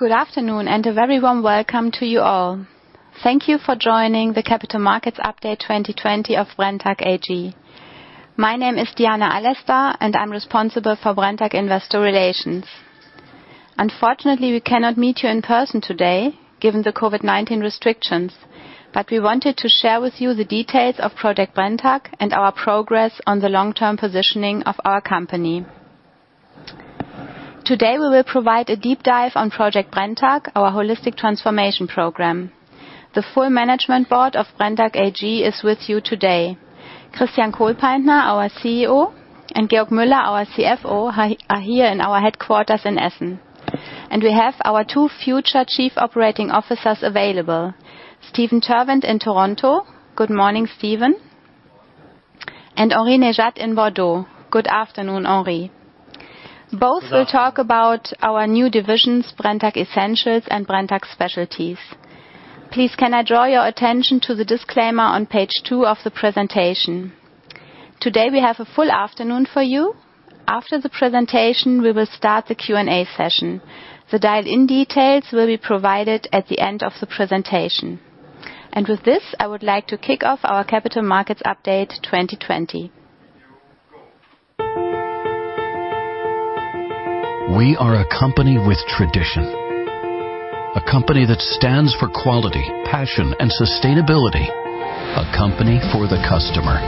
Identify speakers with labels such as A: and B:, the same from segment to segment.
A: Good afternoon and a very warm welcome to you all. Thank you for joining the Capital Markets Update 2020 of Brenntag AG. My name is Diana Alester, and I'm responsible for Brenntag Investor Relations. Unfortunately, we cannot meet you in person today given the COVID-19 restrictions, but we wanted to share with you the details of Project Brenntag and our progress on the long-term positioning of our company. Today, we will provide a deep dive on Project Brenntag, our holistic transformation program. The full management board of Brenntag AG is with you today. Christian Kohlpaintner, our CEO, and Georg Müller, our CFO, are here in our headquarters in Essen. We have our two future Chief Operating Officers available, Steven Terwindt in Toronto. Good morning, Steven. Henri Nejade in Bordeaux. Good afternoon, Henri. Both will talk about our new divisions, Brenntag Essentials and Brenntag Specialties. Please, can I draw your attention to the disclaimer on page two of the presentation. Today, we have a full afternoon for you. After the presentation, we will start the Q&A session. The dial-in details will be provided at the end of the presentation. With this, I would like to kick off our Capital Markets Update 2020.
B: We are a company with tradition, a company that stands for quality, passion and sustainability, a company for the customer.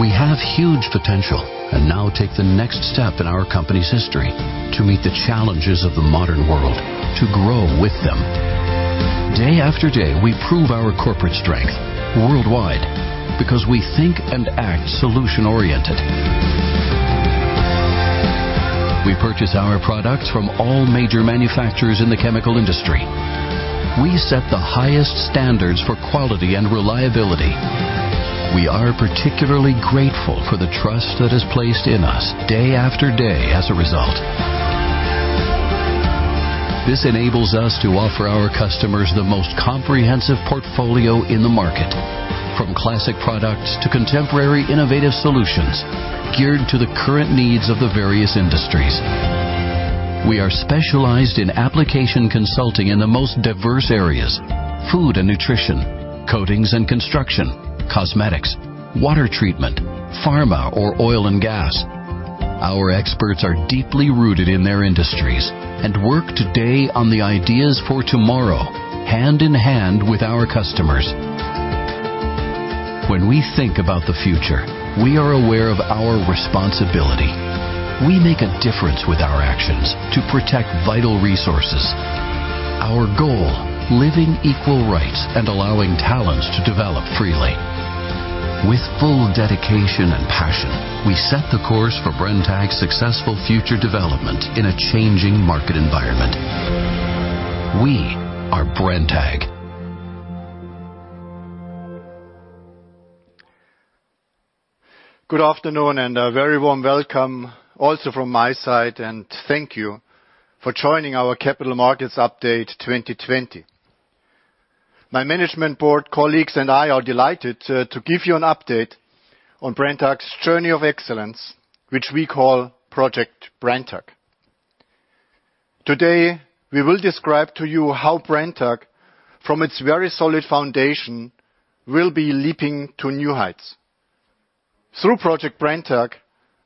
B: We have huge potential and now take the next step in our company's history to meet the challenges of the modern world, to grow with them. Day after day, we prove our corporate strength worldwide because we think and act solution-oriented. We purchase our products from all major manufacturers in the chemical industry. We set the highest standards for quality and reliability. We are particularly grateful for the trust that is placed in us day after day as a result. This enables us to offer our customers the most comprehensive portfolio in the market, from classic products to contemporary, innovative solutions geared to the current needs of the various industries. We are specialized in application consulting in the most diverse areas, food and nutrition, coatings and construction, cosmetics, water treatment, pharma or oil and gas. Our experts are deeply rooted in their industries and work today on the ideas for tomorrow, hand in hand with our customers. When we think about the future, we are aware of our responsibility. We make a difference with our actions to protect vital resources. Our goal, living equal rights and allowing talents to develop freely. With full dedication and passion, we set the course for Brenntag's successful future development in a changing market environment. We are Brenntag.
C: Good afternoon and a very warm welcome also from my side and thank you for joining our Capital Markets Update 2020. My management board colleagues and I are delighted to give you an update on Brenntag's journey of excellence, which we call Project Brenntag. Today, we will describe to you how Brenntag, from its very solid foundation, will be leaping to new heights. Through Project Brenntag,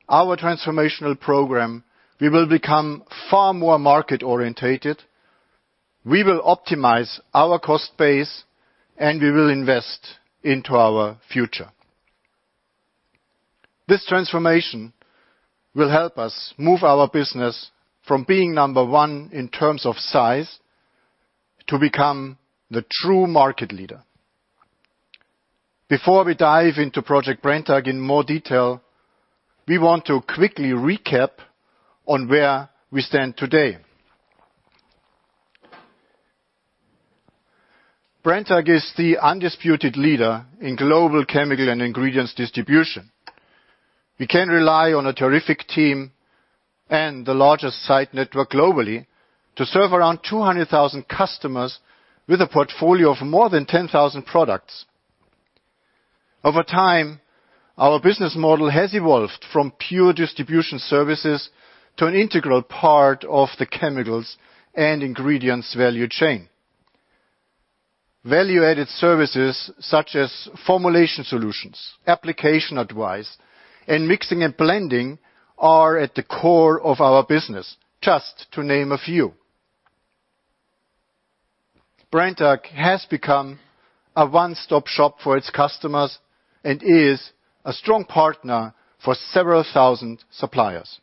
C: our transformational program, we will become far more market-oriented, we will optimize our cost base, and we will invest into our future. This transformation will help us move our business from being number one in terms of size to become the true market leader. Before we dive into Project Brenntag in more detail, we want to quickly recap on where we stand today. Brenntag is the undisputed leader in global chemical and ingredients distribution. We can rely on a terrific team and the largest site network globally to serve around 200,000 customers with a portfolio of more than 10,000 products. Over time, our business model has evolved from pure distribution services to an integral part of the chemicals and ingredients value chain. Value-added services such as formulation solutions, application advice, and mixing and blending are at the core of our business, just to name a few. Brenntag has become a one-stop shop for its customers and is a strong partner for several thousand suppliers.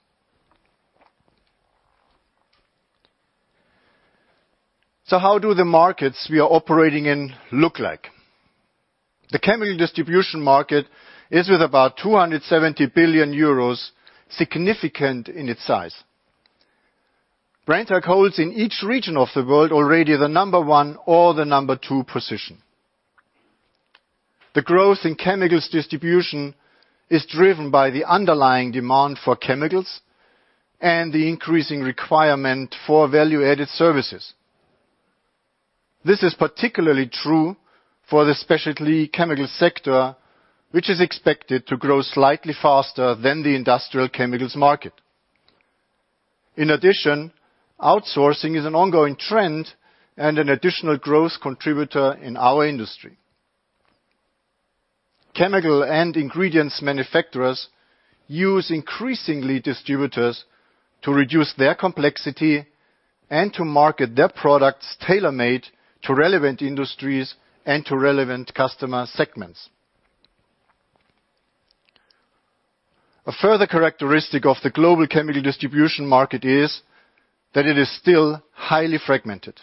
C: How do the markets we are operating in look like? The chemical distribution market is, with about 270 billion euros, significant in its size. Brenntag holds in each region of the world already the number one or the number two position. The growth in chemicals distribution is driven by the underlying demand for chemicals and the increasing requirement for value-added services. This is particularly true for the specialty chemical sector, which is expected to grow slightly faster than the industrial chemicals market. In addition, outsourcing is an ongoing trend and an additional growth contributor in our industry. Chemical and ingredients manufacturers use increasingly distributors to reduce their complexity and to market their products tailor-made to relevant industries and to relevant customer segments. A further characteristic of the global chemical distribution market is that it is still highly fragmented.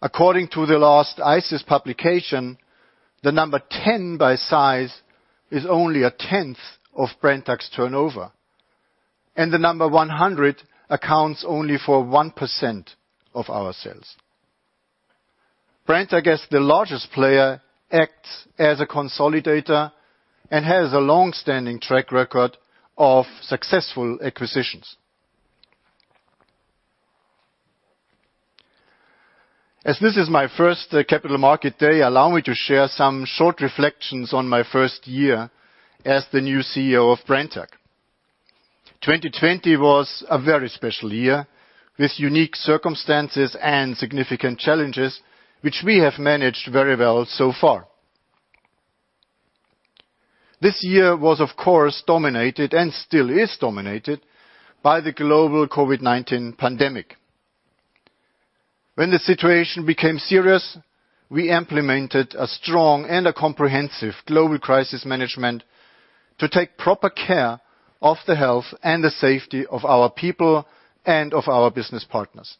C: According to the last ICIS publication, the number 10 by size is only a 10th of Brenntag's turnover, and the number 100 accounts only for 1% of our sales. Brenntag is the largest player, acts as a consolidator, and has a long-standing track record of successful acquisitions. As this is my first Capital Markets Update 2020, allow me to share some short reflections on my first year as the new CEO of Brenntag. 2020 was a very special year with unique circumstances and significant challenges, which we have managed very well so far. This year was, of course, dominated and still is dominated by the global COVID-19 pandemic. When the situation became serious, we implemented a strong and a comprehensive global crisis management to take proper care of the health and the safety of our people and of our business partners.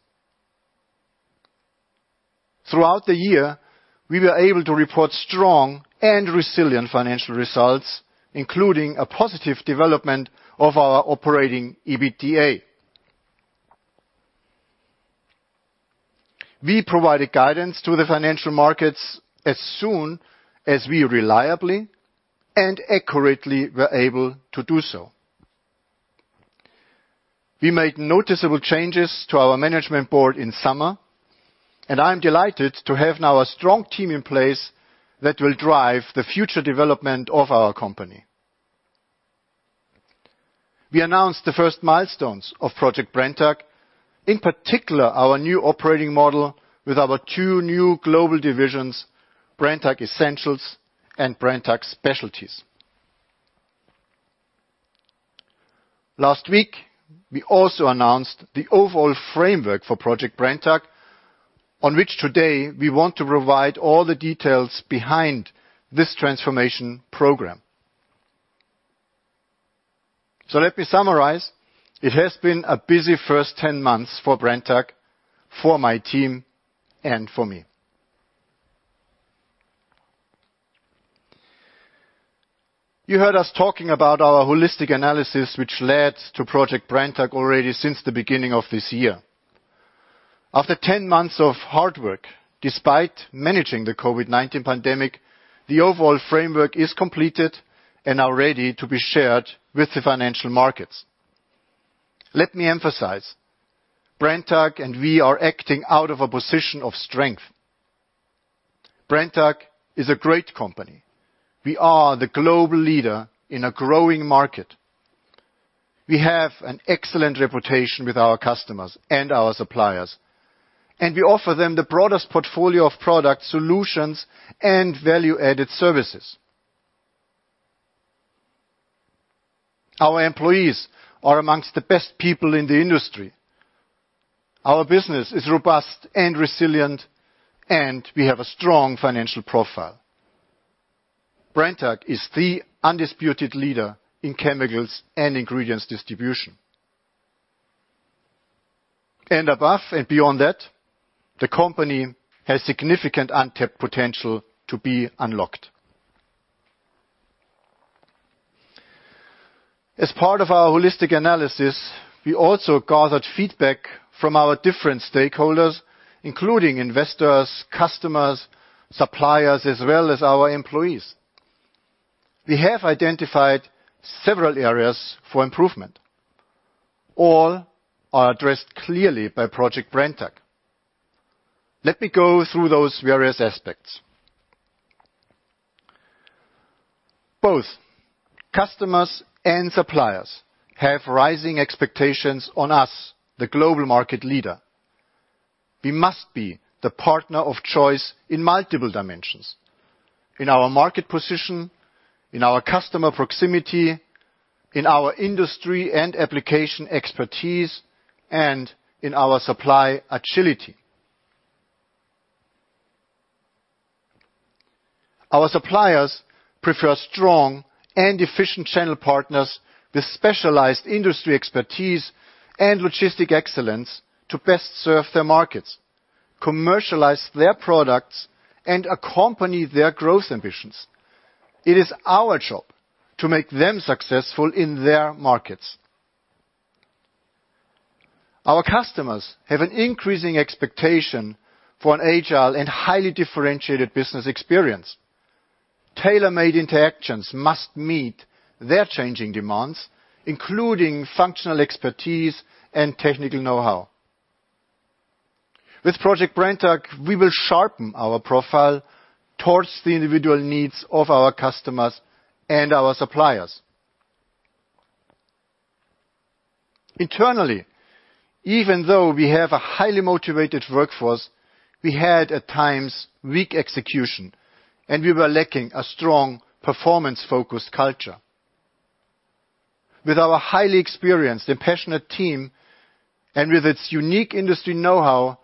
C: Throughout the year, we were able to report strong and resilient financial results, including a positive development of our operating EBITDA. We provided guidance to the financial markets as soon as we reliably and accurately were able to do so. We made noticeable changes to our management board in summer, and I'm delighted to have now a strong team in place that will drive the future development of our company. We announced the first milestones of Project Brenntag, in particular, our new operating model with our two new global divisions, Brenntag Essentials and Brenntag Specialties. Last week, we also announced the overall framework for Project Brenntag, on which today we want to provide all the details behind this transformation program. Let me summarize. It has been a busy first 10 months for Brenntag, for my team, and for me. You heard us talking about our holistic analysis, which led to Project Brenntag already since the beginning of this year. After 10 months of hard work, despite managing the COVID-19 pandemic, the overall framework is completed and are ready to be shared with the financial markets. Let me emphasize, Brenntag and we are acting out of a position of strength. Brenntag is a great company. We are the global leader in a growing market. We have an excellent reputation with our customers and our suppliers, and we offer them the broadest portfolio of product solutions and value-added services. Our employees are amongst the best people in the industry. Our business is robust and resilient, and we have a strong financial profile. Brenntag is the undisputed leader in chemicals and ingredients distribution. Above and beyond that, the company has significant untapped potential to be unlocked. As part of our holistic analysis, we also gathered feedback from our different stakeholders, including investors, customers, suppliers, as well as our employees. We have identified several areas for improvement. All are addressed clearly by Project Brenntag. Let me go through those various aspects. Both customers and suppliers have rising expectations on us, the global market leader. We must be the partner of choice in multiple dimensions, in our market position, in our customer proximity, in our industry and application expertise, and in our supply agility. Our suppliers prefer strong and efficient channel partners with specialized industry expertise and logistic excellence to best serve their markets, commercialize their products, and accompany their growth ambitions. It is our job to make them successful in their markets. Our customers have an increasing expectation for an agile and highly differentiated business experience. Tailor-made interactions must meet their changing demands, including functional expertise and technical know-how. With Project Brenntag, we will sharpen our profile towards the individual needs of our customers and our suppliers. Internally, even though we have a highly motivated workforce, we had, at times, weak execution, and we were lacking a strong performance-focused culture. With our highly experienced and passionate team and with its unique industry know-how,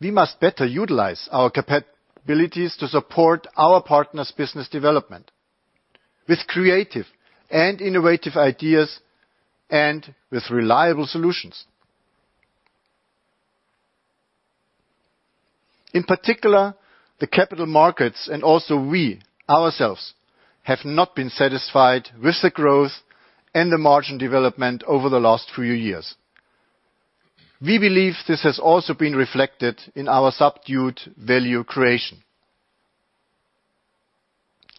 C: we must better utilize our capabilities to support our partner's business development with creative and innovative ideas and with reliable solutions. In particular, the capital markets, and also we, ourselves, have not been satisfied with the growth and the margin development over the last few years. We believe this has also been reflected in our subdued value creation.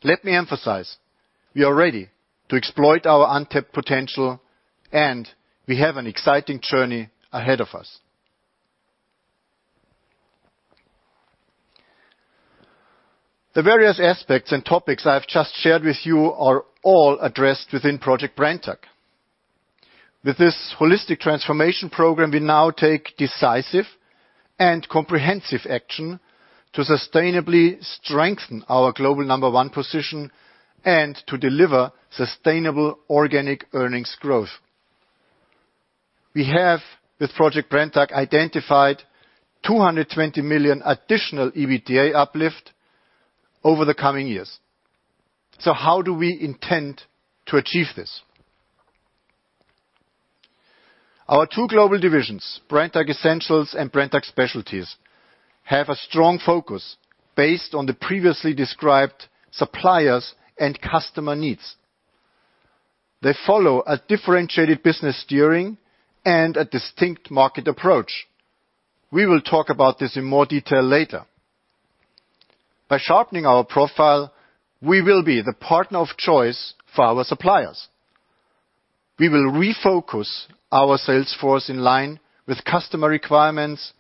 C: Let me emphasize, we are ready to exploit our untapped potential, and we have an exciting journey ahead of us. The various aspects and topics I've just shared with you are all addressed within Project Brenntag. With this holistic transformation program, we now take decisive and comprehensive action to sustainably strengthen our global number one position and to deliver sustainable organic earnings growth. We have, with Project Brenntag, identified 220 million additional EBITDA uplift over the coming years. How do we intend to achieve this? Our two global divisions, Brenntag Essentials and Brenntag Specialties, have a strong focus based on the previously described suppliers and customer needs. They follow a differentiated business steering and a distinct market approach. We will talk about this in more detail later. By sharpening our profile, we will be the partner of choice for our suppliers. We will refocus our sales force in line with customer requirements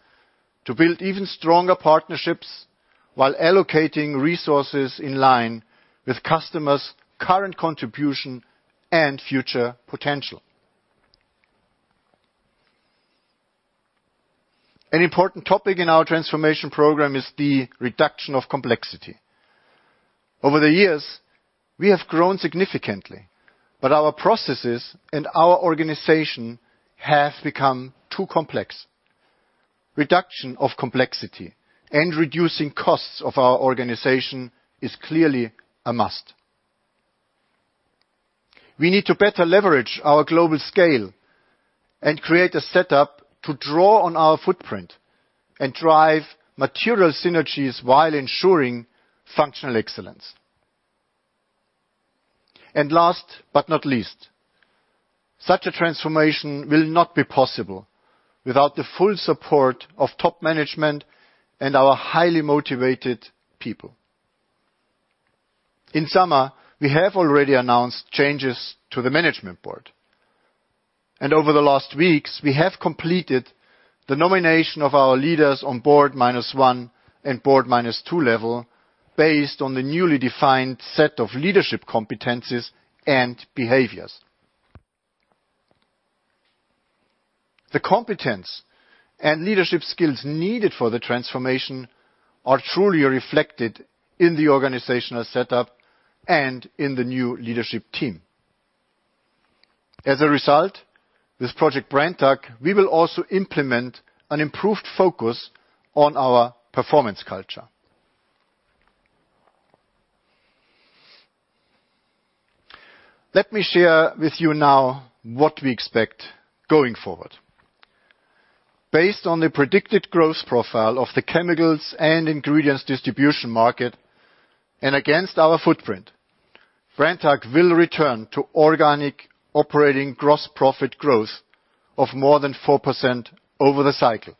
C: to build even stronger partnerships while allocating resources in line with customers' current contribution and future potential. An important topic in our transformation program is the reduction of complexity. Over the years, we have grown significantly, but our processes and our organization have become too complex. Reduction of complexity and reducing costs of our organization is clearly a must. We need to better leverage our global scale and create a setup to draw on our footprint and drive material synergies while ensuring functional excellence. Last but not least, such a transformation will not be possible without the full support of top management and our highly motivated people. In summer, we have already announced changes to the management board. Over the last weeks, we have completed the nomination of our leaders on board minus one and board minus two level based on the newly defined set of leadership competencies and behaviors. The competence and leadership skills needed for the transformation are truly reflected in the organizational setup and in the new leadership team. As a result, with Project Brenntag, we will also implement an improved focus on our performance culture. Let me share with you now what we expect going forward. Based on the predicted growth profile of the chemicals and ingredients distribution market and against our footprint, Brenntag will return to organic operating gross profit growth of more than 4% over the cycle.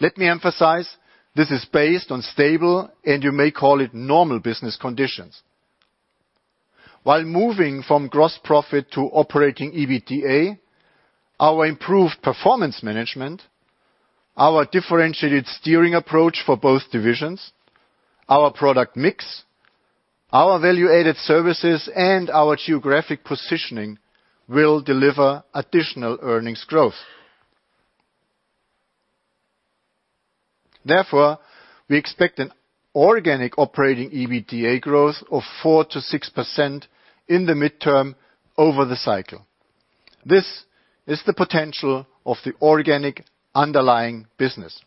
C: Let me emphasize, this is based on stable, and you may call it normal business conditions. While moving from gross profit to operating EBITDA, our improved performance management, our differentiated steering approach for both divisions, our product mix, our value-added services, and our geographic positioning will deliver additional earnings growth. We expect an organic operating EBITDA growth of 4%-6% in the midterm over the cycle. This is the potential of the organic underlying business.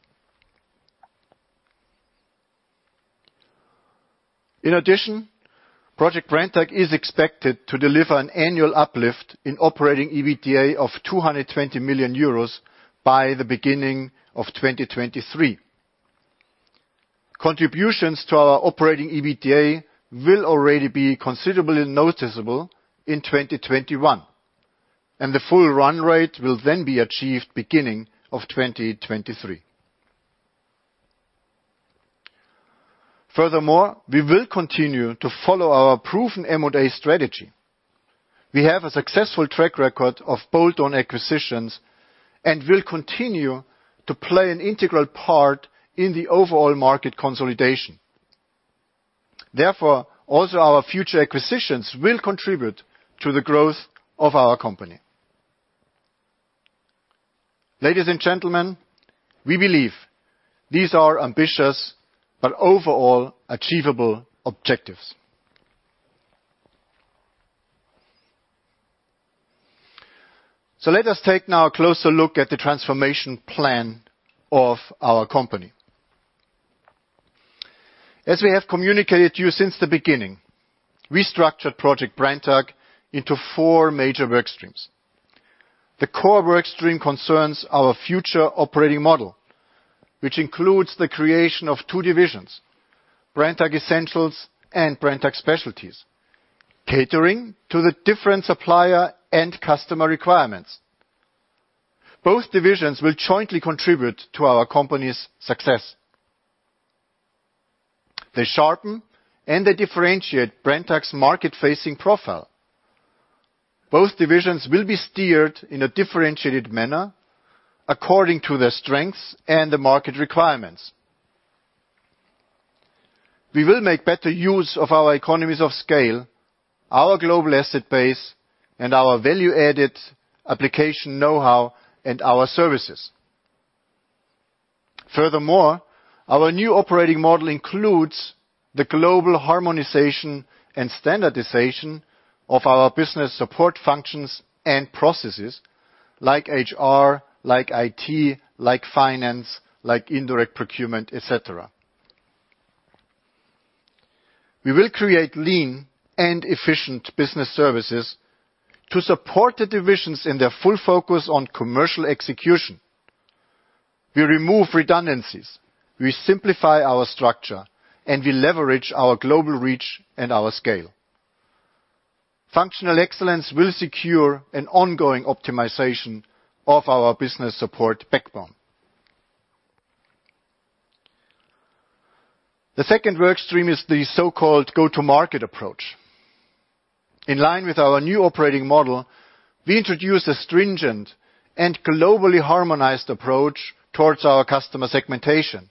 C: Project Brenntag is expected to deliver an annual uplift in operating EBITDA of 220 million euros by the beginning of 2023. Contributions to our operating EBITDA will already be considerably noticeable in 2021. The full run rate will then be achieved beginning of 2023. Furthermore, we will continue to follow our proven M&A strategy. We have a successful track record of bolt-on acquisitions and will continue to play an integral part in the overall market consolidation. Therefore, also our future acquisitions will contribute to the growth of our company. Ladies and gentlemen, we believe these are ambitious, but overall achievable objectives. Let us take now a closer look at the transformation plan of our company. As we have communicated to you since the beginning, we structured Project Brenntag into four major work streams. The core work stream concerns our future operating model, which includes the creation of two divisions, Brenntag Essentials and Brenntag Specialties, catering to the different supplier and customer requirements. Both divisions will jointly contribute to our company's success. They sharpen and they differentiate Brenntag's market-facing profile. Both divisions will be steered in a differentiated manner, according to their strengths and the market requirements. We will make better use of our economies of scale, our global asset base, and our value-added application knowhow and our services. Furthermore, our new operating model includes the global harmonization and standardization of our business support functions and processes like HR, like IT, like finance, like indirect procurement, et cetera. We will create lean and efficient business services to support the divisions in their full focus on commercial execution. We remove redundancies, we simplify our structure, and we leverage our global reach and our scale. Functional excellence will secure an ongoing optimization of our business support backbone. The second work stream is the so-called go-to-market approach. In line with our new operating model, we introduce a stringent and globally harmonized approach towards our customer segmentation.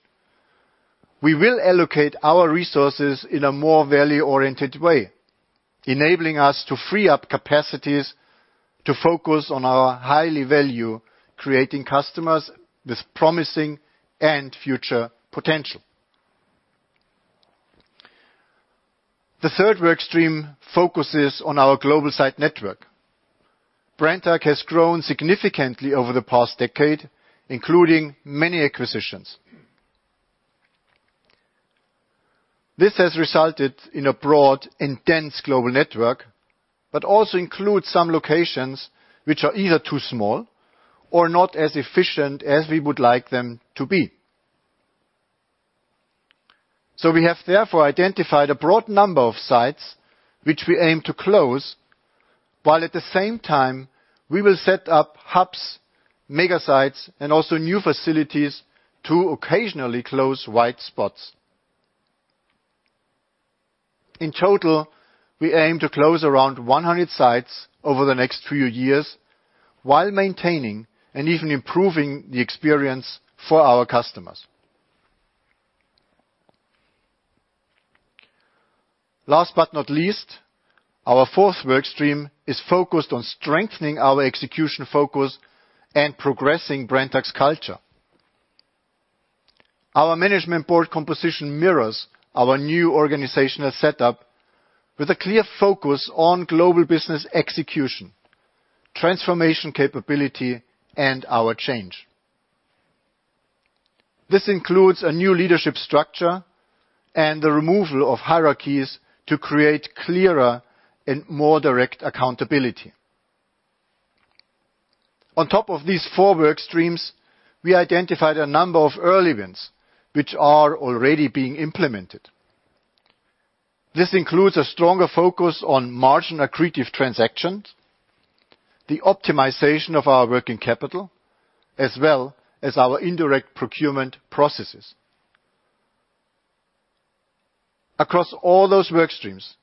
C: We will allocate our resources in a more value-oriented way, enabling us to free up capacities to focus on our highly value-creating customers with promising and future potential. The third work stream focuses on our global site network. Brenntag has grown significantly over the past decade, including many acquisitions. This has resulted in a broad and dense global network, but also includes some locations which are either too small or not as efficient as we would like them to be. We have therefore identified a broad number of sites which we aim to close, while at the same time, we will set up hubs, mega sites, and also new facilities to occasionally close white spots. In total, we aim to close around 100 sites over the next few years while maintaining and even improving the experience for our customers. Last but not least, our fourth work stream is focused on strengthening our execution focus and progressing Brenntag's culture. Our management board composition mirrors our new organizational setup with a clear focus on global business execution, transformation capability, and our change. This includes a new leadership structure and the removal of hierarchies to create clearer and more direct accountability. On top of these four work streams, we identified a number of early wins which are already being implemented. This includes a stronger focus on margin-accretive transactions, the optimization of our working capital, as well as our indirect procurement processes. Across all those work streams,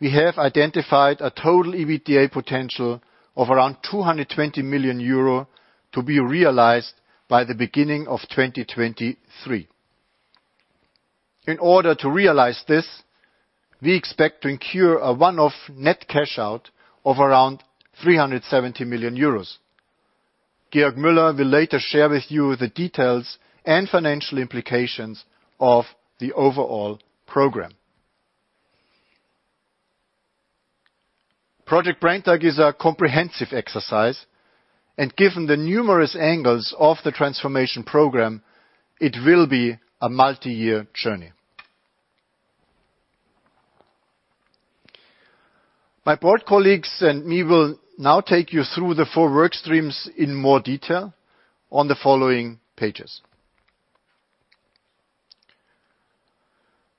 C: we have identified a total EBITDA potential of around 220 million euro to be realized by the beginning of 2023. In order to realize this, we expect to incur a one-off net cash out of around 370 million euros. Georg Müller will later share with you the details and financial implications of the overall program. Project Brenntag is a comprehensive exercise, and given the numerous angles of the transformation program, it will be a multiyear journey. My board colleagues and me will now take you through the four work streams in more detail on the following pages.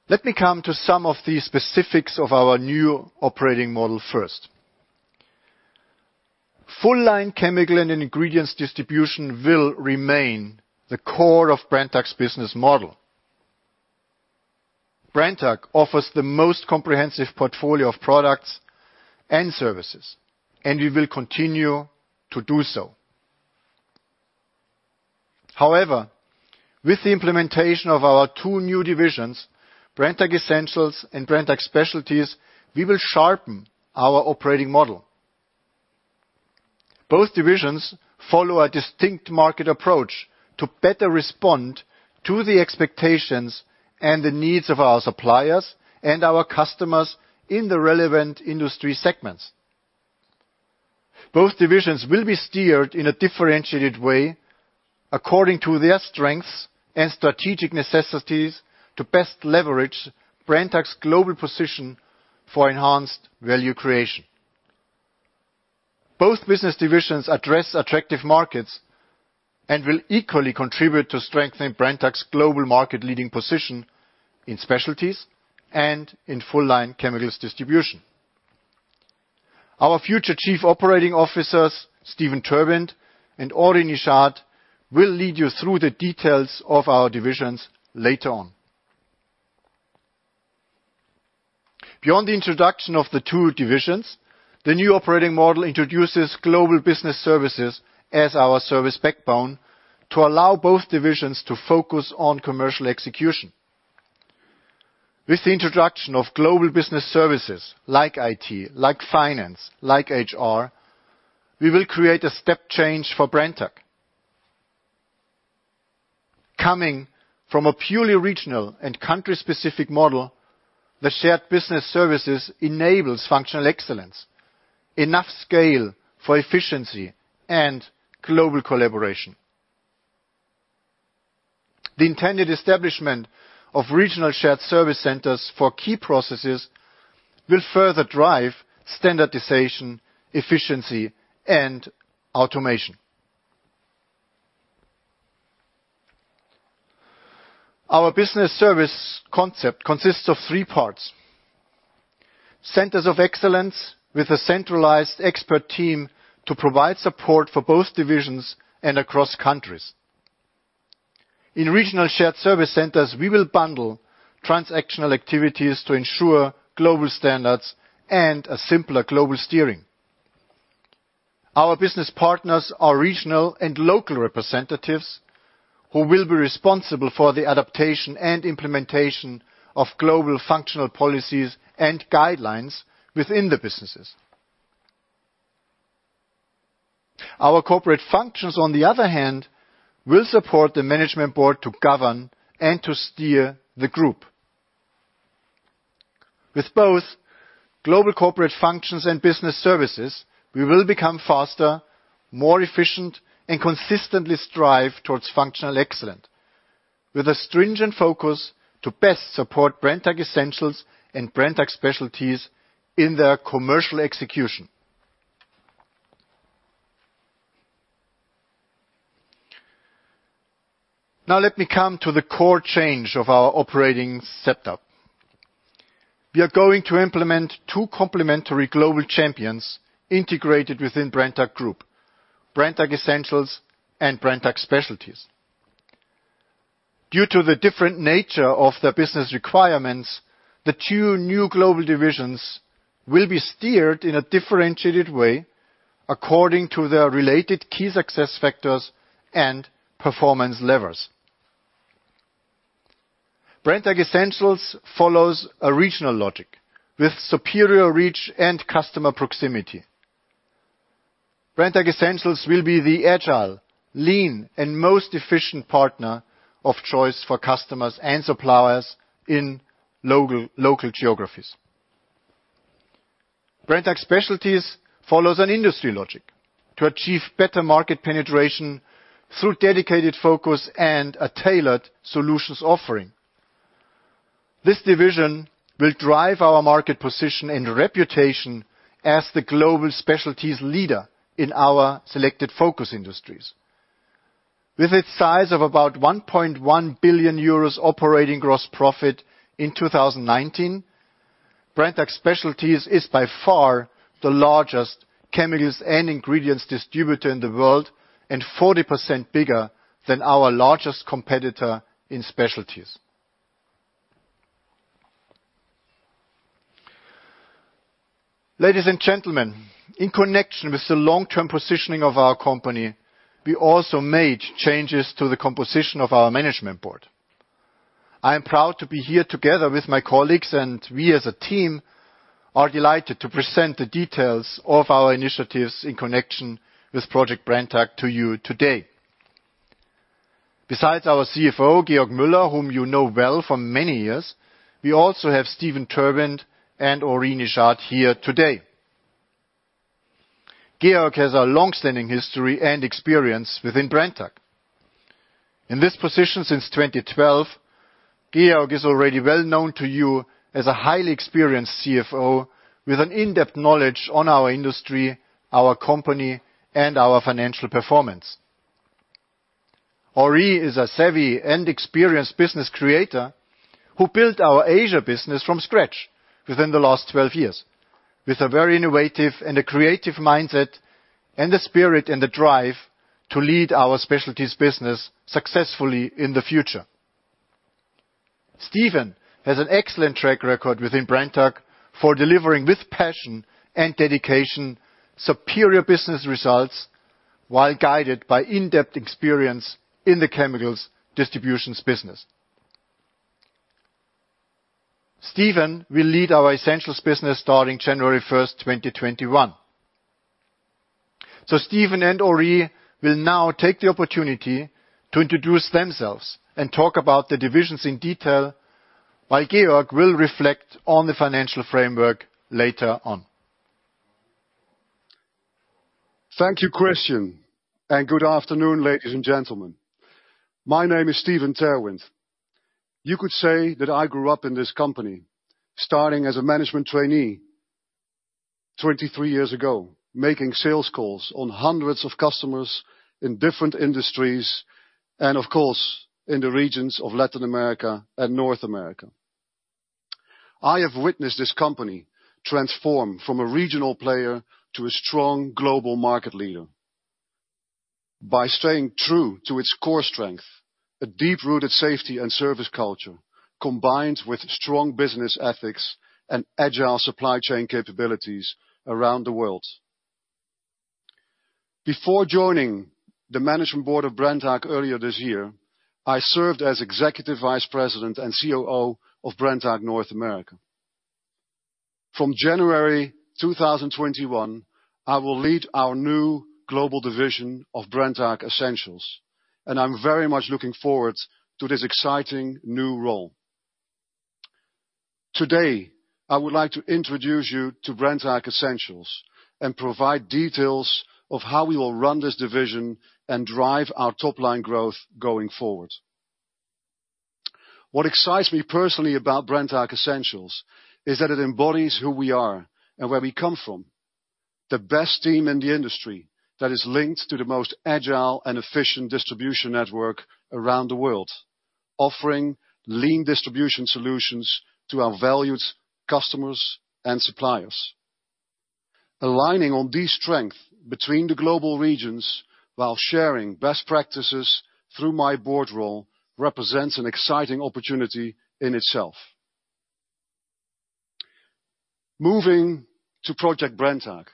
C: Let me come to some of the specifics of our new operating model first. Full-line chemical and ingredients distribution will remain the core of Brenntag's business model. Brenntag offers the most comprehensive portfolio of products and services, and we will continue to do so. However, with the implementation of our two new divisions, Brenntag Essentials and Brenntag Specialties, we will sharpen our operating model. Both divisions follow a distinct market approach to better respond to the expectations and the needs of our suppliers and our customers in the relevant industry segments. Both divisions will be steered in a differentiated way according to their strengths and strategic necessities to best leverage Brenntag's global position for enhanced value creation. Both business divisions address attractive markets and will equally contribute to strengthen Brenntag's global market-leading position in Specialties and in full-line chemicals distribution. Our future Chief Operating Officers, Steven Terwindt and Henri Nejade, will lead you through the details of our divisions later on. Beyond the introduction of the two divisions, the new operating model introduces Global Business Services as our service backbone to allow both divisions to focus on commercial execution. With the introduction of Global Business Services like IT, like finance, like HR, we will create a step change for Brenntag. Coming from a purely regional and country-specific model, the shared business services enables functional excellence, enough scale for efficiency, and global collaboration. The intended establishment of regional shared service centers for key processes will further drive standardization, efficiency, and automation. Our business service concept consists of three parts. Centers of excellence with a centralized expert team to provide support for both divisions and across countries. In regional shared service centers, we will bundle transactional activities to ensure global standards and a simpler global steering. Our business partners are regional and local representatives who will be responsible for the adaptation and implementation of global functional policies and guidelines within the businesses. Our corporate functions, on the other hand, will support the management board to govern and to steer the group. With both global corporate functions and business services, we will become faster, more efficient, and consistently strive towards functional excellence, with a stringent focus to best support Brenntag Essentials and Brenntag Specialties in their commercial execution. Let me come to the core change of our operating setup. We are going to implement two complementary global champions integrated within Brenntag Group, Brenntag Essentials and Brenntag Specialties. Due to the different nature of the business requirements, the two new global divisions will be steered in a differentiated way according to their related key success factors and performance levers. Brenntag Essentials follows a regional logic with superior reach and customer proximity. Brenntag Essentials will be the agile, lean, and most efficient partner of choice for customers and suppliers in local geographies. Brenntag Specialties follows an industry logic to achieve better market penetration through dedicated focus and a tailored solutions offering. This division will drive our market position and reputation as the global Specialties leader in our selected focus industries. With its size of about 1.1 billion euros operating gross profit in 2019, Brenntag Specialties is by far the largest chemicals and ingredients distributor in the world and 40% bigger than our largest competitor in Specialties. Ladies and gentlemen, in connection with the long-term positioning of our company, we also made changes to the composition of our management board. I am proud to be here together with my colleagues, and we as a team are delighted to present the details of our initiatives in connection with Project Brenntag to you today. Besides our CFO, Georg Müller, whom you know well for many years, we also have Steven Terwindt and Henri Nejade here today. Georg has a long-standing history and experience within Brenntag. In this position since 2012, Georg is already well-known to you as a highly experienced CFO with an in-depth knowledge on our industry, our company, and our financial performance. Henri is a savvy and experienced business creator who built our Asia business from scratch within the last 12 years. With a very innovative and a creative mindset, and the spirit and the drive to lead our Brenntag Specialties business successfully in the future. Steven has an excellent track record within Brenntag for delivering, with passion and dedication, superior business results, while guided by in-depth experience in the chemicals distributions business. Steven will lead our Brenntag Essentials business starting January 1st, 2021. Steven and Henri will now take the opportunity to introduce themselves and talk about the divisions in detail, while Georg will reflect on the financial framework later on.
D: Thank you, Christian. Good afternoon, ladies and gentlemen. My name is Steven Terwindt. You could say that I grew up in this company, starting as a management trainee 23 years ago, making sales calls on hundreds of customers in different industries, and of course, in the regions of Latin America and North America. I have witnessed this company transform from a regional player to a strong global market leader. By staying true to its core strength, a deep-rooted safety and service culture, combined with strong business ethics and agile supply chain capabilities around the world. Before joining the management board of Brenntag earlier this year, I served as Executive Vice President and COO of Brenntag North America. From January 2021, I will lead our new global division of Brenntag Essentials, and I'm very much looking forward to this exciting new role. Today, I would like to introduce you to Brenntag Essentials and provide details of how we will run this division and drive our top-line growth going forward. What excites me personally about Brenntag Essentials is that it embodies who we are and where we come from. The best team in the industry that is linked to the most agile and efficient distribution network around the world, offering lean distribution solutions to our valued customers and suppliers. Aligning on this strength between the global regions while sharing best practices through my board role represents an exciting opportunity in itself. Moving to Project Brenntag,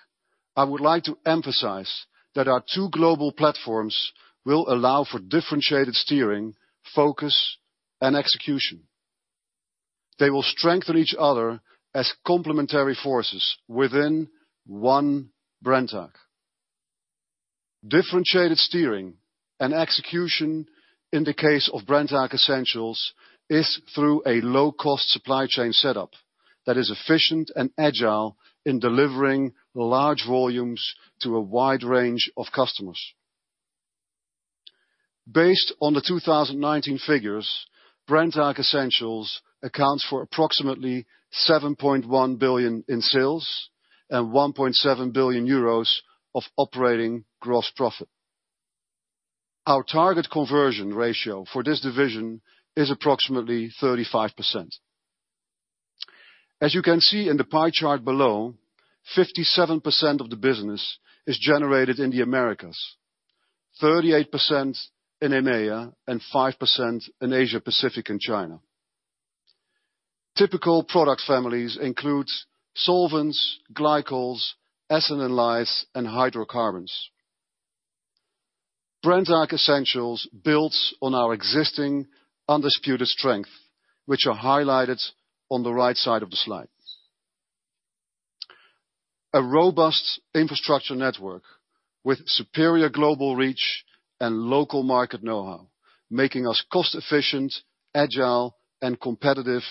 D: I would like to emphasize that our two global platforms will allow for differentiated steering, focus, and execution. They will strengthen each other as complementary forces within one Brenntag. Differentiated steering and execution in the case of Brenntag Essentials is through a low-cost supply chain setup that is efficient and agile in delivering large volumes to a wide range of customers. Based on the 2019 figures, Brenntag Essentials accounts for approximately 7.1 billion in sales and 1.7 billion euros of operating gross profit. Our target conversion ratio for this division is approximately 35%. As you can see in the pie chart below, 57% of the business is generated in the Americas, 38% in EMEA, and 5% in Asia Pacific and China. Typical product families include solvents, glycols, acids and alkalis, and hydrocarbons. Brenntag Essentials builds on our existing undisputed strength, which are highlighted on the right side of the slide. A robust infrastructure network with superior global reach and local market knowhow, making us cost efficient, agile, and competitive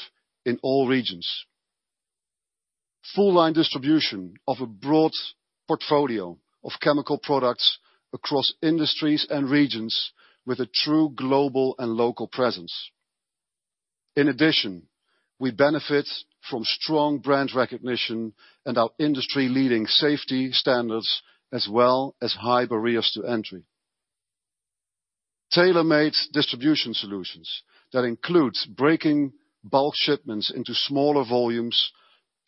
D: in all regions. Full-line distribution of a broad portfolio of chemical products across industries and regions with a true global and local presence. In addition, we benefit from strong brand recognition and our industry-leading safety standards, as well as high barriers to entry. Tailor-made distribution solutions that includes breaking bulk shipments into smaller volumes,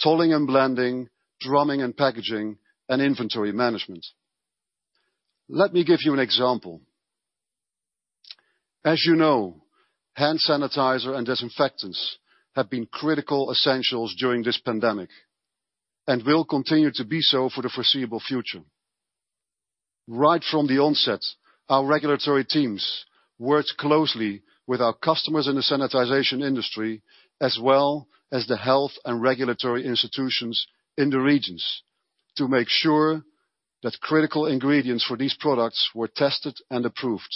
D: tolling and blending, drumming and packaging, and inventory management. Let me give you an example. As you know, hand sanitizer and disinfectants have been critical essentials during this pandemic and will continue to be so for the foreseeable future. Right from the onset, our regulatory teams worked closely with our customers in the sanitization industry, as well as the health and regulatory institutions in the regions to make sure that critical ingredients for these products were tested and approved.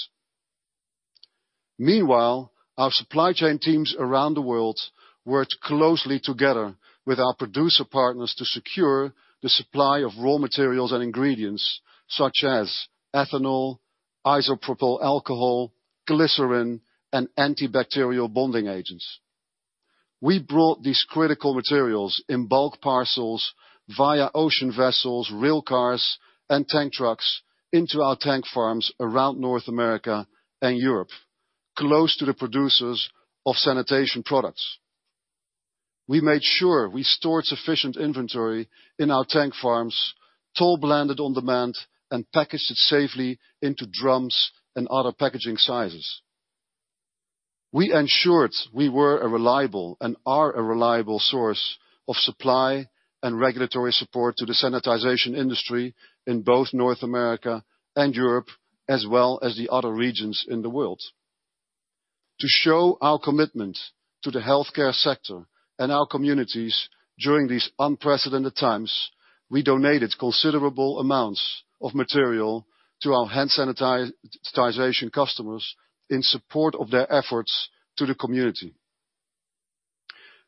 D: Meanwhile, our supply chain teams around the world worked closely together with our producer partners to secure the supply of raw materials and ingredients such as ethanol, isopropyl alcohol, glycerin, and antibacterial bonding agents. We brought these critical materials in bulk parcels via ocean vessels, rail cars, and tank trucks into our tank farms around North America and Europe, close to the producers of sanitation products. We made sure we stored sufficient inventory in our tank farms, toll blended on demand, and packaged it safely into drums and other packaging sizes. We ensured we were a reliable and are a reliable source of supply and regulatory support to the sanitization industry in both North America and Europe, as well as the other regions in the world. To show our commitment to the healthcare sector and our communities during these unprecedented times, we donated considerable amounts of material to our hand sanitization customers in support of their efforts to the community.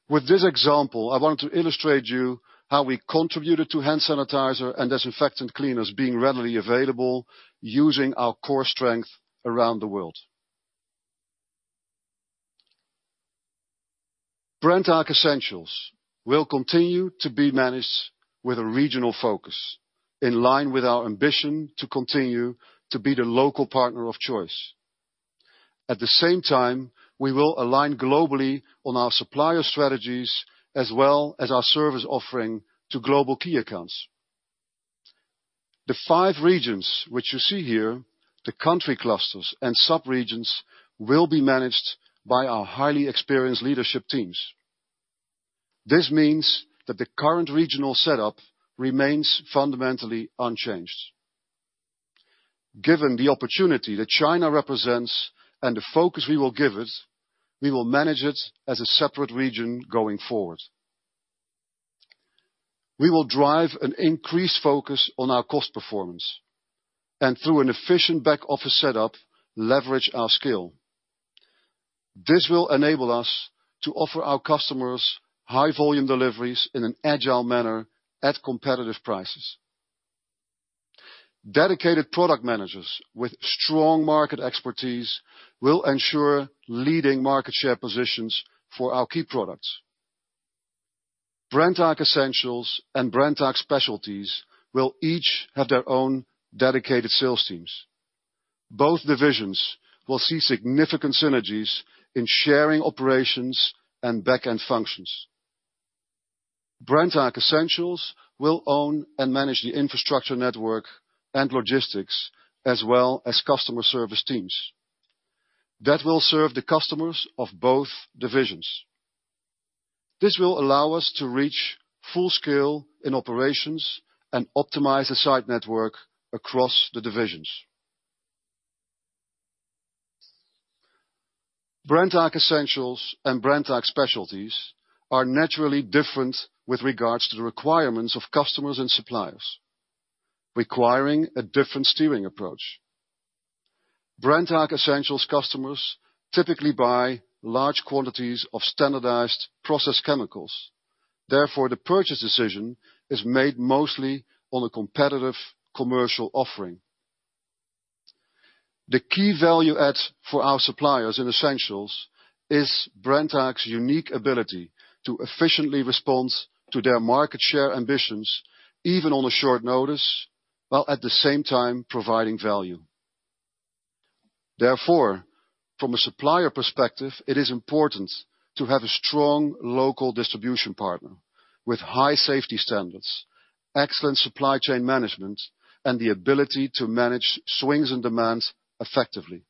D: With this example, I want to illustrate you how we contributed to hand sanitizer and disinfectant cleaners being readily available using our core strength around the world. Brenntag Essentials will continue to be managed with a regional focus, in line with our ambition to continue to be the local partner of choice. At the same time, we will align globally on our supplier strategies as well as our service offering to global key accounts. The five regions which you see here, the country clusters and sub-regions will be managed by our highly experienced leadership teams. This means that the current regional setup remains fundamentally unchanged. Given the opportunity that China represents and the focus we will give it, we will manage it as a separate region going forward. We will drive an increased focus on our cost performance, and through an efficient back-office setup, leverage our scale. This will enable us to offer our customers high volume deliveries in an agile manner at competitive prices. Dedicated product managers with strong market expertise will ensure leading market share positions for our key products. Brenntag Essentials and Brenntag Specialties will each have their own dedicated sales teams. Both divisions will see significant synergies in sharing operations and back-end functions. Brenntag Essentials will own and manage the infrastructure network and logistics, as well as customer service teams. That will serve the customers of both divisions. This will allow us to reach full scale in operations and optimize the site network across the divisions. Brenntag Essentials and Brenntag Specialties are naturally different with regards to the requirements of customers and suppliers, requiring a different steering approach. Brenntag Essentials customers typically buy large quantities of standardized processed chemicals. The purchase decision is made mostly on a competitive commercial offering. The key value add for our suppliers in Essentials is Brenntag's unique ability to efficiently respond to their market share ambitions, even on a short notice, while at the same time providing value. From a supplier perspective, it is important to have a strong local distribution partner with high safety standards, excellent supply chain management, and the ability to manage swings in demands effectively.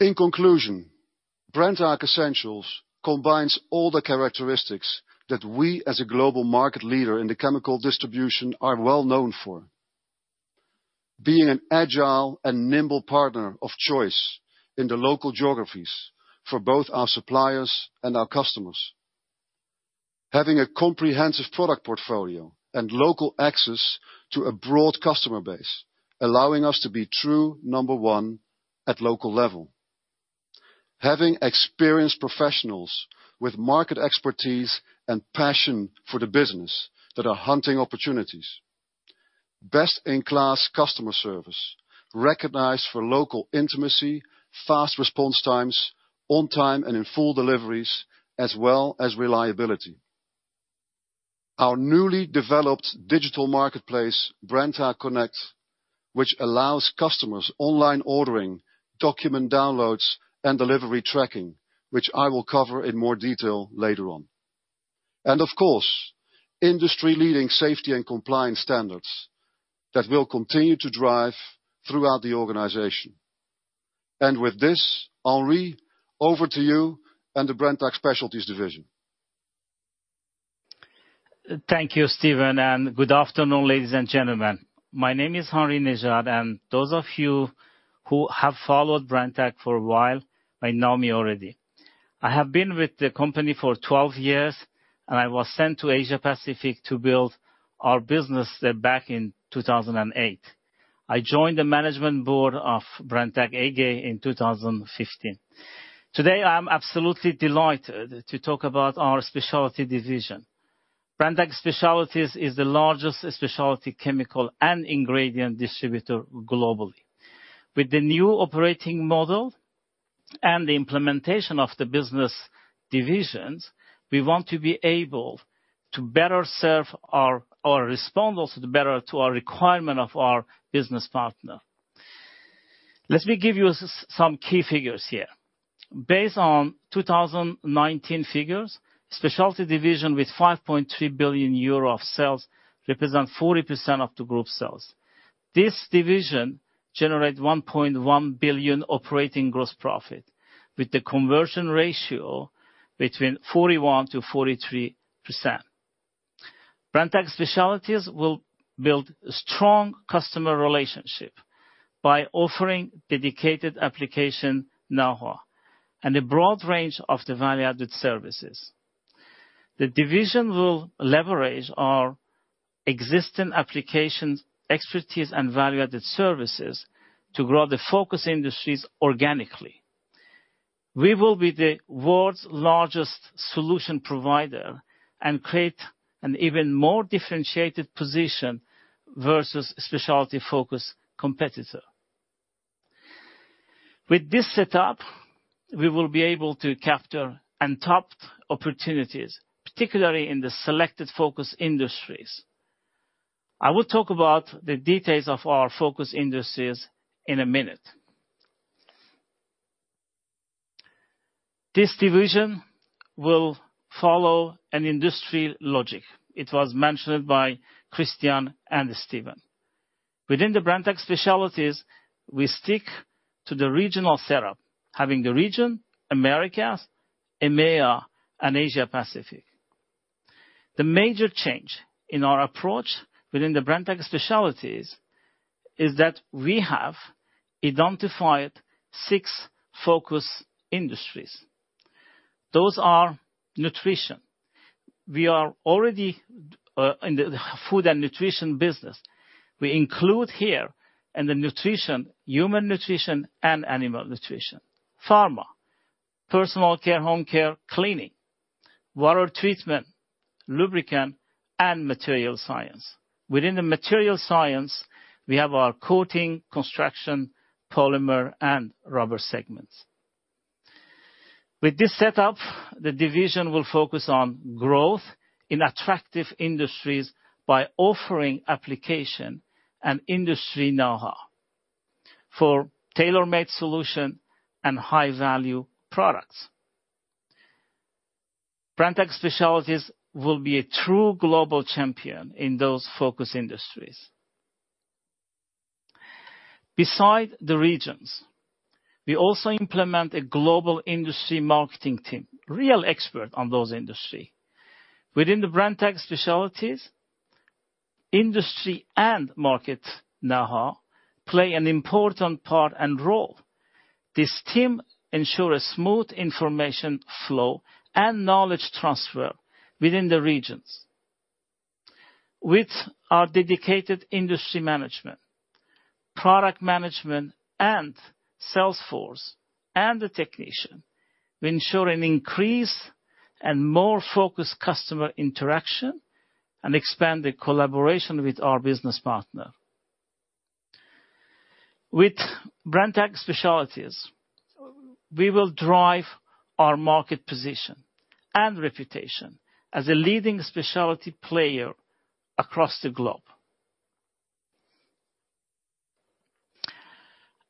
D: In conclusion, Brenntag Essentials combines all the characteristics that we as a global market leader in the chemical distribution are well known for. Being an agile and nimble partner of choice in the local geographies for both our suppliers and our customers. Having a comprehensive product portfolio and local access to a broad customer base, allowing us to be true number one at local level. Having experienced professionals with market expertise and passion for the business that are hunting opportunities. Best-in-class customer service recognized for local intimacy, fast response times, on-time and in-full deliveries, as well as reliability. Our newly developed digital marketplace, Brenntag Connect, which allows customers online ordering, document downloads, and delivery tracking, which I will cover in more detail later on. Of course, industry-leading safety and compliance standards that we'll continue to drive throughout the organization. With this, Henri, over to you and the Brenntag Specialties division.
E: Thank you, Steven, and good afternoon, ladies and gentlemen. My name is Henri Nejade, and those of you who have followed Brenntag for a while may know me already. I have been with the company for 12 years, and I was sent to Asia Pacific to build our business there back in 2008. I joined the management board of Brenntag AG in 2015. Today, I am absolutely delighted to talk about our Specialty division. Brenntag Specialties is the largest specialty chemical and ingredient distributor globally. With the new operating model and the implementation of the business divisions, we want to be able to better serve, or respond also better to our requirement of our business partner. Let me give you some key figures here. Based on 2019 figures, Brenntag Specialties with 5.3 billion euro of sales represent 40% of the group sales. This division generate 1.1 billion operating gross profit, with the conversion ratio between 41%-43%. Brenntag Specialties will build strong customer relationship by offering dedicated application knowhow and a broad range of the value-added services. The division will leverage our existing applications, expertise, and value-added services to grow the focus industries organically. We will be the world's largest solution provider and create an even more differentiated position versus specialty-focused competitor. With this setup, we will be able to capture untapped opportunities, particularly in the selected focus industries. I will talk about the details of our focus industries in a minute. This division will follow an industry logic. It was mentioned by Christian and Steven. Within the Brenntag Specialties, we stick to the regional setup, having the region, Americas, EMEA, and Asia Pacific. The major change in our approach within the Brenntag Specialties is that we have identified six focus industries. Those are nutrition. We are already in the food and nutrition business. We include here in the nutrition, human nutrition and animal nutrition. Pharma, personal care, home care, cleaning, water treatment, lubricant, and material science. Within the material science, we have our coating, construction, polymer, and rubber segments. With this setup, the division will focus on growth in attractive industries by offering application and industry knowhow for tailor-made solution and high-value products. Brenntag Specialties will be a true global champion in those focus industries. Beside the regions, we also implement a global industry marketing team, real expert on those industry. Within the Brenntag Specialties, industry and market knowhow play an important part and role. This team ensure a smooth information flow and knowledge transfer within the regions. With our dedicated industry management, product management, and sales force, and the technician, we ensure an increase and more focused customer interaction and expand the collaboration with our business partner. With Brenntag Specialties, we will drive our market position and reputation as a leading specialty player across the globe.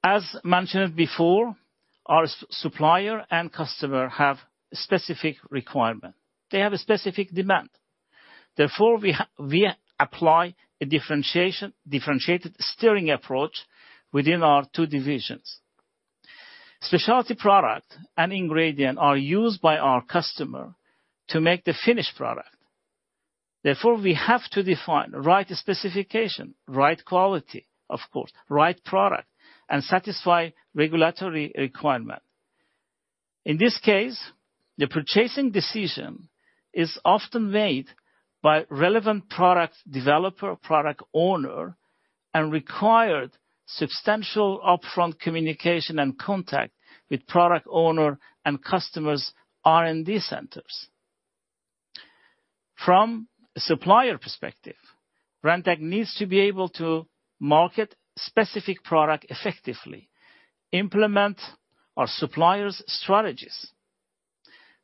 E: As mentioned before, our supplier and customer have specific requirement. They have a specific demand. We apply a differentiated steering approach within our two divisions. specialty product and ingredient are used by our customer to make the finished product. We have to define right specification, right quality, of course, right product, and satisfy regulatory requirement. In this case, the purchasing decision is often made by relevant product developer, product owner, and required substantial upfront communication and contact with product owner and customers' R&D centers. From supplier perspective, Brenntag needs to be able to market specific product effectively, implement our suppliers' strategies,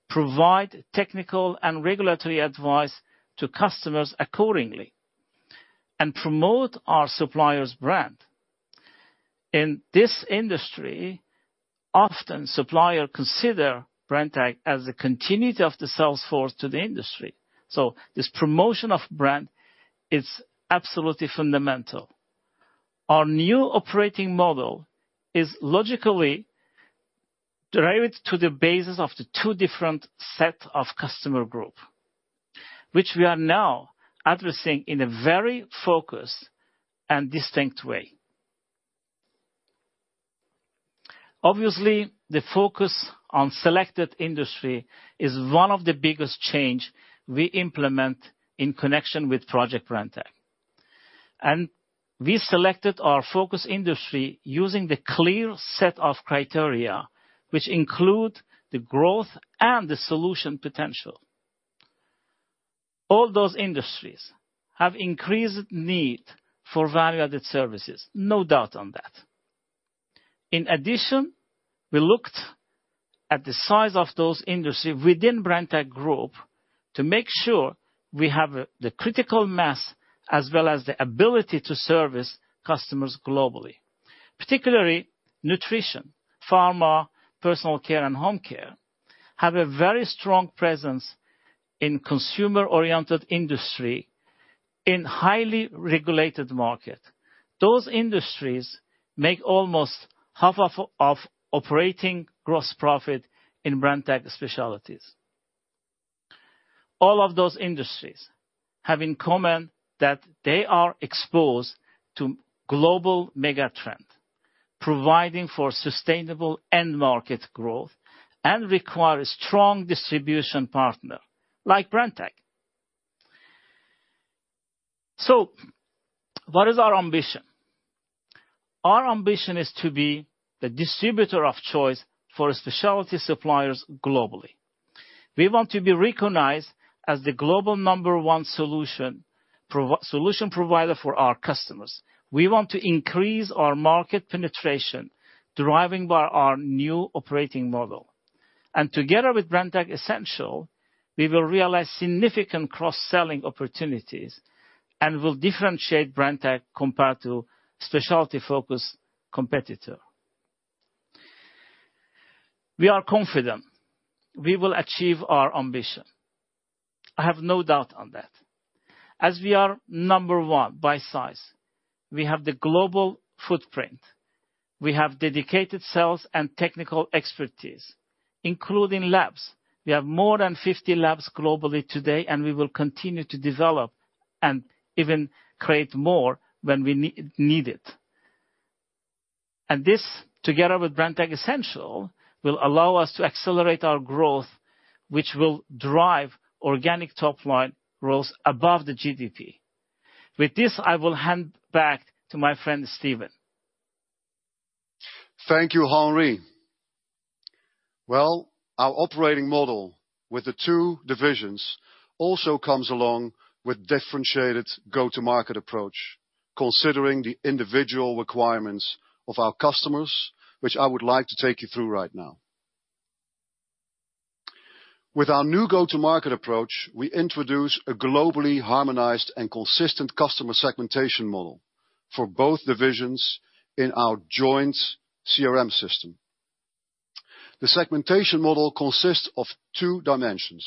E: provide technical and regulatory advice to customers accordingly, and promote our supplier's brand. In this industry, often supplier consider Brenntag as a continuity of the sales force to the industry. This promotion of brand is absolutely fundamental. Our new operating model is logically derived to the basis of the two different set of customer group, which we are now addressing in a very focused and distinct way. Obviously, the focus on selected industry is one of the biggest change we implement in connection with Project Brenntag. We selected our focus industry using the clear set of criteria, which include the growth and the solution potential. All those industries have increased need for value-added services, no doubt on that. In addition, we looked at the size of those industry within Brenntag Group to make sure we have the critical mass, as well as the ability to service customers globally. Particularly nutrition, pharma, personal care, and home care, have a very strong presence in consumer-oriented industry, in highly regulated market. Those industries make almost half of operating gross profit in Brenntag Specialties. All of those industries have in common that they are exposed to global mega trend, providing for sustainable end market growth, and require a strong distribution partner, like Brenntag. What is our ambition? Our ambition is to be the distributor of choice for specialty suppliers globally. We want to be recognized as the global number one solution provider for our customers. We want to increase our market penetration, deriving by our new operating model. Together with Brenntag Essentials, we will realize significant cross-selling opportunities and will differentiate Brenntag compared to specialty-focused competitor. We are confident we will achieve our ambition. I have no doubt on that. We are number one by size, we have the global footprint, we have dedicated sales and technical expertise, including labs. We have more than 50 labs globally today, we will continue to develop and even create more when we need it. This, together with Brenntag Essentials, will allow us to accelerate our growth, which will drive organic top-line growth above the GDP. With this, I will hand back to my friend, Steven.
D: Thank you, Henri. Well, our operating model with the two divisions also comes along with differentiated go-to market approach, considering the individual requirements of our customers, which I would like to take you through right now. With our new go-to market approach, we introduce a globally harmonized and consistent customer segmentation model for both divisions in our joint CRM system. The segmentation model consists of two dimensions.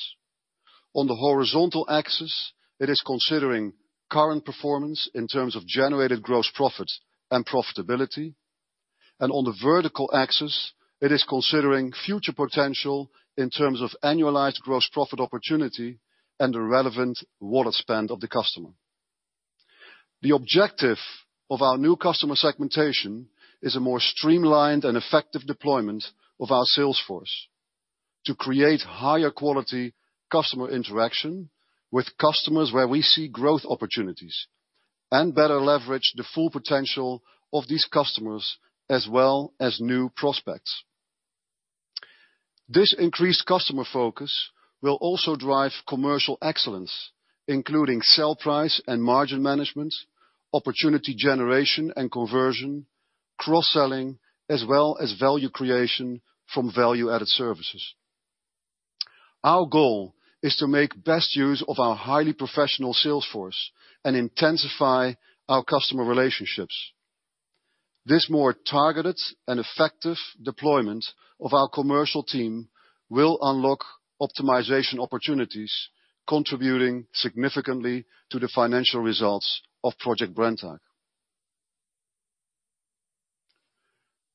D: On the horizontal axis, it is considering current performance in terms of generated gross profit and profitability. On the vertical axis, it is considering future potential in terms of annualized gross profit opportunity and the relevant wallet spend of the customer. The objective of our new customer segmentation is a more streamlined and effective deployment of our sales force to create higher quality customer interaction with customers where we see growth opportunities, and better leverage the full potential of these customers as well as new prospects. This increased customer focus will also drive commercial excellence, including sell price and margin management, opportunity generation and conversion, cross-selling, as well as value creation from value-added services. Our goal is to make best use of our highly professional sales force and intensify our customer relationships. This more targeted and effective deployment of our commercial team will unlock optimization opportunities, contributing significantly to the financial results of Project Brenntag.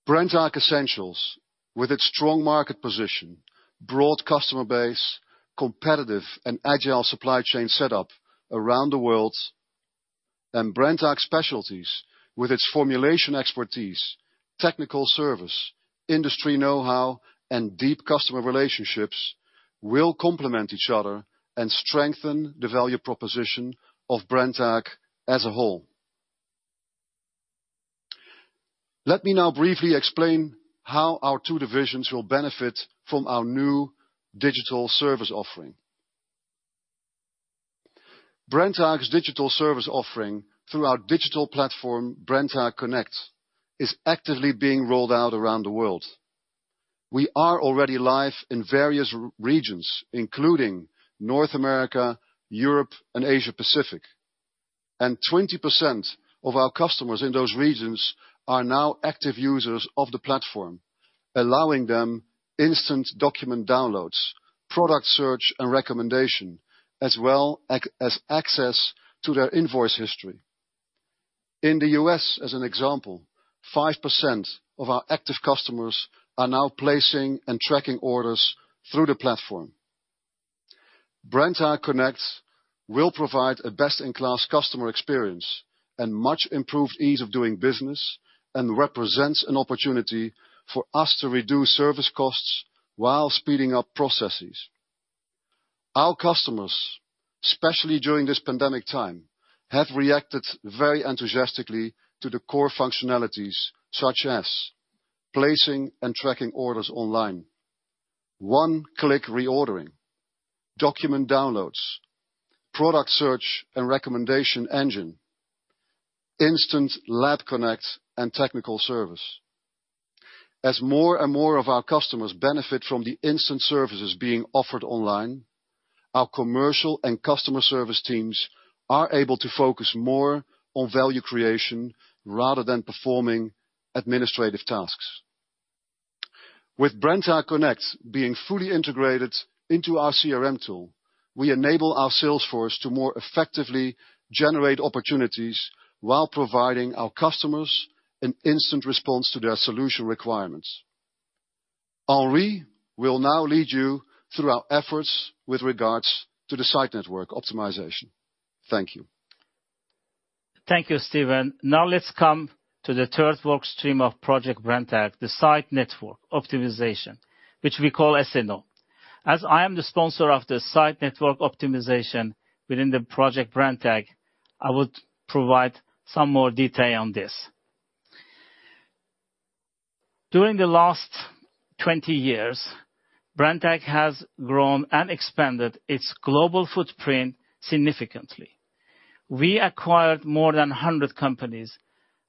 D: Brenntag Essentials, with its strong market position, broad customer base, competitive and agile supply chain setup around the world, and Brenntag Specialties, with its formulation expertise, technical service, industry know-how, and deep customer relationships, will complement each other and strengthen the value proposition of Brenntag as a whole. Let me now briefly explain how our two divisions will benefit from our new digital service offering. Brenntag’s digital service offering through our digital platform, Brenntag Connect, is actively being rolled out around the world. We are already live in various regions, including North America, Europe, and Asia Pacific. 20% of our customers in those regions are now active users of the platform, allowing them instant document downloads, product search and recommendation, as well as access to their invoice history. In the U.S., as an example, 5% of our active customers are now placing and tracking orders through the platform. Brenntag Connect will provide a best-in-class customer experience and much improved ease of doing business and represents an opportunity for us to reduce service costs while speeding up processes. Our customers, especially during this pandemic time, have reacted very enthusiastically to the core functionalities such as placing and tracking orders online, one-click reordering, document downloads, product search and recommendation engine, instant lab connect and technical service. More and more of our customers benefit from the instant services being offered online, our commercial and customer service teams are able to focus more on value creation rather than performing administrative tasks. With Brenntag Connect being fully integrated into our CRM tool, we enable our sales force to more effectively generate opportunities while providing our customers an instant response to their solution requirements. Henri will now lead you through our efforts with regards to the site network optimization. Thank you.
E: Thank you, Steven. Let's come to the third work stream of Project Brenntag, the site network optimization, which we call SNO. As I am the sponsor of the site network optimization within the Project Brenntag, I would provide some more detail on this. During the last 20 years, Brenntag has grown and expanded its global footprint significantly. We acquired more than 100 companies,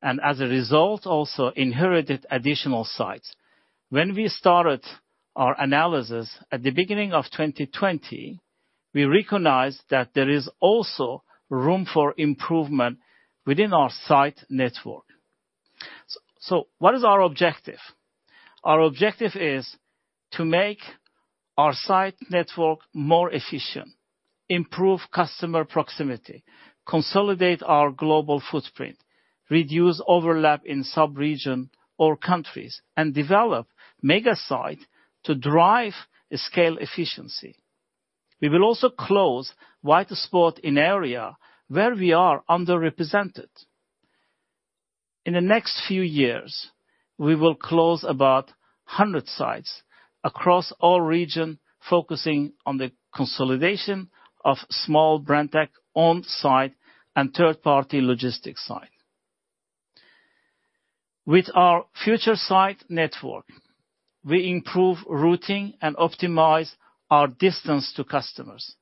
E: and as a result, also inherited additional sites. When we started our analysis at the beginning of 2020, we recognized that there is also room for improvement within our site network. What is our objective? Our objective is to make our site network more efficient, improve customer proximity, consolidate our global footprint, reduce overlap in sub-region or countries, and develop mega site to drive scale efficiency. We will also close white spot in area where we are underrepresented. In the next few years, we will close about 100 sites across all regions, focusing on the consolidation of small Brenntag sites and third-party logistics sites. With our future site network, we improve routing and optimize our distance to customers.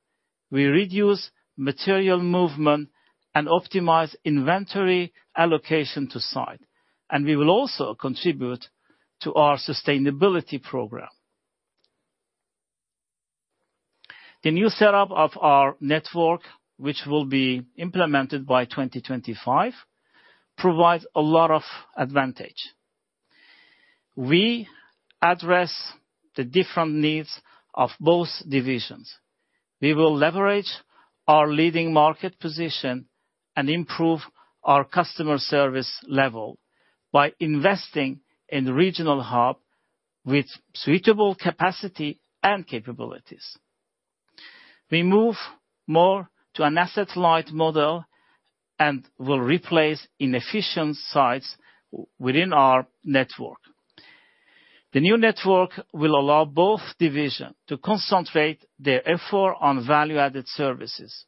E: We reduce material movement and optimize inventory allocation to sites, and we will also contribute to our sustainability program. The new setup of our network, which will be implemented by 2025, provides a lot of advantages. We address the different needs of both divisions. We will leverage our leading market position and improve our customer service level by investing in regional hubs with suitable capacity and capabilities. We move more to an asset light model and will replace inefficient sites within our network. The new network will allow both divisions to concentrate their efforts on value-added services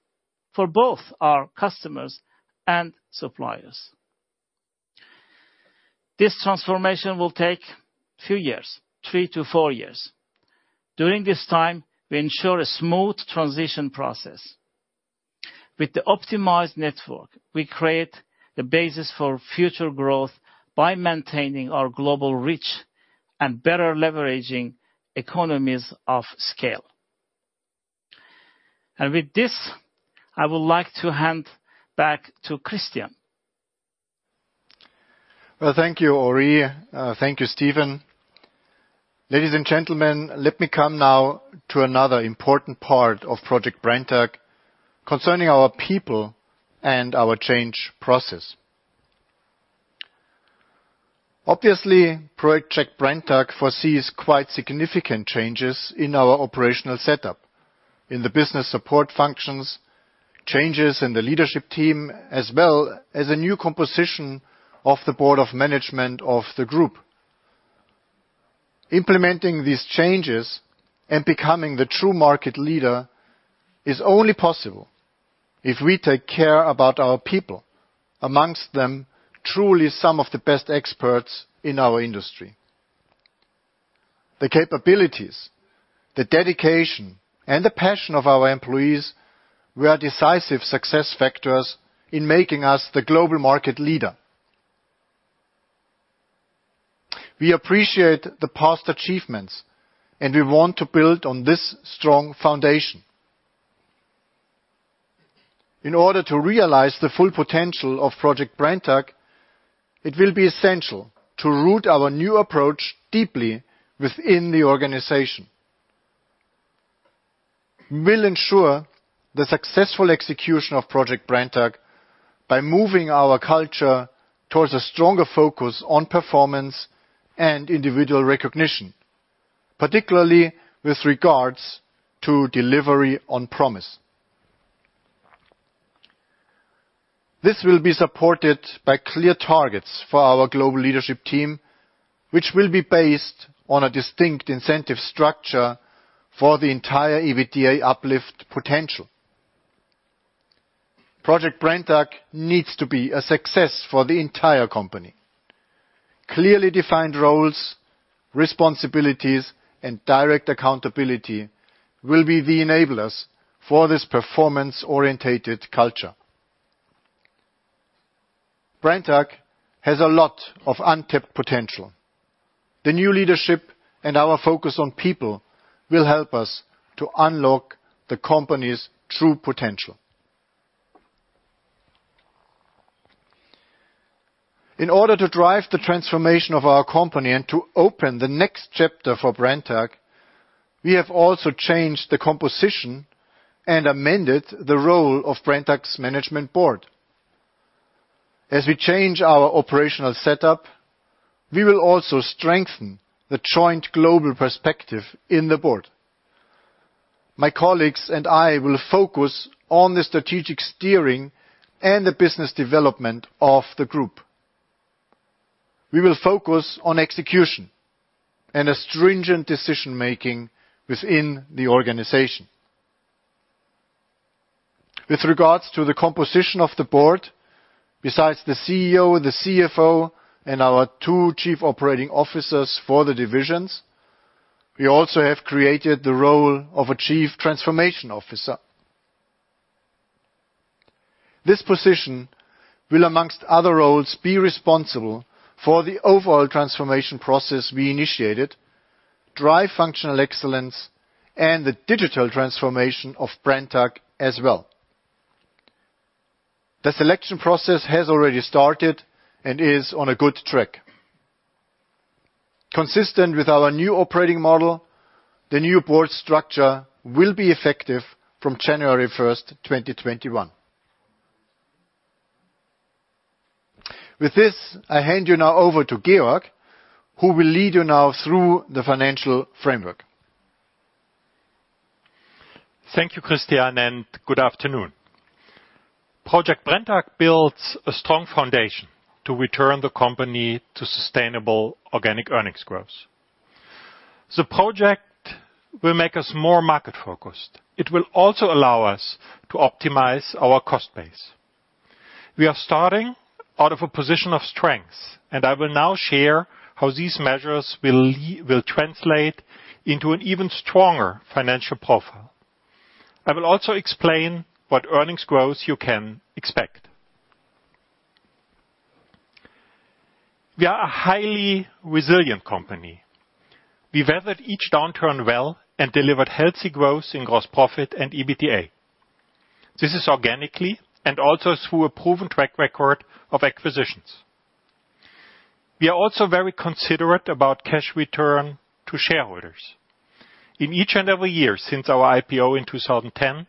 E: for both our customers and suppliers. This transformation will take a few years, three to four years. During this time, we ensure a smooth transition process. With the optimized network, we create the basis for future growth by maintaining our global reach and better leveraging economies of scale. With this, I would like to hand back to Christian.
C: Well, thank you, Henri. Thank you, Steven. Ladies and gentlemen, let me come now to another important part of Project Brenntag concerning our people and our change process. Obviously, Project Brenntag foresees quite significant changes in our operational setup, in the business support functions, changes in the leadership team, as well as a new composition of the board of management of the group. Implementing these changes and becoming the true market leader is only possible if we take care about our people, amongst them, truly some of the best experts in our industry. The capabilities, the dedication, and the passion of our employees were decisive success factors in making us the global market leader. We appreciate the past achievements and we want to build on this strong foundation. In order to realize the full potential of Project Brenntag, it will be essential to root our new approach deeply within the organization. We'll ensure the successful execution of Project Brenntag by moving our culture towards a stronger focus on performance and individual recognition, particularly with regards to delivery on promise. This will be supported by clear targets for our global leadership team, which will be based on a distinct incentive structure for the entire EBITDA uplift potential. Project Brenntag needs to be a success for the entire company. Clearly defined roles, responsibilities, and direct accountability will be the enablers for this performance-oriented culture. Brenntag has a lot of untapped potential. The new leadership and our focus on people will help us to unlock the company's true potential. In order to drive the transformation of our company and to open the next chapter for Brenntag, we have also changed the composition and amended the role of Brenntag's management board. As we change our operational setup, we will also strengthen the joint global perspective in the board. My colleagues and I will focus on the strategic steering and the business development of the group. We will focus on execution and a stringent decision-making within the organization. With regards to the composition of the board, besides the CEO, the CFO, and our two Chief Operating Officers for the divisions, we also have created the role of a Chief Transformation Officer. This position will, amongst other roles, be responsible for the overall transformation process we initiated, drive functional excellence, and the digital transformation of Brenntag as well. The selection process has already started and is on a good track. Consistent with our new operating model, the new board structure will be effective from January 1st, 2021. With this, I hand you now over to Georg, who will lead you now through the financial framework.
F: Thank you, Christian, and good afternoon. Project Brenntag builds a strong foundation to return the company to sustainable organic earnings growth. The project will make us more market-focused. It will also allow us to optimize our cost base. We are starting out of a position of strength. I will now share how these measures will translate into an even stronger financial profile. I will also explain what earnings growth you can expect. We are a highly resilient company. We've weathered each downturn well and delivered healthy growth in gross profit and EBITDA. This is organically and also through a proven track record of acquisitions. We are also very considerate about cash return to shareholders. In each and every year since our IPO in 2010,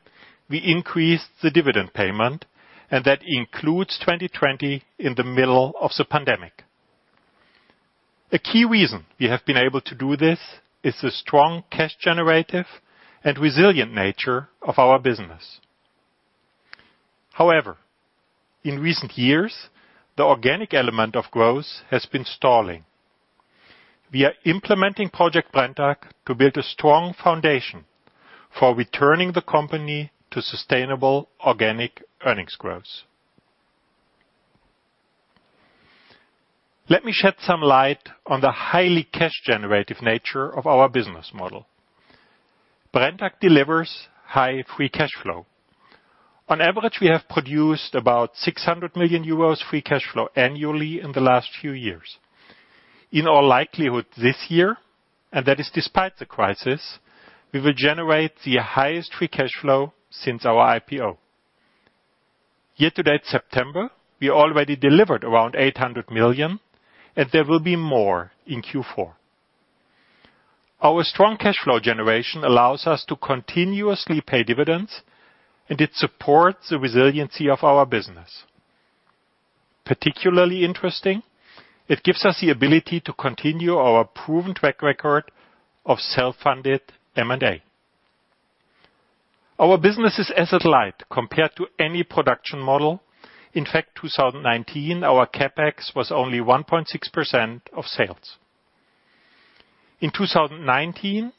F: we increased the dividend payment. That includes 2020 in the middle of the pandemic. A key reason we have been able to do this is the strong cash generative and resilient nature of our business. However, in recent years, the organic element of growth has been stalling. We are implementing Project Brenntag to build a strong foundation for returning the company to sustainable organic earnings growth. Let me shed some light on the highly cash generative nature of our business model. Brenntag delivers high free cash flow. On average, we have produced about 600 million euros free cash flow annually in the last few years. In all likelihood, this year, and that is despite the crisis, we will generate the highest free cash flow since our IPO. Year to date September, we already delivered around 800 million, and there will be more in Q4. Our strong cash flow generation allows us to continuously pay dividends, and it supports the resiliency of our business. Particularly interesting, it gives us the ability to continue our proven track record of self-funded M&A. Our business is asset light compared to any production model. In fact, 2019, our CapEx was only 1.6% of sales. In 2019,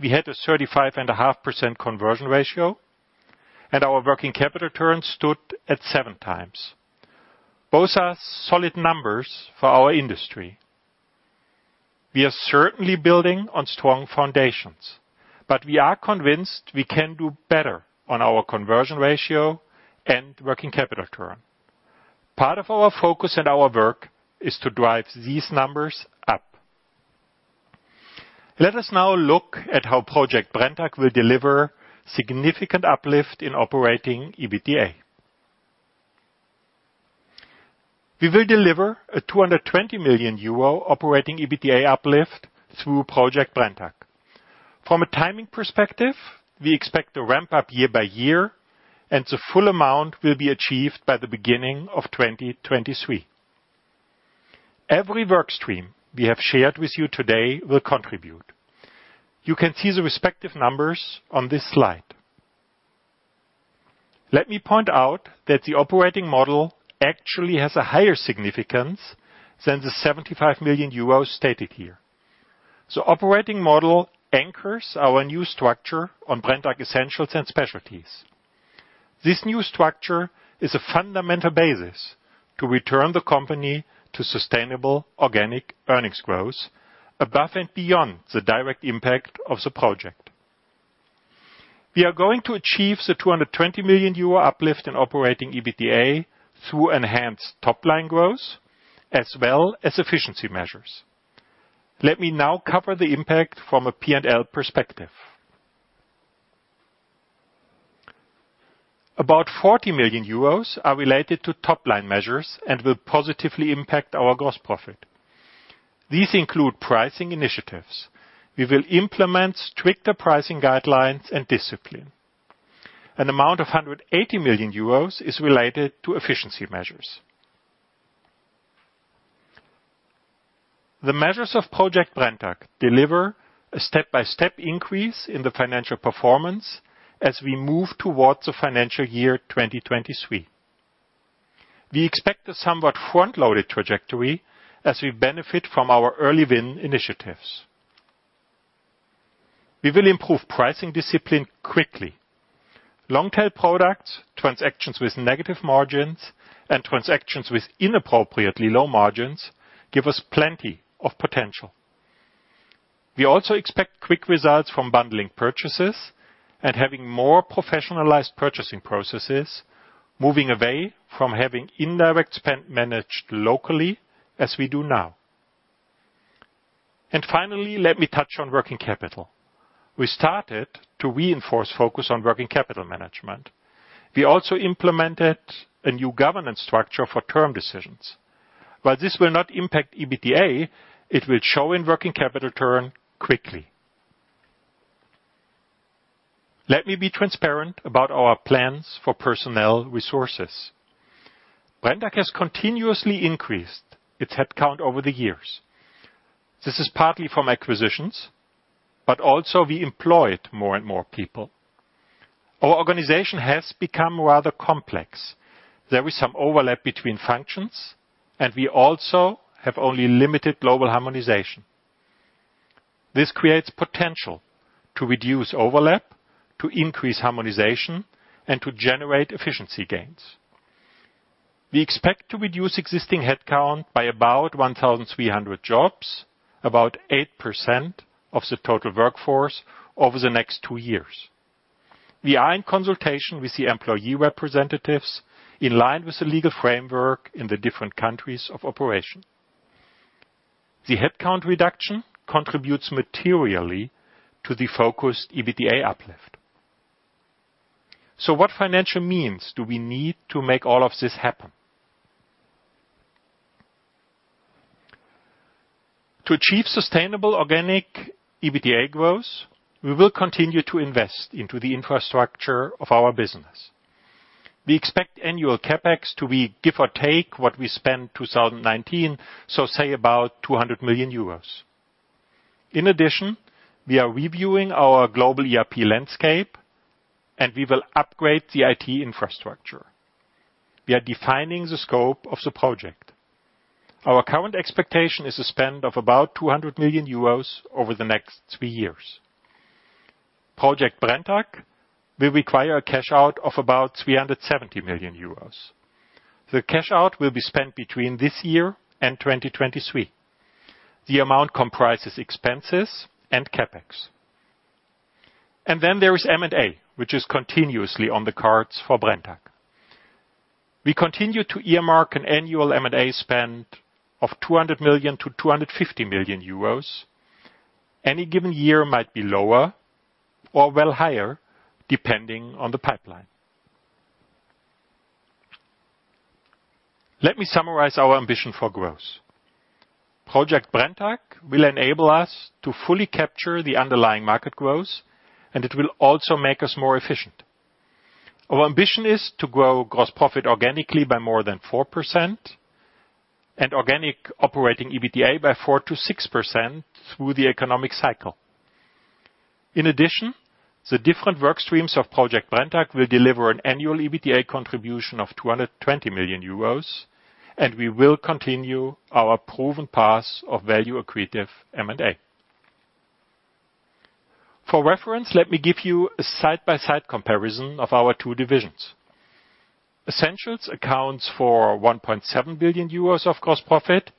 F: we had a 35.5% conversion ratio, and our working capital turn stood at seven times. Both are solid numbers for our industry. We are certainly building on strong foundations, but we are convinced we can do better on our conversion ratio and working capital turn. Part of our focus and our work is to drive these numbers up. Let us now look at how Project Brenntag will deliver significant uplift in operating EBITDA. We will deliver a 220 million euro operating EBITDA uplift through Project Brenntag. From a timing perspective, we expect to ramp up year by year, and the full amount will be achieved by the beginning of 2023. Every work stream we have shared with you today will contribute. You can see the respective numbers on this slide. Let me point out that the operating model actually has a higher significance than the 75 million euros stated here. Operating model anchors our new structure on Brenntag Essentials and Brenntag Specialties. This new structure is a fundamental basis to return the company to sustainable organic earnings growth above and beyond the direct impact of Project Brenntag. We are going to achieve the 220 million euro uplift in operating EBITDA through enhanced top-line growth as well as efficiency measures. Let me now cover the impact from a P&L perspective. About 40 million euros are related to top-line measures and will positively impact our gross profit. These include pricing initiatives. We will implement stricter pricing guidelines and discipline. An amount of 180 million euros is related to efficiency measures. The measures of Project Brenntag deliver a step-by-step increase in the financial performance as we move towards the financial year 2023. We expect a somewhat front-loaded trajectory as we benefit from our early win initiatives. We will improve pricing discipline quickly. Long-tail products, transactions with negative margins, and transactions with inappropriately low margins give us plenty of potential. We also expect quick results from bundling purchases and having more professionalized purchasing processes, moving away from having indirect spend managed locally as we do now. Finally, let me touch on working capital. We started to reinforce focus on working capital management. We also implemented a new governance structure for term decisions. While this will not impact EBITDA, it will show in working capital turn quickly. Let me be transparent about our plans for personnel resources. Brenntag has continuously increased its headcount over the years. This is partly from acquisitions, but also we employed more and more people. Our organization has become rather complex. There is some overlap between functions, and we also have only limited global harmonization. This creates potential to reduce overlap, to increase harmonization, and to generate efficiency gains. We expect to reduce existing headcount by about 1,300 jobs, about 8% of the total workforce over the next two years. We are in consultation with the employee representatives in line with the legal framework in the different countries of operation. The headcount reduction contributes materially to the focused EBITDA uplift. What financial means do we need to make all of this happen? To achieve sustainable organic EBITDA growth, we will continue to invest into the infrastructure of our business. We expect annual CapEx to be give or take what we spent 2019, so say about 200 million euros. In addition, we are reviewing our global ERP landscape, and we will upgrade the IT infrastructure. We are defining the scope of the project. Our current expectation is a spend of about 200 million euros over the next three years. Project Brenntag will require a cash-out of about 370 million euros. The cash-out will be spent between this year and 2023. The amount comprises expenses and CapEx. There is M&A, which is continuously on the cards for Brenntag. We continue to earmark an annual M&A spend of 200 million-250 million euros. Any given year might be lower or well higher, depending on the pipeline. Let me summarize our ambition for growth. Project Brenntag will enable us to fully capture the underlying market growth, and it will also make us more efficient. Our ambition is to grow gross profit organically by more than 4% and organic operating EBITDA by 4%-6% through the economic cycle. In addition, the different work streams of Project Brenntag will deliver an annual EBITDA contribution of 220 million euros, and we will continue our proven path of value-accretive M&A. For reference, let me give you a side-by-side comparison of our two divisions. Essentials accounts for 1.7 billion euros of gross profit,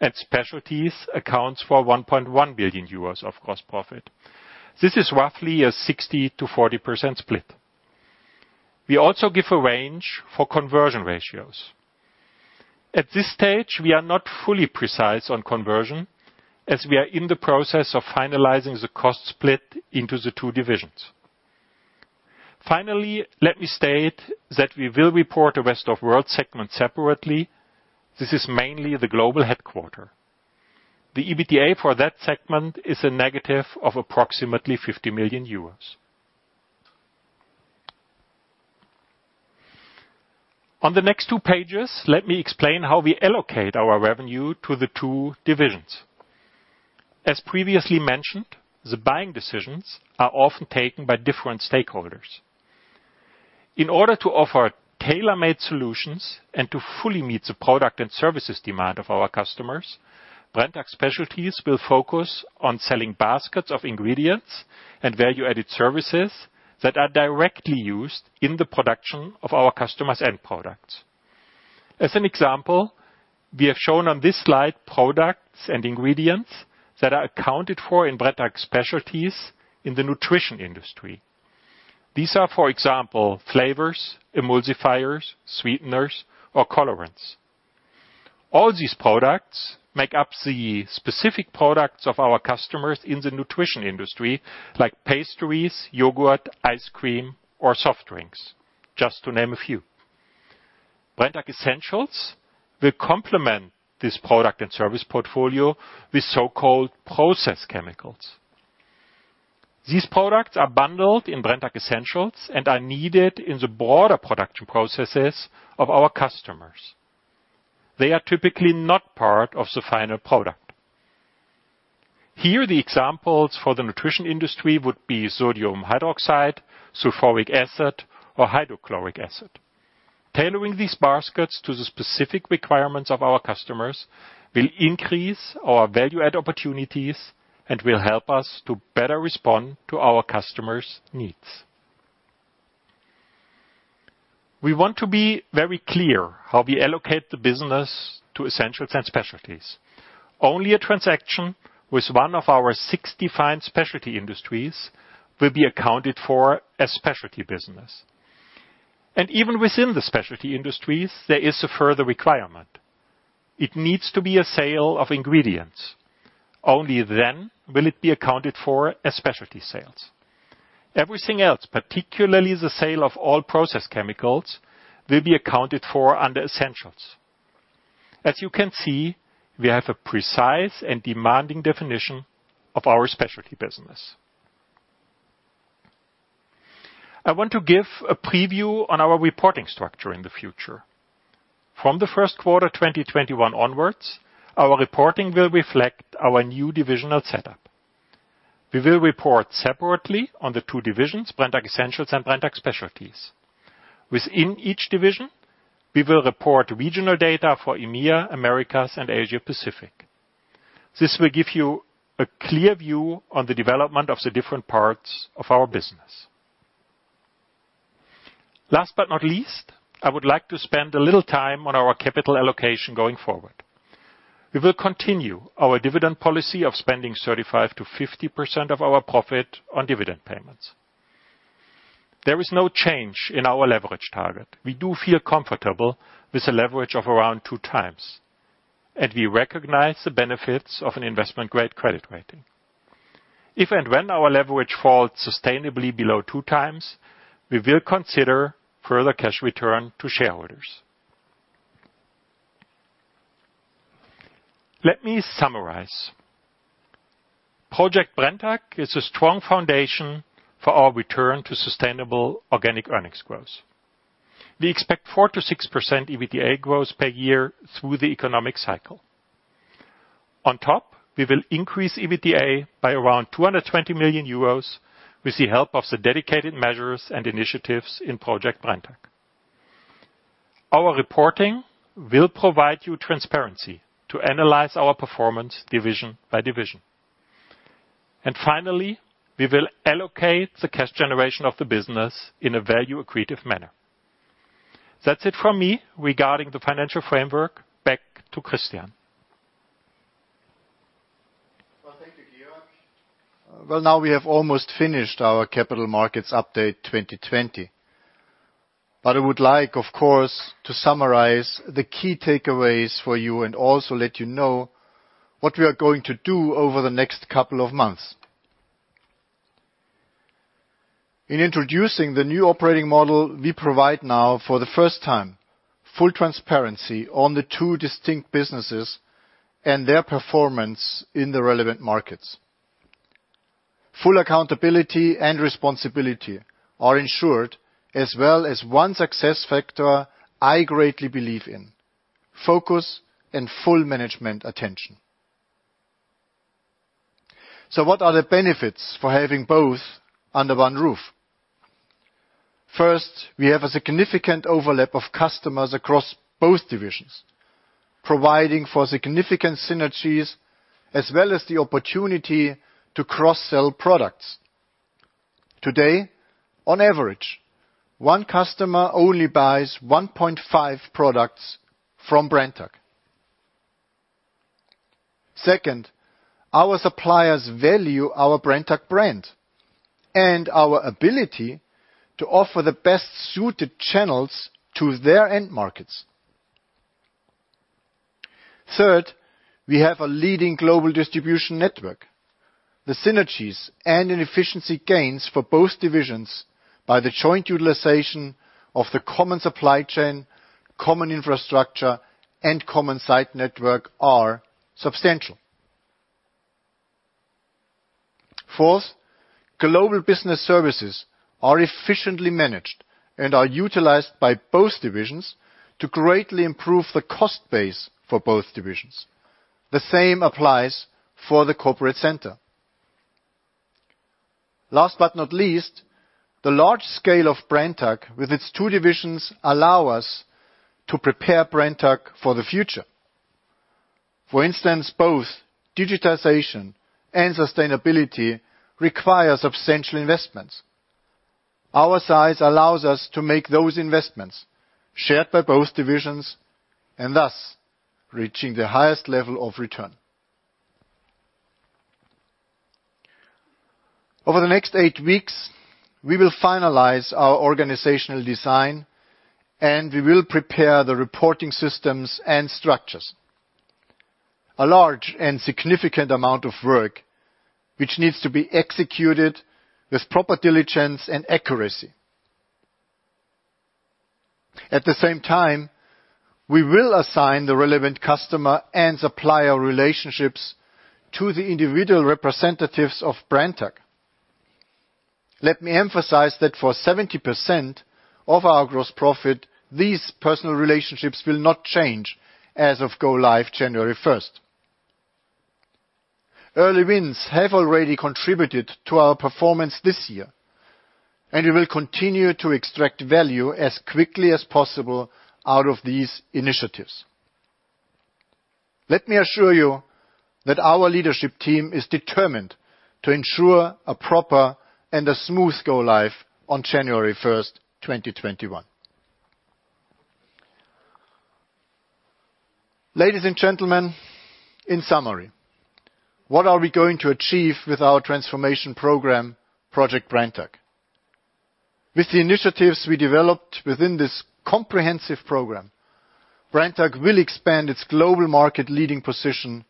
F: and Specialties accounts for 1.1 billion euros of gross profit. This is roughly a 60%-40% split. We also give a range for conversion ratios. At this stage, we are not fully precise on conversion, as we are in the process of finalizing the cost split into the two divisions. Finally, let me state that we will report a rest of world segment separately. This is mainly the global headquarter. The EBITDA for that segment is a negative of approximately 50 million euros. On the next two pages, let me explain how we allocate our revenue to the two divisions. As previously mentioned, the buying decisions are often taken by different stakeholders. In order to offer tailor-made solutions and to fully meet the product and services demand of our customers, Brenntag Specialties will focus on selling baskets of ingredients and value-added services that are directly used in the production of our customers' end products. As an example, we have shown on this slide products and ingredients that are accounted for in Brenntag Specialties in the nutrition industry. These are, for example, flavors, emulsifiers, sweeteners or colorants. All these products make up the specific products of our customers in the nutrition industry, like pastries, yogurt, ice cream, or soft drinks, just to name a few. Brenntag Essentials will complement this product and service portfolio with so-called process chemicals. These products are bundled in Brenntag Essentials and are needed in the broader production processes of our customers. They are typically not part of the final product. Here, the examples for the nutrition industry would be sodium hydroxide, sulfuric acid, or hydrochloric acid. Tailoring these baskets to the specific requirements of our customers will increase our value-add opportunities and will help us to better respond to our customers' needs. We want to be very clear how we allocate the business to Essentials and Specialties. Only a transaction with one of our 65 specialty industries will be accounted for as Specialty business. Even within the specialty industries, there is a further requirement. It needs to be a sale of ingredients. Only then will it be accounted for as Specialty sales. Everything else, particularly the sale of all process chemicals, will be accounted for under Brenntag Essentials. As you can see, we have a precise and demanding definition of our Brenntag Specialties business. I want to give a preview on our reporting structure in the future. From the first quarter 2021 onwards, our reporting will reflect our new divisional setup. We will report separately on the two divisions, Brenntag Essentials and Brenntag Specialties. Within each division, we will report regional data for EMEA, Americas and Asia Pacific. This will give you a clear view on the development of the different parts of our business. Last but not least, I would like to spend a little time on our capital allocation going forward. We will continue our dividend policy of spending 35%-50% of our profit on dividend payments. There is no change in our leverage target. We do feel comfortable with a leverage of around two times, and we recognize the benefits of an investment-grade credit rating. If and when our leverage falls sustainably below two times, we will consider further cash return to shareholders. Let me summarize. Project Brenntag is a strong foundation for our return to sustainable organic earnings growth. We expect 4%-6% EBITDA growth per year through the economic cycle. On top, we will increase EBITDA by around 220 million euros with the help of the dedicated measures and initiatives in Project Brenntag. Our reporting will provide you transparency to analyze our performance division by division. Finally, we will allocate the cash generation of the business in a value-accretive manner. That's it from me regarding the financial framework. Back to Christian.
C: Well, thank you, Georg. Now we have almost finished our Capital Markets Update 2020. I would like, of course, to summarize the key takeaways for you and also let you know what we are going to do over the next couple of months. In introducing the new operating model, we provide now, for the first time, full transparency on the two distinct businesses and their performance in the relevant markets. Full accountability and responsibility are ensured as well as one success factor I greatly believe in, focus and full management attention. What are the benefits for having both under one roof? First, we have a significant overlap of customers across both divisions, providing for significant synergies as well as the opportunity to cross-sell products. Today, on average, one customer only buys 1.5 products from Brenntag. Our suppliers value our Brenntag brand and our ability to offer the best-suited channels to their end markets. We have a leading global distribution network. The synergies and efficiency gains for both divisions by the joint utilization of the common supply chain, common infrastructure, and common site network are substantial. Global business services are efficiently managed and are utilized by both divisions to greatly improve the cost base for both divisions. The same applies for the corporate center. The large scale of Brenntag, with its two divisions, allow us to prepare Brenntag for the future. Both digitization and sustainability require substantial investments. Our size allows us to make those investments shared by both divisions and thus reaching the highest level of return. Over the next eight weeks, we will finalize our organizational design and we will prepare the reporting systems and structures. A large and significant amount of work, which needs to be executed with proper diligence and accuracy. At the same time, we will assign the relevant customer and supplier relationships to the individual representatives of Brenntag. Let me emphasize that for 70% of our gross profit, these personal relationships will not change as of go live, January 1st. Early wins have already contributed to our performance this year, and we will continue to extract value as quickly as possible out of these initiatives. Let me assure you that our leadership team is determined to ensure a proper and a smooth go live on January 1st, 2021. Ladies and gentlemen, in summary, what are we going to achieve with our transformation program, Project Brenntag? With the initiatives we developed within this comprehensive program, Brenntag will expand its global market leading position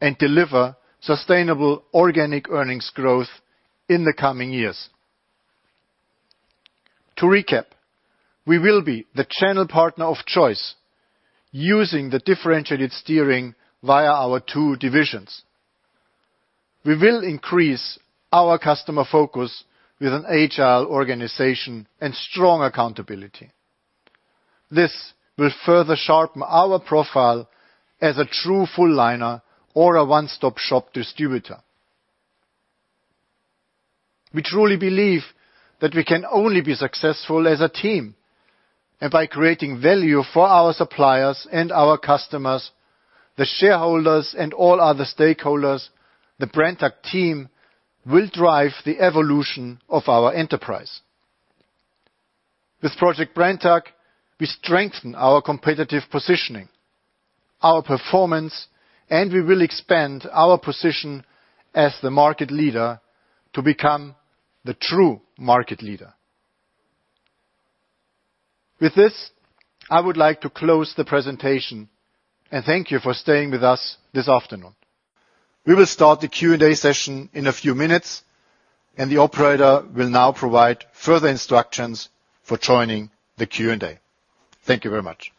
C: and deliver sustainable organic earnings growth in the coming years. To recap, we will be the channel partner of choice using the differentiated steering via our two divisions. We will increase our customer focus with an agile organization and strong accountability. This will further sharpen our profile as a true full liner or a one-stop-shop distributor. We truly believe that we can only be successful as a team and by creating value for our suppliers and our customers, the shareholders and all other stakeholders, the Brenntag team will drive the evolution of our enterprise. With Project Brenntag, we strengthen our competitive positioning, our performance, and we will expand our position as the market leader to become the true market leader. With this, I would like to close the presentation and thank you for staying with us this afternoon. We will start the Q&A session in a few minutes, and the operator will now provide further instructions for joining the Q&A. Thank you very much.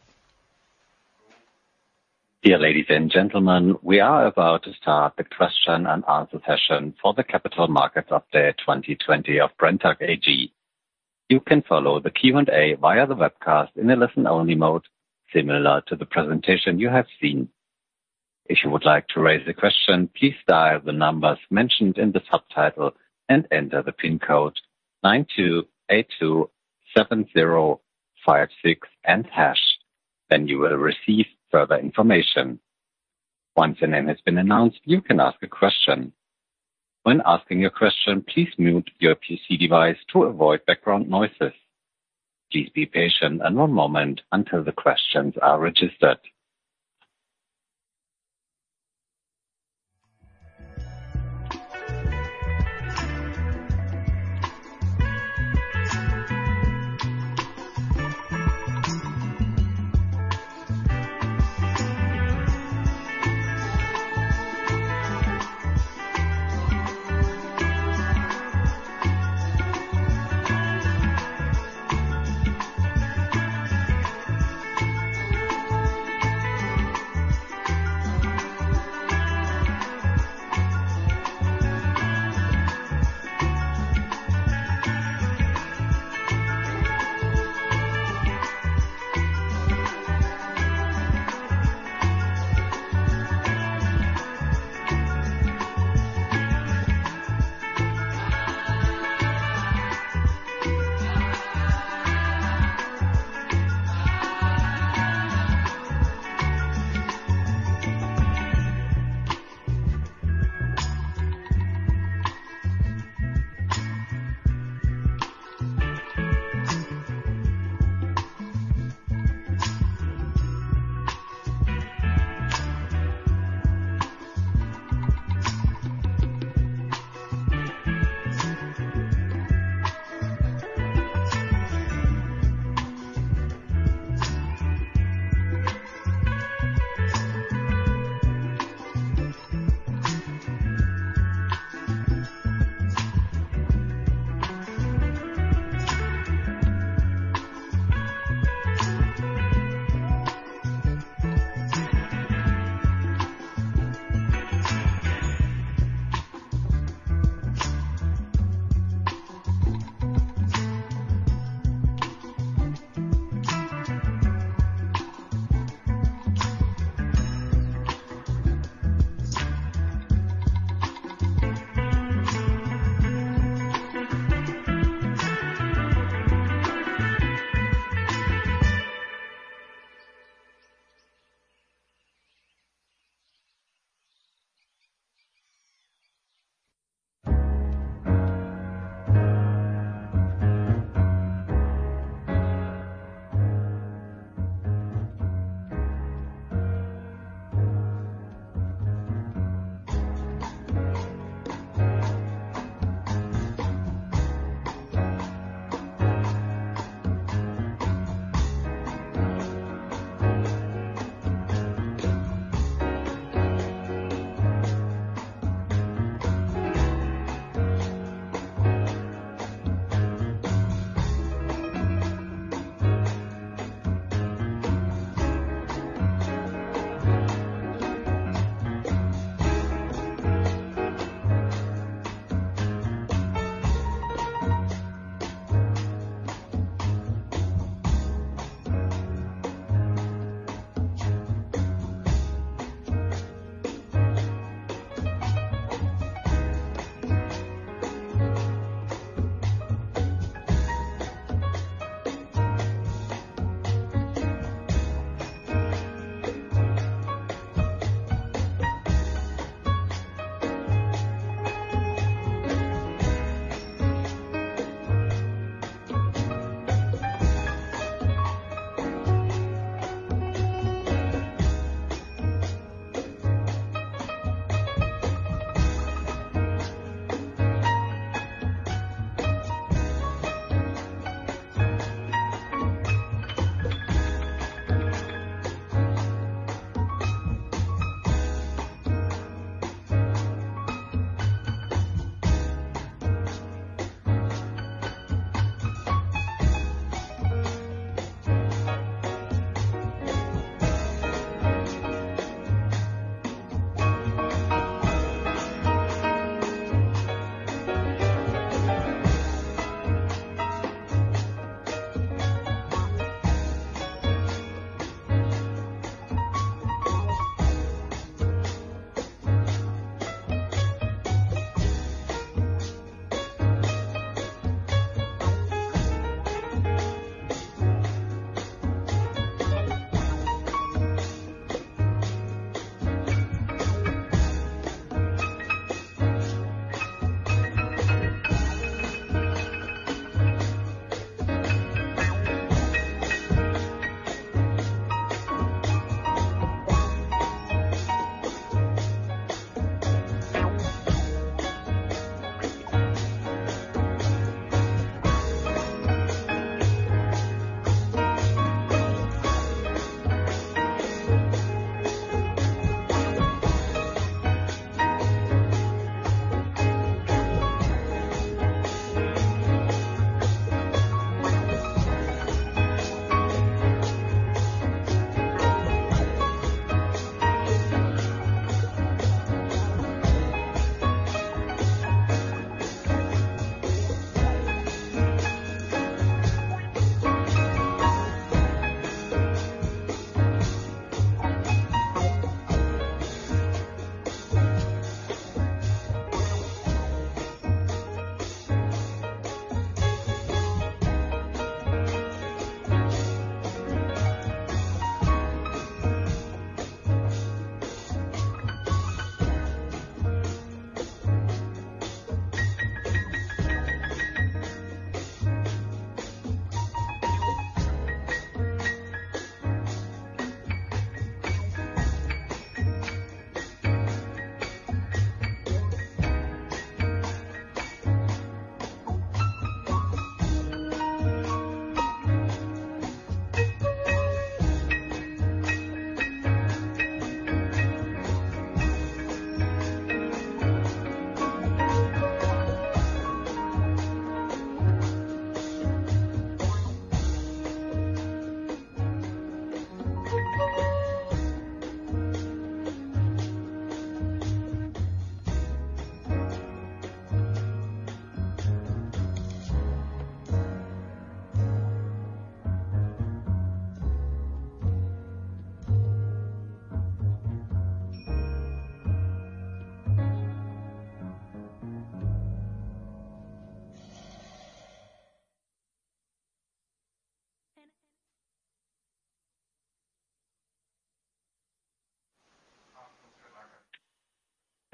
G: Dear ladies and gentlemen, we are about to start the question-and-answer session for the Capital Markets Update 2020 of Brenntag AG. You can follow the Q&A via the webcast in a listen only mode, similar to the presentation you have seen. If you would like to raise a question, please dial the numbers mentioned in the subtitle and enter the PIN code 92827056 and hash. Then you will receive further information. Once the name has been announced, you can ask a question. When asking your question, please mute your PC device to avoid background noises. Please be patient in a moment until the questions are registered.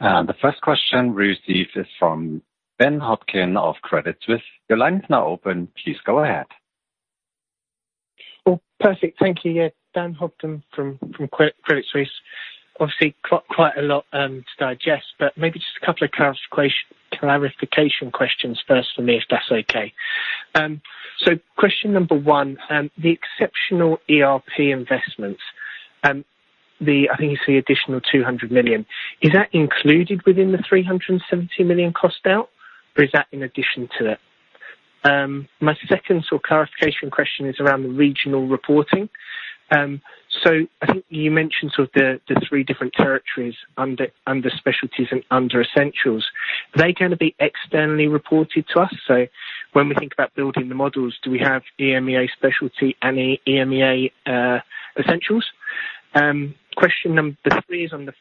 G: The first question received is from Dan Hopkin of Credit Suisse. Your line is now open. Please go ahead.
H: Well, perfect. Thank you. Dan Hopkin from Credit Suisse. Obviously, quite a lot to digest, but maybe just two clarification questions first for me, if that's okay. Question number one, the exceptional ERP investments, I think it's the additional 200 million. Is that included within the 370 million cost out, or is that in addition to that? My second clarification question is around the regional reporting. I think you mentioned the three different territories under Specialties and under Essentials. Are they going to be externally reported to us? When we think about building the models, do we have EMEA Specialties and EMEA Essentials? Question number three is on the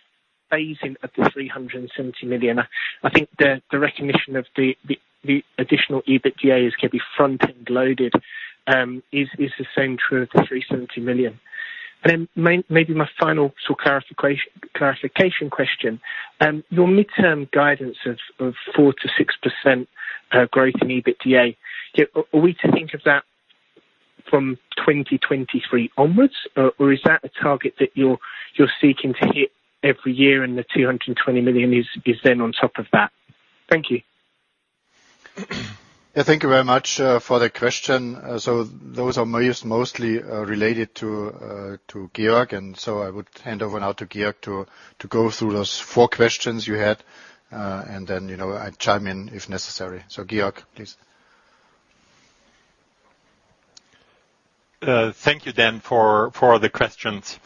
H: phasing of the 370 million. I think the recognition of the additional EBITDA is going to be front-end loaded. Is the same true of the 370 million? Maybe my final clarification question. Your midterm guidance of 4%-6% growth in EBITDA. Are we to think of that from 2023 onwards? Is that a target that you're seeking to hit every year and the 220 million is then on top of that? Thank you.
C: Yeah, thank you very much for the question. Those are mostly related to Georg, and so I would hand over now to Georg to go through those four questions you had, and then I'd chime in if necessary. Georg, please.
F: Thank you, Dan, for the questions.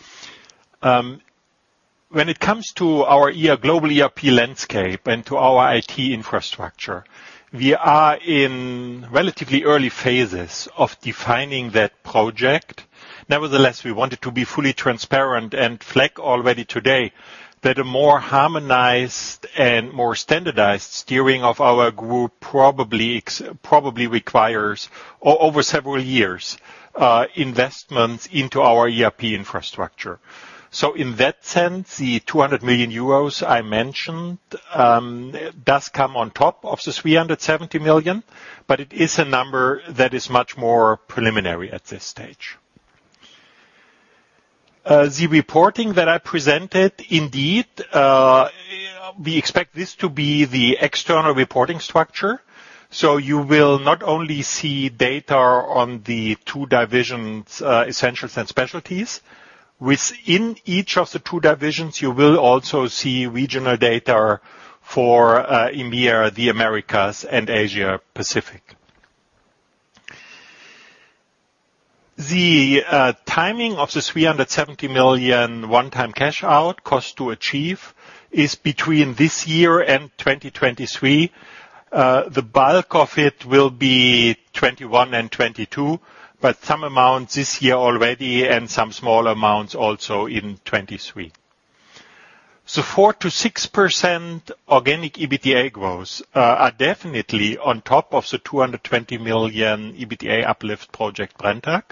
F: When it comes to our global ERP landscape and to our IT infrastructure, we are in relatively early phases of defining that project. Nevertheless, we want it to be fully transparent and flag already today that a more harmonized and more standardized steering of our group probably requires, over several years, investments into our ERP infrastructure. In that sense, the 200 million euros I mentioned does come on top of the 370 million, but it is a number that is much more preliminary at this stage. The reporting that I presented, indeed, we expect this to be the external reporting structure. You will not only see data on the two divisions, Essentials and Specialties. Within each of the two divisions, you will also see regional data for EMEA, the Americas, and Asia Pacific. The timing of the 370 million one-time cash out cost to achieve is between this year and 2023. The bulk of it will be 2021 and 2022, but some amount this year already and some small amounts also in 2023. 4%-6% organic EBITDA growth are definitely on top of the 220 million EBITDA uplift Project Brenntag.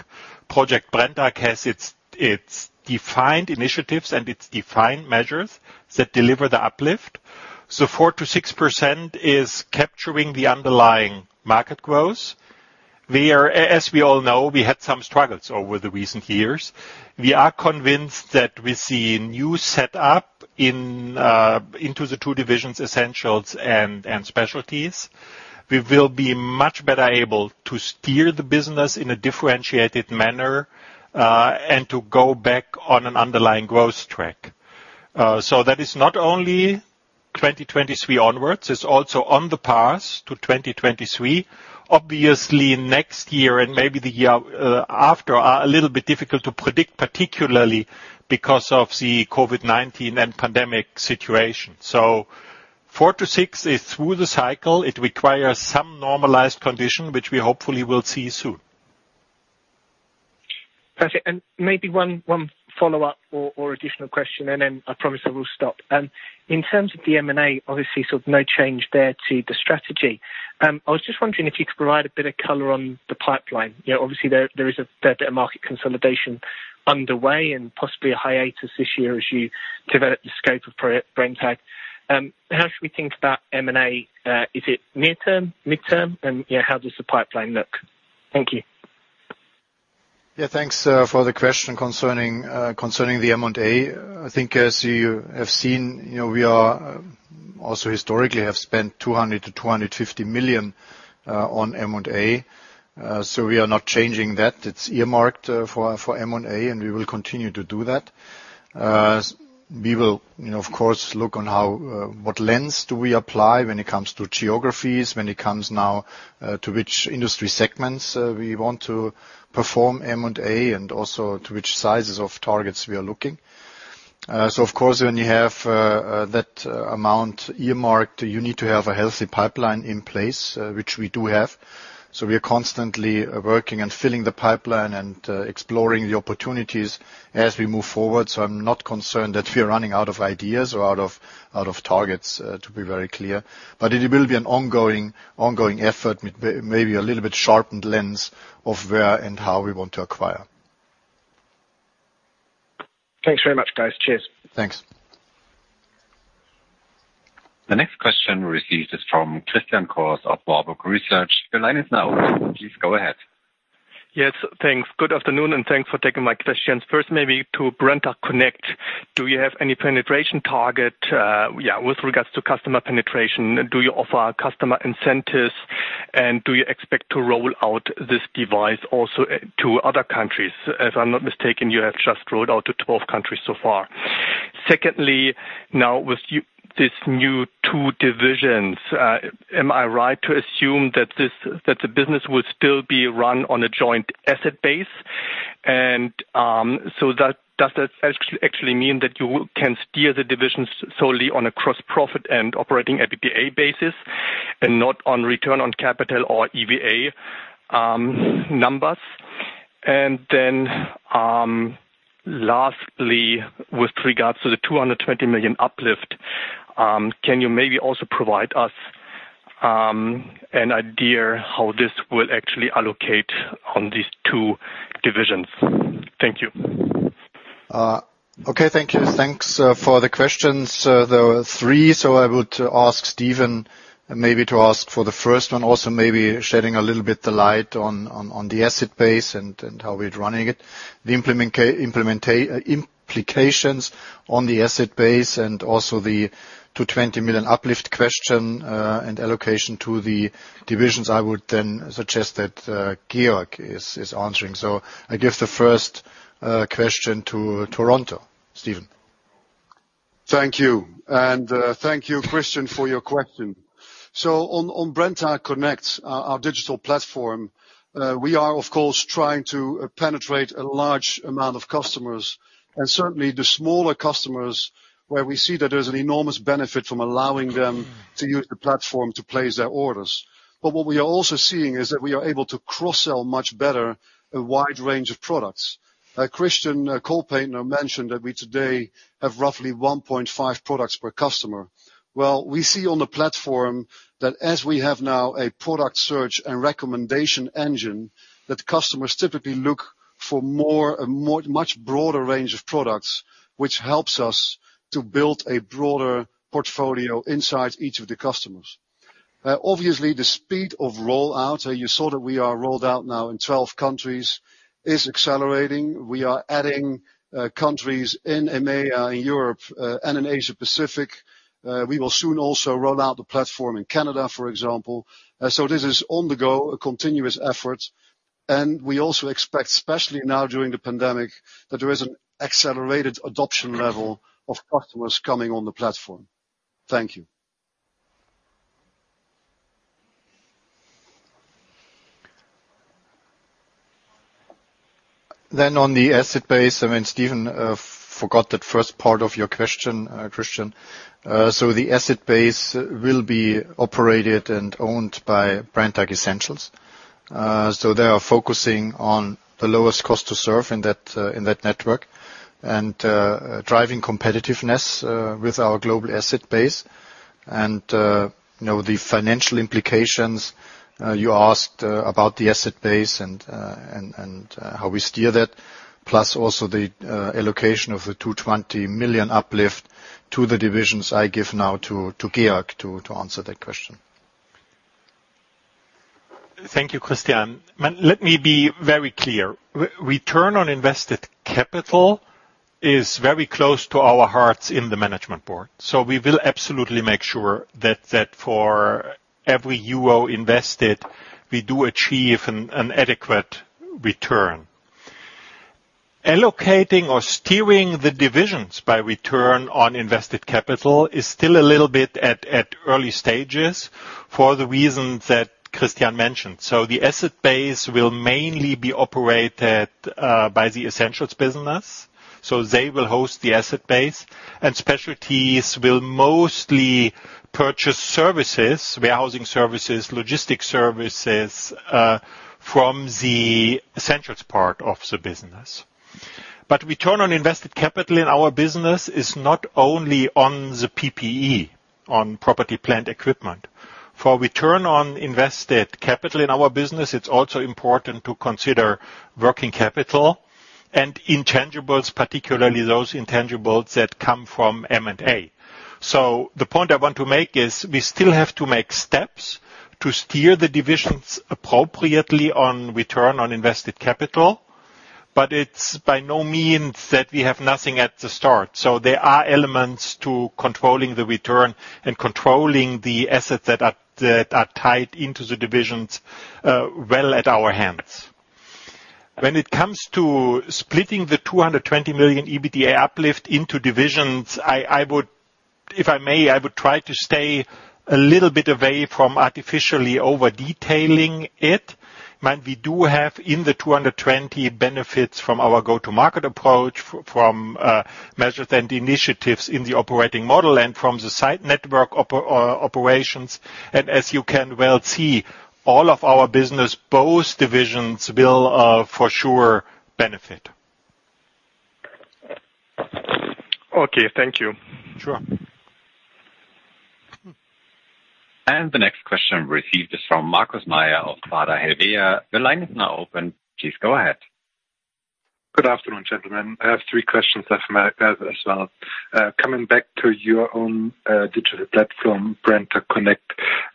F: Project Brenntag has its defined initiatives and its defined measures that deliver the uplift. 4%-6% is capturing the underlying market growth. As we all know, we had some struggles over the recent years. We are convinced that with the new set up into the two divisions, Essentials and Specialties, we will be much better able to steer the business in a differentiated manner, and to go back on an underlying growth track. That is not only 2023 onwards, it's also on the path to 2023. Obviously, next year and maybe the year after are a little bit difficult to predict, particularly because of the COVID-19 and pandemic situation. 4%-6% is through the cycle. It requires some normalized condition, which we hopefully will see soon.
H: Perfect. Maybe one follow-up or additional question, then I promise I will stop. In terms of the M&A, obviously, no change there to the strategy. I was just wondering if you could provide a bit of color on the pipeline. Obviously, there is a fair bit of market consolidation underway and possibly a hiatus this year as you develop the scope of Project Brenntag. How should we think about M&A? Is it near term, midterm, and how does the pipeline look? Thank you.
C: Thanks for the question concerning the M&A. I think as you have seen, we are also historically have spent 200 million-250 million on M&A. We are not changing that. It's earmarked for M&A, and we will continue to do that. We will, of course, look on what lens do we apply when it comes to geographies, when it comes now to which industry segments we want to perform M&A, and also to which sizes of targets we are looking. Of course, when you have that amount earmarked, you need to have a healthy pipeline in place, which we do have. We are constantly working and filling the pipeline and exploring the opportunities as we move forward. I'm not concerned that we are running out of ideas or out of targets, to be very clear. It will be an ongoing effort with maybe a little bit sharpened lens of where and how we want to acquire.
H: Thanks very much, guys. Cheers.
C: Thanks.
G: The next question received is from Christian Cohrs of Warburg Research. Your line is now open. Please go ahead.
I: Yes, thanks. Good afternoon, and thanks for taking my questions. First maybe to Brenntag Connect. Do you have any penetration target with regards to customer penetration? Do you offer customer incentives? Do you expect to roll out this device also to other countries? If I'm not mistaken, you have just rolled out to 12 countries so far. Secondly, now with these new two divisions, am I right to assume that the business will still be run on a joint asset base? Does that actually mean that you can steer the divisions solely on a gross profit and operating EBITDA basis and not on return on capital or EVA numbers? Lastly, with regards to the 220 million uplift, can you maybe also provide us an idea how this will actually allocate on these two divisions? Thank you.
C: Okay, thank you. Thanks for the questions. There were three. I would ask Steven maybe to ask for the first one, also maybe shedding a little bit the light on the asset base and how we're running it. The implications on the asset base and also the 220 million uplift question and allocation to the divisions, I would suggest that Georg is answering. I give the first question to Toronto, Steven.
D: Thank you. Thank you, Christian, for your question. On Brenntag Connect, our digital platform, we are, of course, trying to penetrate a large amount of customers. Certainly the smaller customers where we see that there's an enormous benefit from allowing them to use the platform to place their orders. What we are also seeing is that we are able to cross-sell much better a wide range of products. Christian Kohlpaintner mentioned that we today have roughly 1.5 products per customer. Well, we see on the platform that as we have now a product search and recommendation engine, that customers typically look for a much broader range of products, which helps us to build a broader portfolio inside each of the customers. Obviously, the speed of rollout, you saw that we are rolled out now in 12 countries, is accelerating. We are adding countries in EMEA, in Europe and in Asia Pacific. We will soon also roll out the platform in Canada, for example. This is on the go, a continuous effort, and we also expect, especially now during the pandemic, that there is an accelerated adoption level of customers coming on the platform. Thank you.
C: On the asset base, I mean, Steven forgot that first part of your question, Christian. The asset base will be operated and owned by Brenntag Essentials. They are focusing on the lowest cost to serve in that network and driving competitiveness with our global asset base and the financial implications. You asked about the asset base and how we steer that, plus also the allocation of the 220 million uplift to the divisions I give now to Georg to answer that question.
F: Thank you, Christian. Let me be very clear. Return on invested capital is very close to our hearts in the management board. We will absolutely make sure that for every euro invested, we do achieve an adequate return. Allocating or steering the divisions by return on invested capital is still a little bit at early stages for the reasons that Christian mentioned. The asset base will mainly be operated by Brenntag Essentials. They will host the asset base and Brenntag Specialties will mostly purchase services, warehousing services, logistics services from the Brenntag Essentials part of the business. Return on invested capital in our business is not only on the PPE, on property plant equipment. For return on invested capital in our business, it is also important to consider working capital and intangibles, particularly those intangibles that come from M&A. The point I want to make is we still have to make steps to steer the divisions appropriately on return on invested capital, but it's by no means that we have nothing at the start. There are elements to controlling the return and controlling the assets that are tied into the divisions well at our hands. When it comes to splitting the 220 million EBITDA uplift into divisions, if I may, I would try to stay a little bit away from artificially over-detailing it. We do have in the 220 million benefits from our go-to-market approach, from measures and initiatives in the operating model and from the site network operations. As you can well see, all of our business, both divisions will for sure benefit.
I: Okay. Thank you.
F: Sure.
G: The next question received is from Markus Mayer of Baader Helvea. The line is now open. Please go ahead.
J: Good afternoon, gentlemen. I have three questions as well. Coming back to your own digital platform, Brenntag Connect,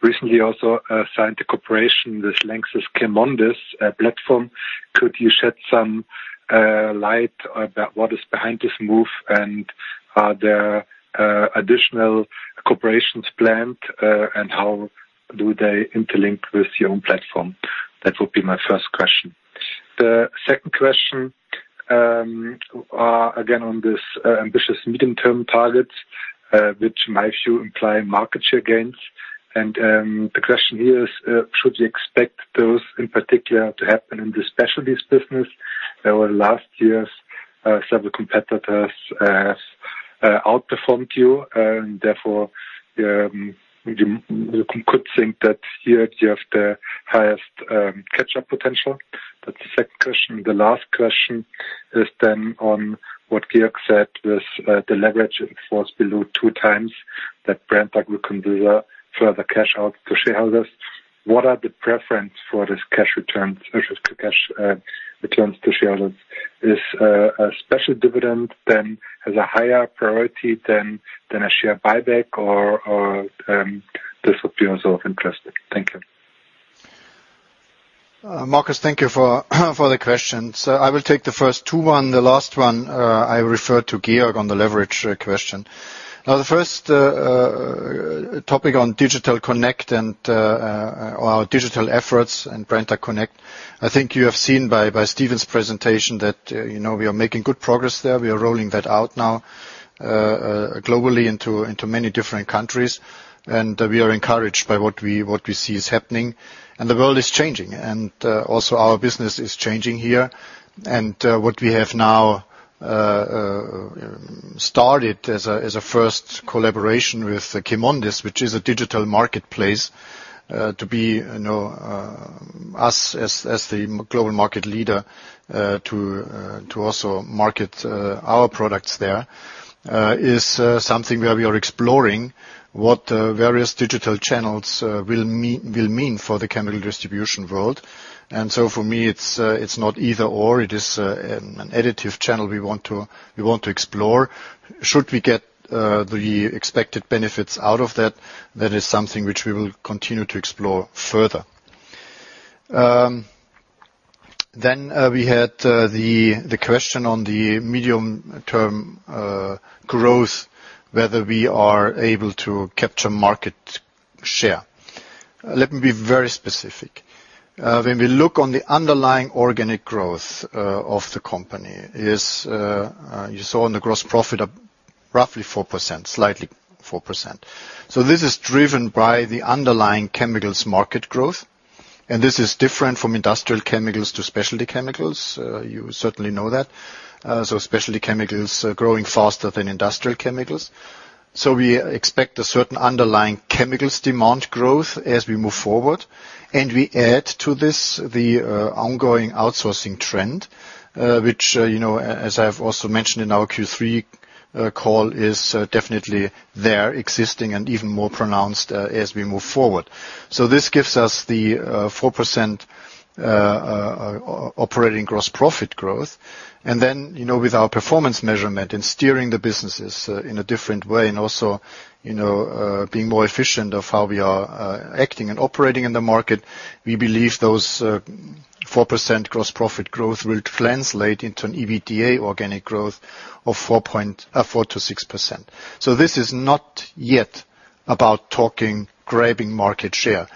J: recently also signed a cooperation with LANXESS CheMondis platform. Could you shed some light about what is behind this move and are there additional cooperations planned? How do they interlink with your own platform? That would be my first question. The second question, again, on this ambitious medium-term targets, which might imply market share gains. The question here is, should you expect those in particular to happen in the specialties business? Last year, several competitors have outperformed you, and therefore you could think that here you have the highest catch-up potential. That's the second question. The last question is then on what Georg said with the leverage, it falls below two times that Brenntag can do further cash out to shareholders. What are the preference for this cash returns versus cash returns to shareholders? Is a special dividend then has a higher priority than a share buyback or this would be also of interest? Thank you.
C: Markus, thank you for the questions. I will take the first two. The last one, I refer to Georg on the leverage question. The first topic on Digital Connect and our digital efforts and Brenntag Connect. I think you have seen by Steven's presentation that we are making good progress there. We are rolling that out now globally into many different countries. We are encouraged by what we see is happening. The world is changing, and also our business is changing here. What we have now started as a first collaboration with CheMondis, which is a digital marketplace to be, us as the global market leader to also market our products there, is something where we are exploring what various digital channels will mean for the chemical distribution world. For me, it's not either/or. It is an additive channel we want to explore. Should we get the expected benefits out of that is something which we will continue to explore further. We had the question on the medium-term growth, whether we are able to capture market share. Let me be very specific. When we look on the underlying organic growth of the company is, you saw on the gross profit, roughly 4%, slightly 4%. This is driven by the underlying chemicals market growth, and this is different from industrial chemicals to specialty chemicals. You certainly know that. Specialty chemicals are growing faster than industrial chemicals. We expect a certain underlying chemicals demand growth as we move forward. We add to this the ongoing outsourcing trend, which, as I've also mentioned in our Q3 call, is definitely there existing and even more pronounced as we move forward. This gives us the 4% operating gross profit growth. With our performance measurement and steering the businesses in a different way and also being more efficient of how we are acting and operating in the market, we believe those 4% gross profit growth will translate into an EBITDA organic growth of 4%-6%. This is not yet about talking grabbing market share.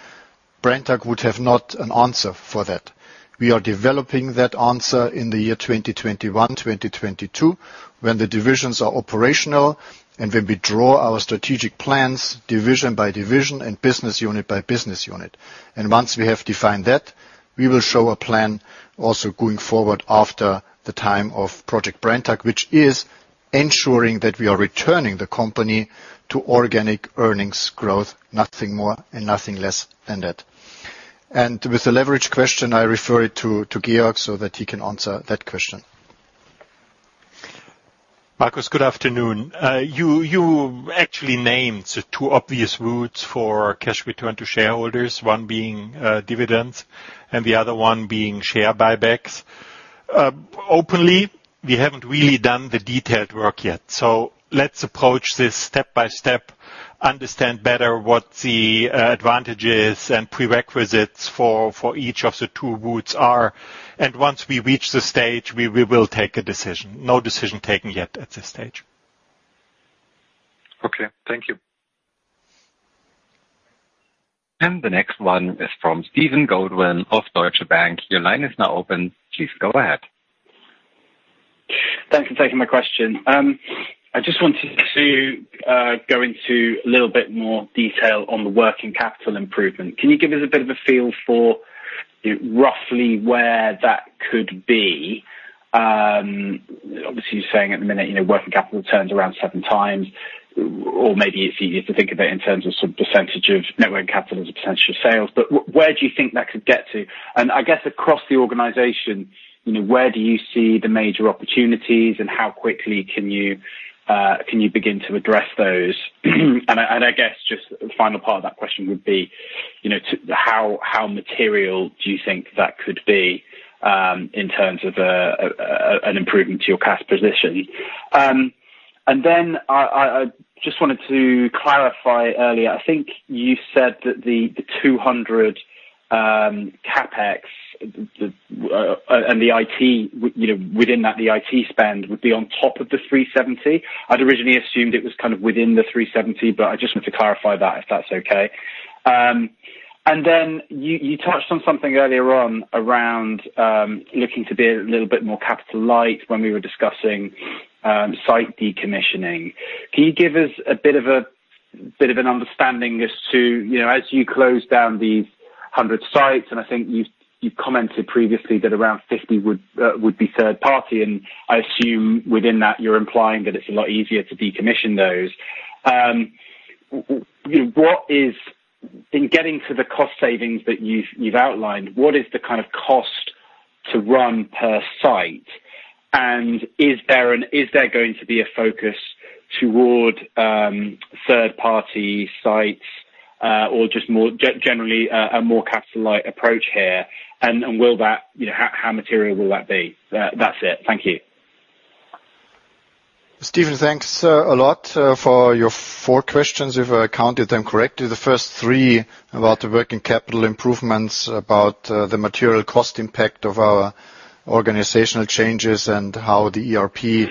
C: Brenntag would have not an answer for that. We are developing that answer in the year 2021/2022, when the divisions are operational and when we draw our strategic plans division by division and business unit by business unit. Once we have defined that, we will show a plan also going forward after the time of Project Brenntag, which is ensuring that we are returning the company to organic earnings growth, nothing more and nothing less than that. With the leverage question, I refer it to Georg so that he can answer that question.
F: Markus, good afternoon. You actually named the two obvious routes for cash return to shareholders, one being dividends and the other one being share buybacks. Openly, we haven't really done the detailed work yet. Let's approach this step by step, understand better what the advantages and prerequisites for each of the two routes are. Once we reach the stage, we will take a decision. No decision taken yet at this stage.
J: Okay. Thank you.
G: The next one is from Steven Goulden of Deutsche Bank. Your line is now open. Please go ahead.
K: Thanks for taking my question. I just wanted to go into a little bit more detail on the working capital improvement. Can you give us a bit of a feel for roughly where that could be? Obviously, you're saying at the minute, working capital turns around seven times, or maybe it's easier to think of it in terms of percentage of net working capital as a percentage of sales. Where do you think that could get to? I guess across the organization, where do you see the major opportunities and how quickly can you begin to address those? I guess just the final part of that question would be, how material do you think that could be in terms of an improvement to your cash position? I just wanted to clarify earlier. I think you said that the 200 CapEx and the IT within that, the IT spend would be on top of the 370. I'd originally assumed it was kind of within the 370. I just want to clarify that if that's okay. You touched on something earlier on around looking to be a little bit more capital light when we were discussing site decommissioning. Can you give us a bit of an understanding as to, as you close down these 100 sites? I think you commented previously that around 50 would be third party. I assume within that you're implying that it's a lot easier to decommission those. In getting to the cost savings that you've outlined, what is the kind of cost to run per site? Is there going to be a focus toward third-party sites, or just more generally, a more capital-light approach here? How material will that be? That's it. Thank you.
C: Steven, thanks a lot for your four questions, if I counted them correctly. The first three about the working capital improvements, about the material cost impact of our organizational changes and how the ERP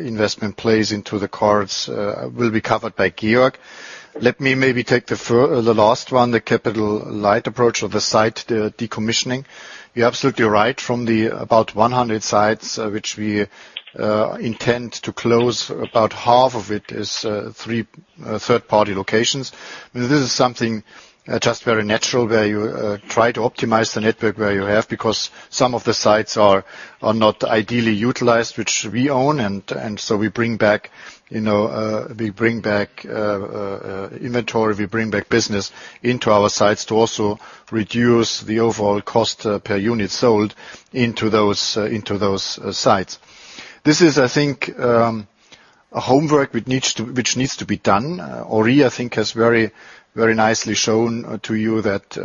C: investment plays into the cards will be covered by Georg. Let me maybe take the last one, the capital light approach of the site, the decommissioning. You're absolutely right. From the about 100 sites which we intend to close, about half of it is third-party locations. This is something just very natural where you try to optimize the network where you have, because some of the sites are not ideally utilized, which we own. So we bring back inventory, we bring back business into our sites to also reduce the overall cost per unit sold into those sites. This is, I think, a homework which needs to be done. Henri, I think, has very nicely shown to you that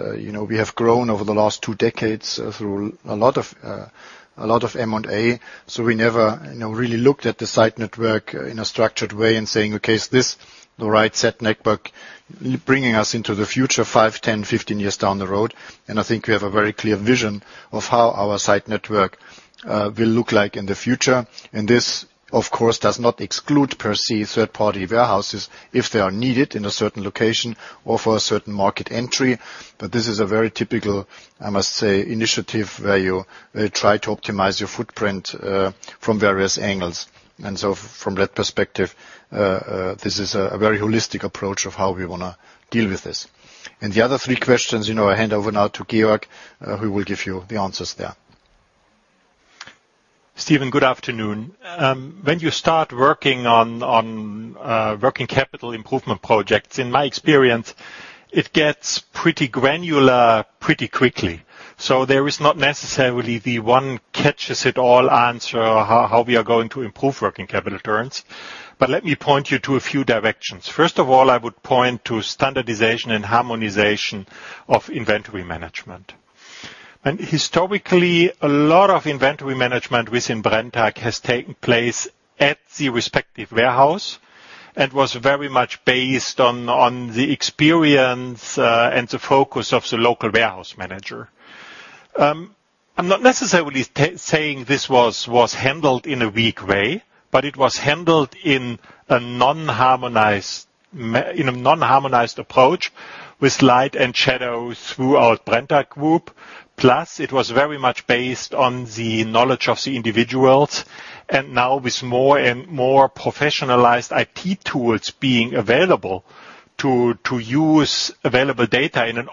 C: we have grown over the last two decades through a lot of M&A. We never really looked at the site network in a structured way and saying, okay, is this the right site network bringing us into the future five, 10, 15 years down the road? I think we have a very clear vision of how our site network will look like in the future. This, of course, does not exclude, per se, third-party warehouses if they are needed in a certain location or for a certain market entry. This is a very typical, I must say, initiative where you try to optimize your footprint from various angles. From that perspective, this is a very holistic approach of how we want to deal with this. The other three questions, I hand over now to Georg, who will give you the answers there.
F: Steven, good afternoon. When you start working on working capital improvement projects, in my experience, it gets pretty granular pretty quickly. There is not necessarily the one catches it all answer how we are going to improve working capital turns. Let me point you to a few directions. First of all, I would point to standardization and harmonization of inventory management. Historically, a lot of inventory management within Brenntag has taken place at the respective warehouse and was very much based on the experience and the focus of the local warehouse manager. I'm not necessarily saying this was handled in a weak way, but it was handled in a non-harmonized approach with light and shadow throughout Brenntag Group. Plus, it was very much based on the knowledge of the individuals. Now with more and more professionalized IT tools being available to use available data in an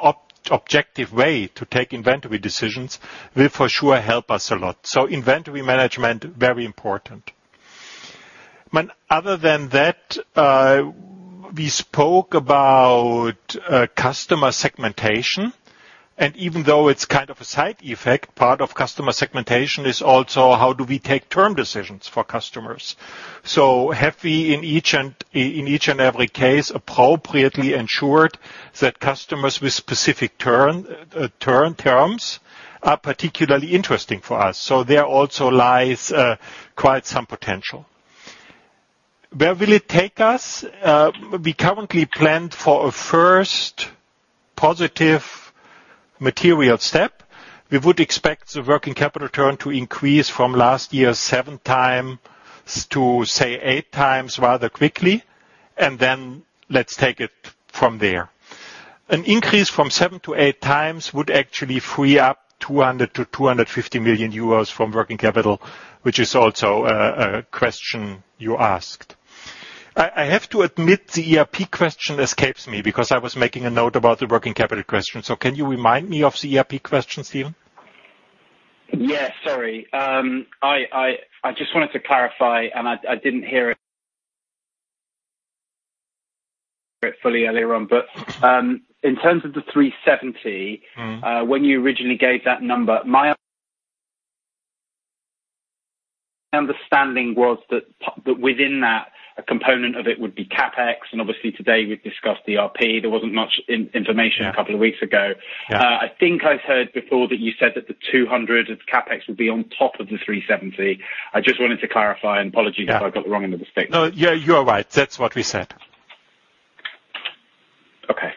F: objective way to take inventory decisions, will for sure help us a lot. Inventory management, very important. Other than that, we spoke about customer segmentation. Even though it's kind of a side effect, part of customer segmentation is also how do we take term decisions for customers. Have we, in each and every case, appropriately ensured that customers with specific terms are particularly interesting for us? There also lies quite some potential. Where will it take us? We currently planned for a first positive material step. We would expect the working capital turn to increase from last year's seven times to, say, eight times rather quickly, and then let's take it from there. An increase from 7x-8x would actually free up 200 million to 250 million euros from working capital, which is also a question you asked. I have to admit, the ERP question escapes me because I was making a note about the working capital question. Can you remind me of the ERP question, Steven?
K: Yeah, sorry. I just wanted to clarify, and I didn't hear it fully earlier on, but in terms of the 370, when you originally gave that number, my understanding was that within that, a component of it would be CapEx, and obviously today we've discussed ERP. There wasn't much information a couple of weeks ago. I think I've heard before that you said that the 200 as CapEx would be on top of the 370. I just wanted to clarify and apologize if I got the wrong end of the stick.
F: No, you are right. That's what we said.
K: Okay.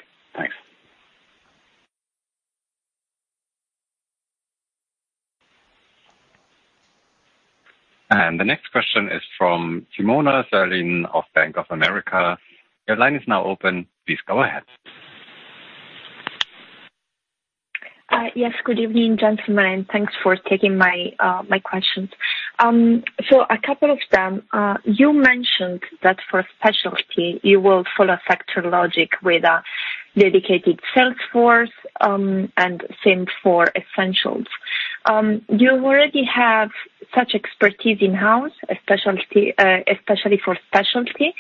K: Thanks.
G: The next question is from Simona Sarli of Bank of America. Your line is now open. Please go ahead.
L: Good evening, gentlemen. Thanks for taking my questions. A couple of them. You mentioned that for specialty, you will follow sector logic with a dedicated sales force, and same for essentials. Do you already have such expertise in-house, especially for specialty?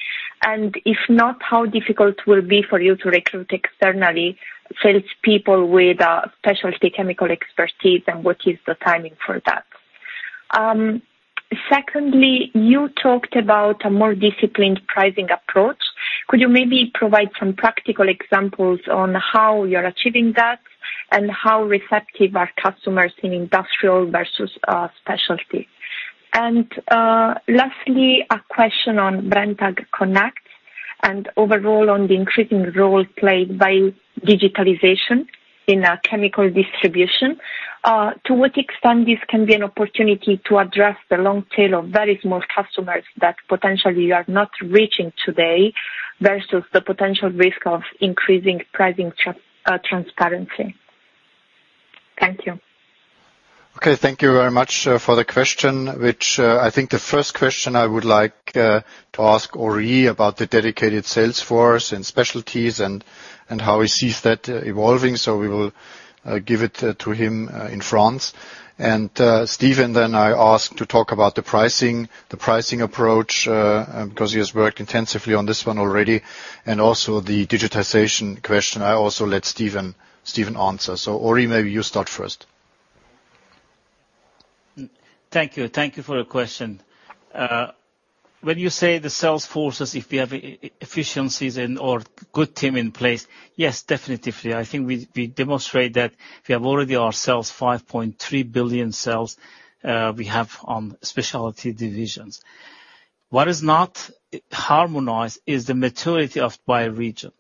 L: If not, how difficult will it be for you to recruit externally salespeople with a specialty chemical expertise, and what is the timing for that? Secondly, you talked about a more disciplined pricing approach. Could you maybe provide some practical examples on how you're achieving that and how receptive are customers in industrial versus specialty? Lastly, a question on Brenntag Connect and overall on the increasing role played by digitalization in chemical distribution. To what extent this can be an opportunity to address the long tail of very small customers that potentially you are not reaching today, versus the potential risk of increasing pricing transparency? Thank you.
C: Okay. Thank you very much for the question, which I think the first question I would like to ask Henri about the dedicated sales force in Specialties and how he sees that evolving. We will give it to him in France. Steven then I'll ask to talk about the pricing approach, because he has worked intensively on this one already, and also the digitization question, I also let Steven answer. Henri, maybe you start first.
E: Thank you. Thank you for your question. When you say the sales forces, if we have efficiencies or good team in place, yes, definitely. I think we demonstrate that we have already ourselves 5.3 billion sales we have on Specialties divisions. What is not harmonized is the maturity of by region.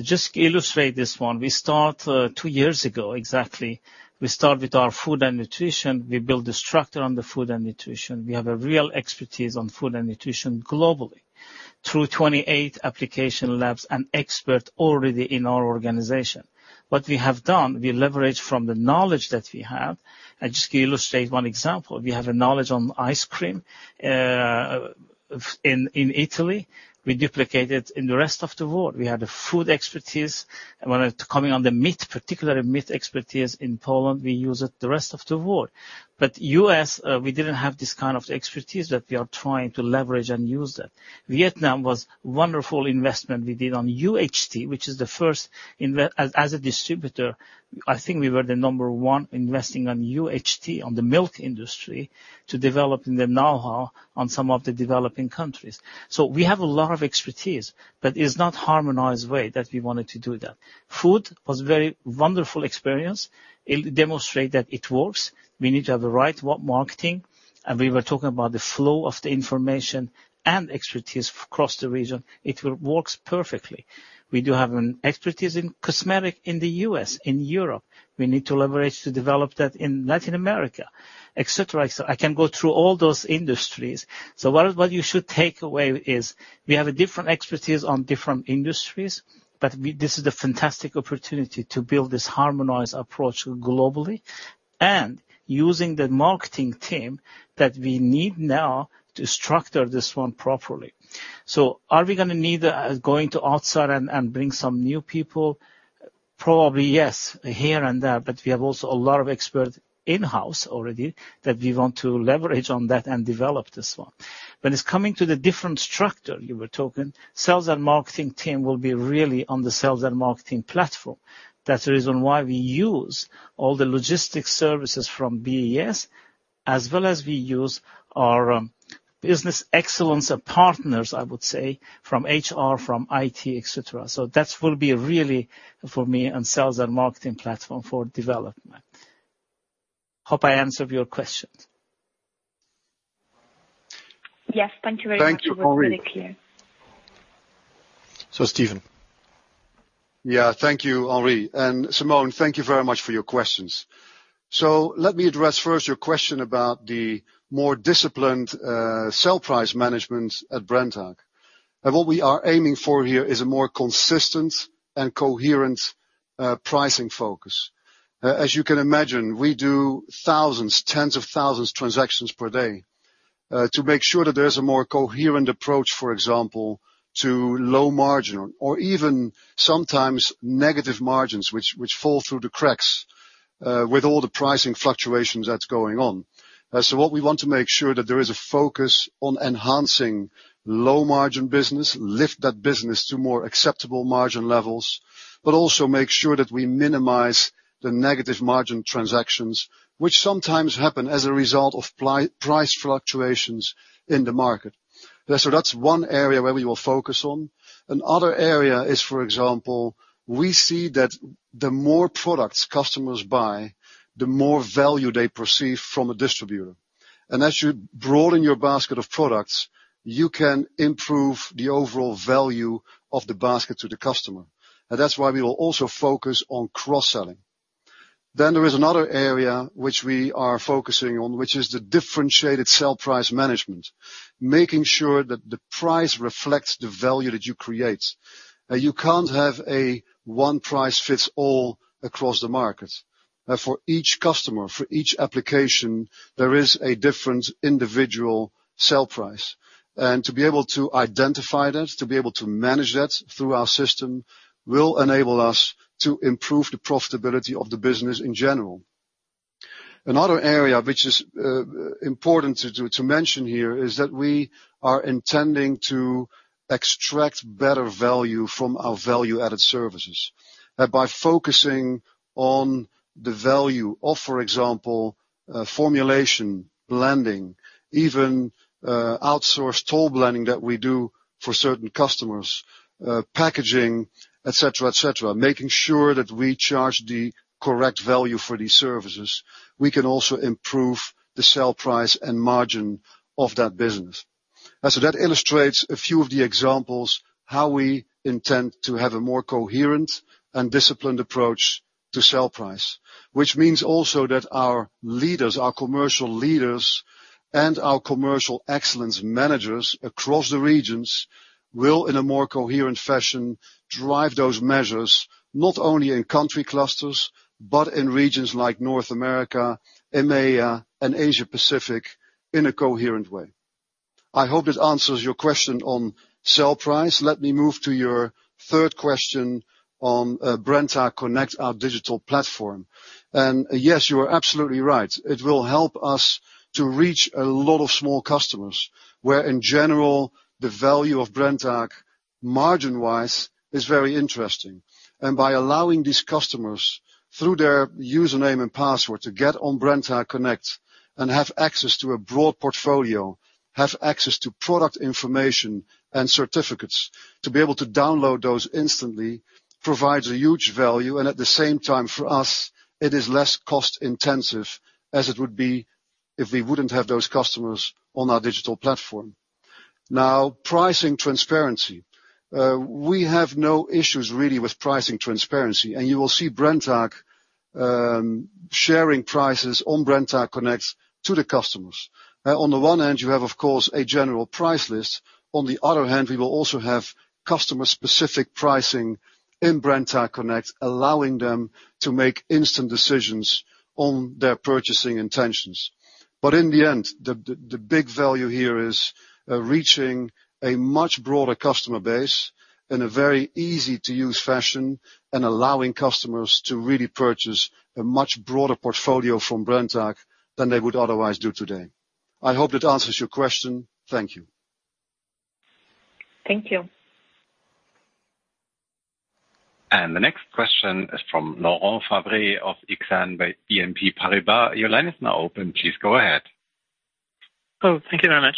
E: Just to illustrate this one, we start two years ago exactly. We start with our food and nutrition. We build the structure on the food and nutrition. We have a real expertise on food and nutrition globally through 28 application labs and expert already in our organization. What we have done, we leverage from the knowledge that we have. I'll just illustrate one example. We have a knowledge on ice cream in Italy. We duplicate it in the rest of the world. We have the food expertise. When it's coming on the meat, particular meat expertise in Poland, we use it the rest of the world. U.S., we didn't have this kind of expertise that we are trying to leverage and use it. Vietnam was wonderful investment we did on UHT, which is the first As a distributor, I think we were the number one investing on UHT, on the milk industry, to develop the knowhow on some of the developing countries. We have a lot of expertise, but it's not harmonized way that we wanted to do that. Food was very wonderful experience. It demonstrate that it works. We need to have the right marketing, and we were talking about the flow of the information and expertise across the region. It works perfectly. We do have an expertise in cosmetic in the U.S., in Europe. We need to leverage to develop that in Latin America, et cetera. I can go through all those industries. What you should take away is we have a different expertise on different industries, but this is a fantastic opportunity to build this harmonized approach globally, and using the marketing team that we need now to structure this one properly. Are we going to need going to outside and bring some new people? Probably yes, here and there, but we have also a lot of expert in-house already that we want to leverage on that and develop this one. When it's coming to the different structure you were talking, sales and marketing team will be really on the sales and marketing platform. That's the reason why we use all the logistic services from BES as well as we use our business excellence partners, I would say, from HR, from IT, et cetera. That will be really for me a sales and marketing platform for development. Hope I answered your questions.
L: Yes. Thank you very much.
C: Thank you, Henri.
L: It was very clear.
C: Steven.
D: Thank you, Henri. Simona, thank you very much for your questions. Let me address first your question about the more disciplined sell price management at Brenntag. What we are aiming for here is a more consistent and coherent pricing focus. As you can imagine, we do thousands, tens of thousands transactions per day. To make sure that there's a more coherent approach, for example, to low margin or even sometimes negative margins, which fall through the cracks, with all the pricing fluctuations that's going on. What we want to make sure that there is a focus on enhancing low margin business, lift that business to more acceptable margin levels, but also make sure that we minimize the negative margin transactions, which sometimes happen as a result of price fluctuations in the market. That's one area where we will focus on. Another area is, for example, we see that the more products customers buy, the more value they perceive from a distributor. As you broaden your basket of products, you can improve the overall value of the basket to the customer. That's why we will also focus on cross-selling. There is another area which we are focusing on, which is the differentiated sell price management, making sure that the price reflects the value that you create. You can't have a one price fits all across the market. For each customer, for each application, there is a different individual sell price. To be able to identify that, to be able to manage that through our system, will enable us to improve the profitability of the business in general. Another area which is important to mention here is that we are intending to extract better value from our value-added services. By focusing on the value of, for example, formulation, blending, even outsourced toll blending that we do for certain customers, packaging, et cetera. Making sure that we charge the correct value for these services, we can also improve the sell price and margin of that business. That illustrates a few of the examples how we intend to have a more coherent and disciplined approach to sell price, which means also that our leaders, our commercial leaders, and our commercial excellence managers across the regions will, in a more coherent fashion, drive those measures, not only in country clusters, but in regions like North America, EMEA, and Asia Pacific in a coherent way. I hope that answers your question on sell price. Let me move to your third question on Brenntag Connect, our digital platform. Yes, you are absolutely right. It will help us to reach a lot of small customers, where in general, the value of Brenntag, margin-wise, is very interesting. By allowing these customers, through their username and password, to get on Brenntag Connect and have access to a broad portfolio, have access to product information and certificates, to be able to download those instantly, provides a huge value. At the same time, for us, it is less cost-intensive as it would be if we wouldn't have those customers on our digital platform. Now, pricing transparency. We have no issues really with pricing transparency. You will see Brenntag sharing prices on Brenntag Connect to the customers. On the one hand, you have, of course, a general price list. On the other hand, we will also have customer-specific pricing in Brenntag Connect, allowing them to make instant decisions on their purchasing intentions. In the end, the big value here is reaching a much broader customer base in a very easy-to-use fashion and allowing customers to really purchase a much broader portfolio from Brenntag than they would otherwise do today. I hope that answers your question. Thank you.
L: Thank you.
G: The next question is from Laurent Favre of Exane BNP Paribas. Your line is now open. Please go ahead.
M: Oh, thank you very much.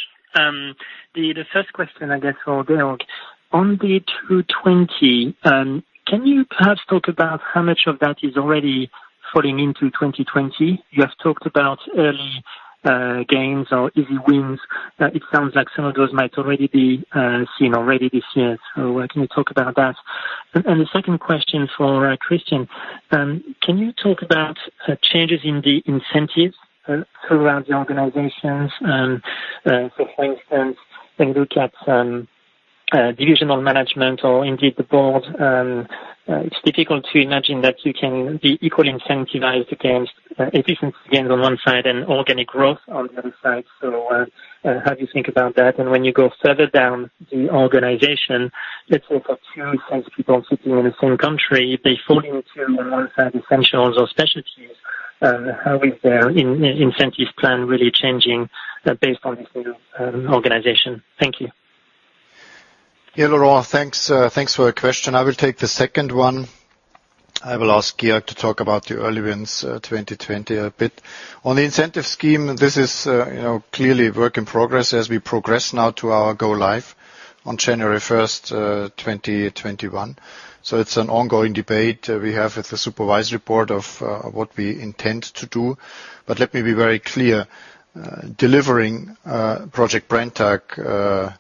M: The first question, I guess, for Georg. On the 2020, can you perhaps talk about how much of that is already falling into 2020? You have talked about early gains or easy wins. It sounds like some of those might already be seen already this year. What can you talk about that? The second question for Christian. Can you talk about changes in the incentives throughout the organizations? For instance, when you look at divisional management or indeed the board, it's difficult to imagine that you can be equally incentivized against efficiency gains on one side and organic growth on the other side. How do you think about that? When you go further down the organization, let's talk of two sales people sitting in the same country, they fall into, on one side, Essentials or Specialties. How is their incentives plan really changing based on this new organization? Thank you.
C: Laurent, thanks for your question. I will take the second one. I will ask Georg to talk about the early wins 2020 a bit. On the incentive scheme, this is clearly a work in progress as we progress now to our go live on January 1st, 2021. It's an ongoing debate we have with the supervisory board of what we intend to do. Let me be very clear. Delivering Project Brenntag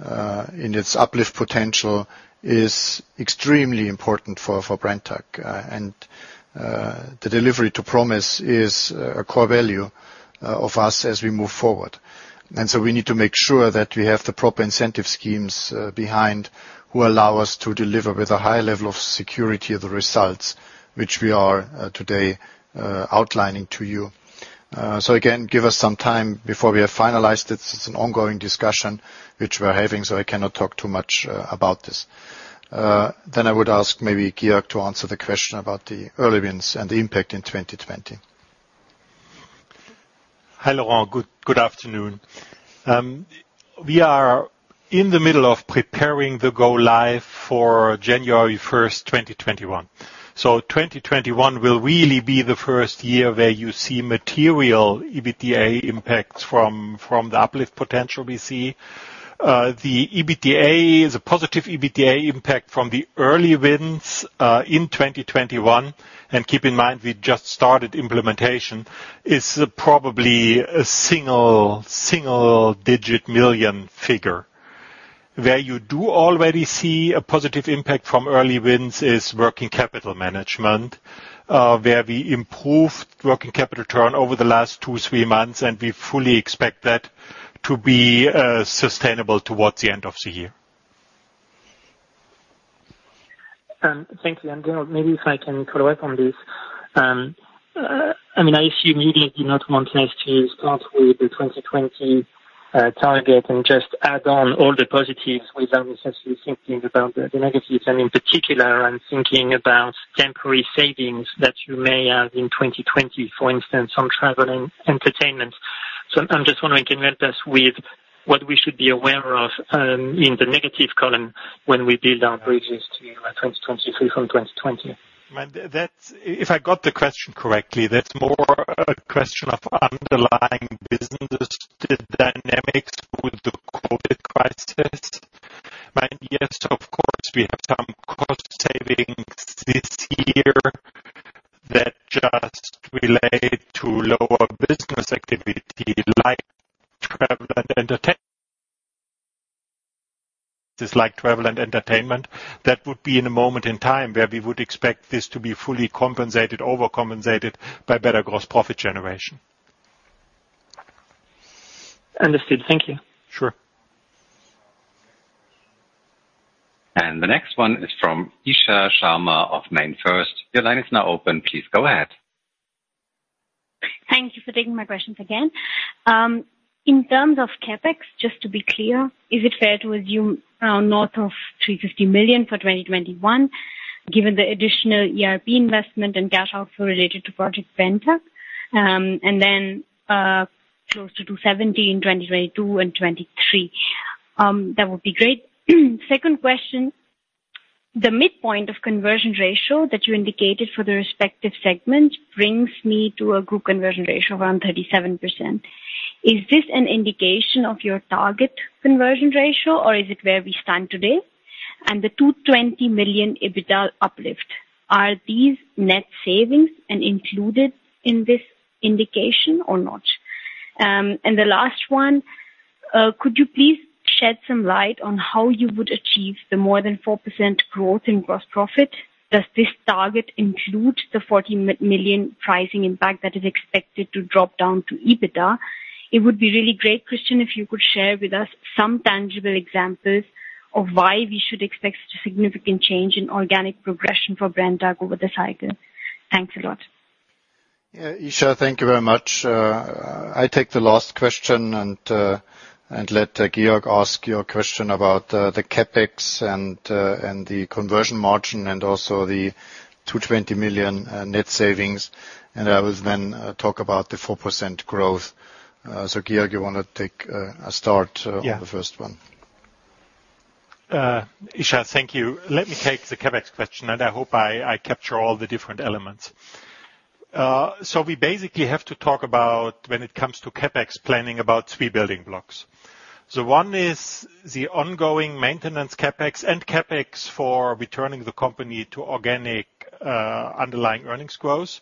C: in its uplift potential is extremely important for Brenntag, and the delivery to promise is a core value of us as we move forward. We need to make sure that we have the proper incentive schemes behind who allow us to deliver with a high level of security of the results, which we are today outlining to you. Again, give us some time before we have finalized it. It's an ongoing discussion which we're having, so I cannot talk too much about this. I would ask maybe Georg to answer the question about the early wins and the impact in 2020.
F: Hi, Laurent. Good afternoon. We are in the middle of preparing the go live for January 1st, 2021. 2021 will really be the first year where you see material EBITDA impacts from the uplift potential we see. The EBITDA is a positive EBITDA impact from the early wins in 2021. Keep in mind, we just started implementation. It's probably a single-digit million figure. Where you do already see a positive impact from early wins is working capital management, where we improved working capital turn over the last two, three months, and we fully expect that to be sustainable towards the end of the year.
M: Thank you. Maybe if I can follow up on this. I assume you maybe do not want us to start with the 2020 target and just add on all the positives without necessarily thinking about the negatives and, in particular, I'm thinking about temporary savings that you may have in 2020, for instance, on travel and entertainment. I'm just wondering, can you help us with what we should be aware of in the negative column when we build our bridges to 2023 from 2020?
F: If I got the question correctly, that's more a question of underlying business dynamics with the COVID crisis. Yes, of course, we have some cost savings this year that just relate to lower business activity like travel and entertainment. That would be in a moment in time where we would expect this to be fully compensated, over-compensated by better gross profit generation.
M: Understood. Thank you.
F: Sure.
G: The next one is from Isha Sharma of MainFirst. Your line is now open. Please go ahead.
N: Thank you for taking my questions again. In terms of CapEx, just to be clear, is it fair to assume north of 350 million for 2021 given the additional ERP investment and cash outflow related to Project Brenntag, and then close to 270 million in 2022 and 2023? That would be great. Second question, the midpoint of conversion ratio that you indicated for the respective segments brings me to a group conversion ratio of around 37%. The 220 million EBITDA uplift, are these net savings and included in this indication or not? The last one, could you please shed some light on how you would achieve the more than 4% growth in gross profit? Does this target include the 14 million pricing impact that is expected to drop down to EBITDA? It would be really great, Christian, if you could share with us some tangible examples of why we should expect such a significant change in organic progression for Brenntag over the cycle. Thanks a lot.
C: Isha, thank you very much. I take the last question and let Georg ask your question about the CapEx and the conversion ratio, and also the 220 million net savings. I will then talk about the 4% growth. Georg, you want to take a start on the first one?
F: Isha, thank you. Let me take the CapEx question, and I hope I capture all the different elements. We basically have to talk about, when it comes to CapEx planning, about three building blocks. One is the ongoing maintenance CapEx and CapEx for returning the company to organic underlying earnings growth.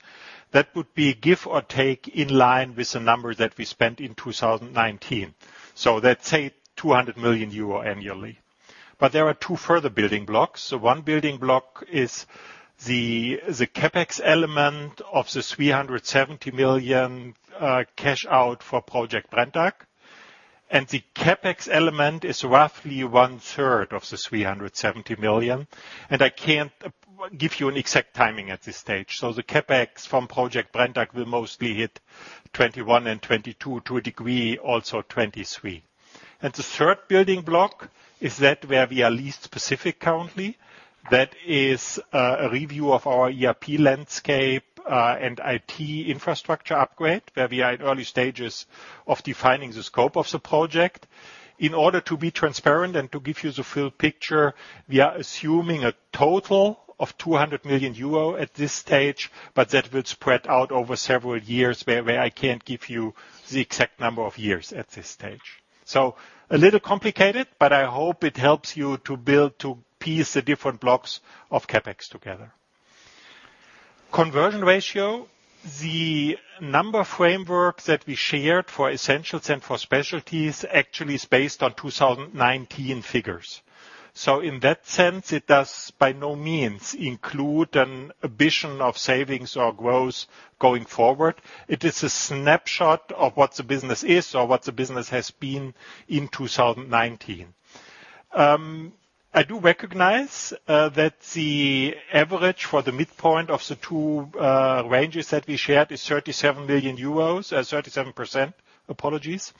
F: That would be give or take in line with the numbers that we spent in 2019. That's, say, 200 million euro annually. There are two further building blocks. One building block is the CapEx element of the 370 million cash out for Project Brenntag. The CapEx element is roughly 1/3 of the 370 million. I can't give you an exact timing at this stage. The CapEx from Project Brenntag will mostly hit 2021 and 2022, to a degree also 2023. The third building block is that where we are least specific currently. That is a review of our ERP landscape and IT infrastructure upgrade, where we are at early stages of defining the scope of the project. In order to be transparent and to give you the full picture, we are assuming a total of 200 million euro at this stage, but that will spread out over several years, where I can't give you the exact number of years at this stage. A little complicated, but I hope it helps you to piece the different blocks of CapEx together. Conversion ratio, the number framework that we shared for Essentials and for Specialties actually is based on 2019 figures. In that sense, it does by no means include an ambition of savings or growth going forward. It is a snapshot of what the business is or what the business has been in 2019. I do recognize that the average for the midpoint of the two ranges that we shared is 37 million euros, 37%, apologies.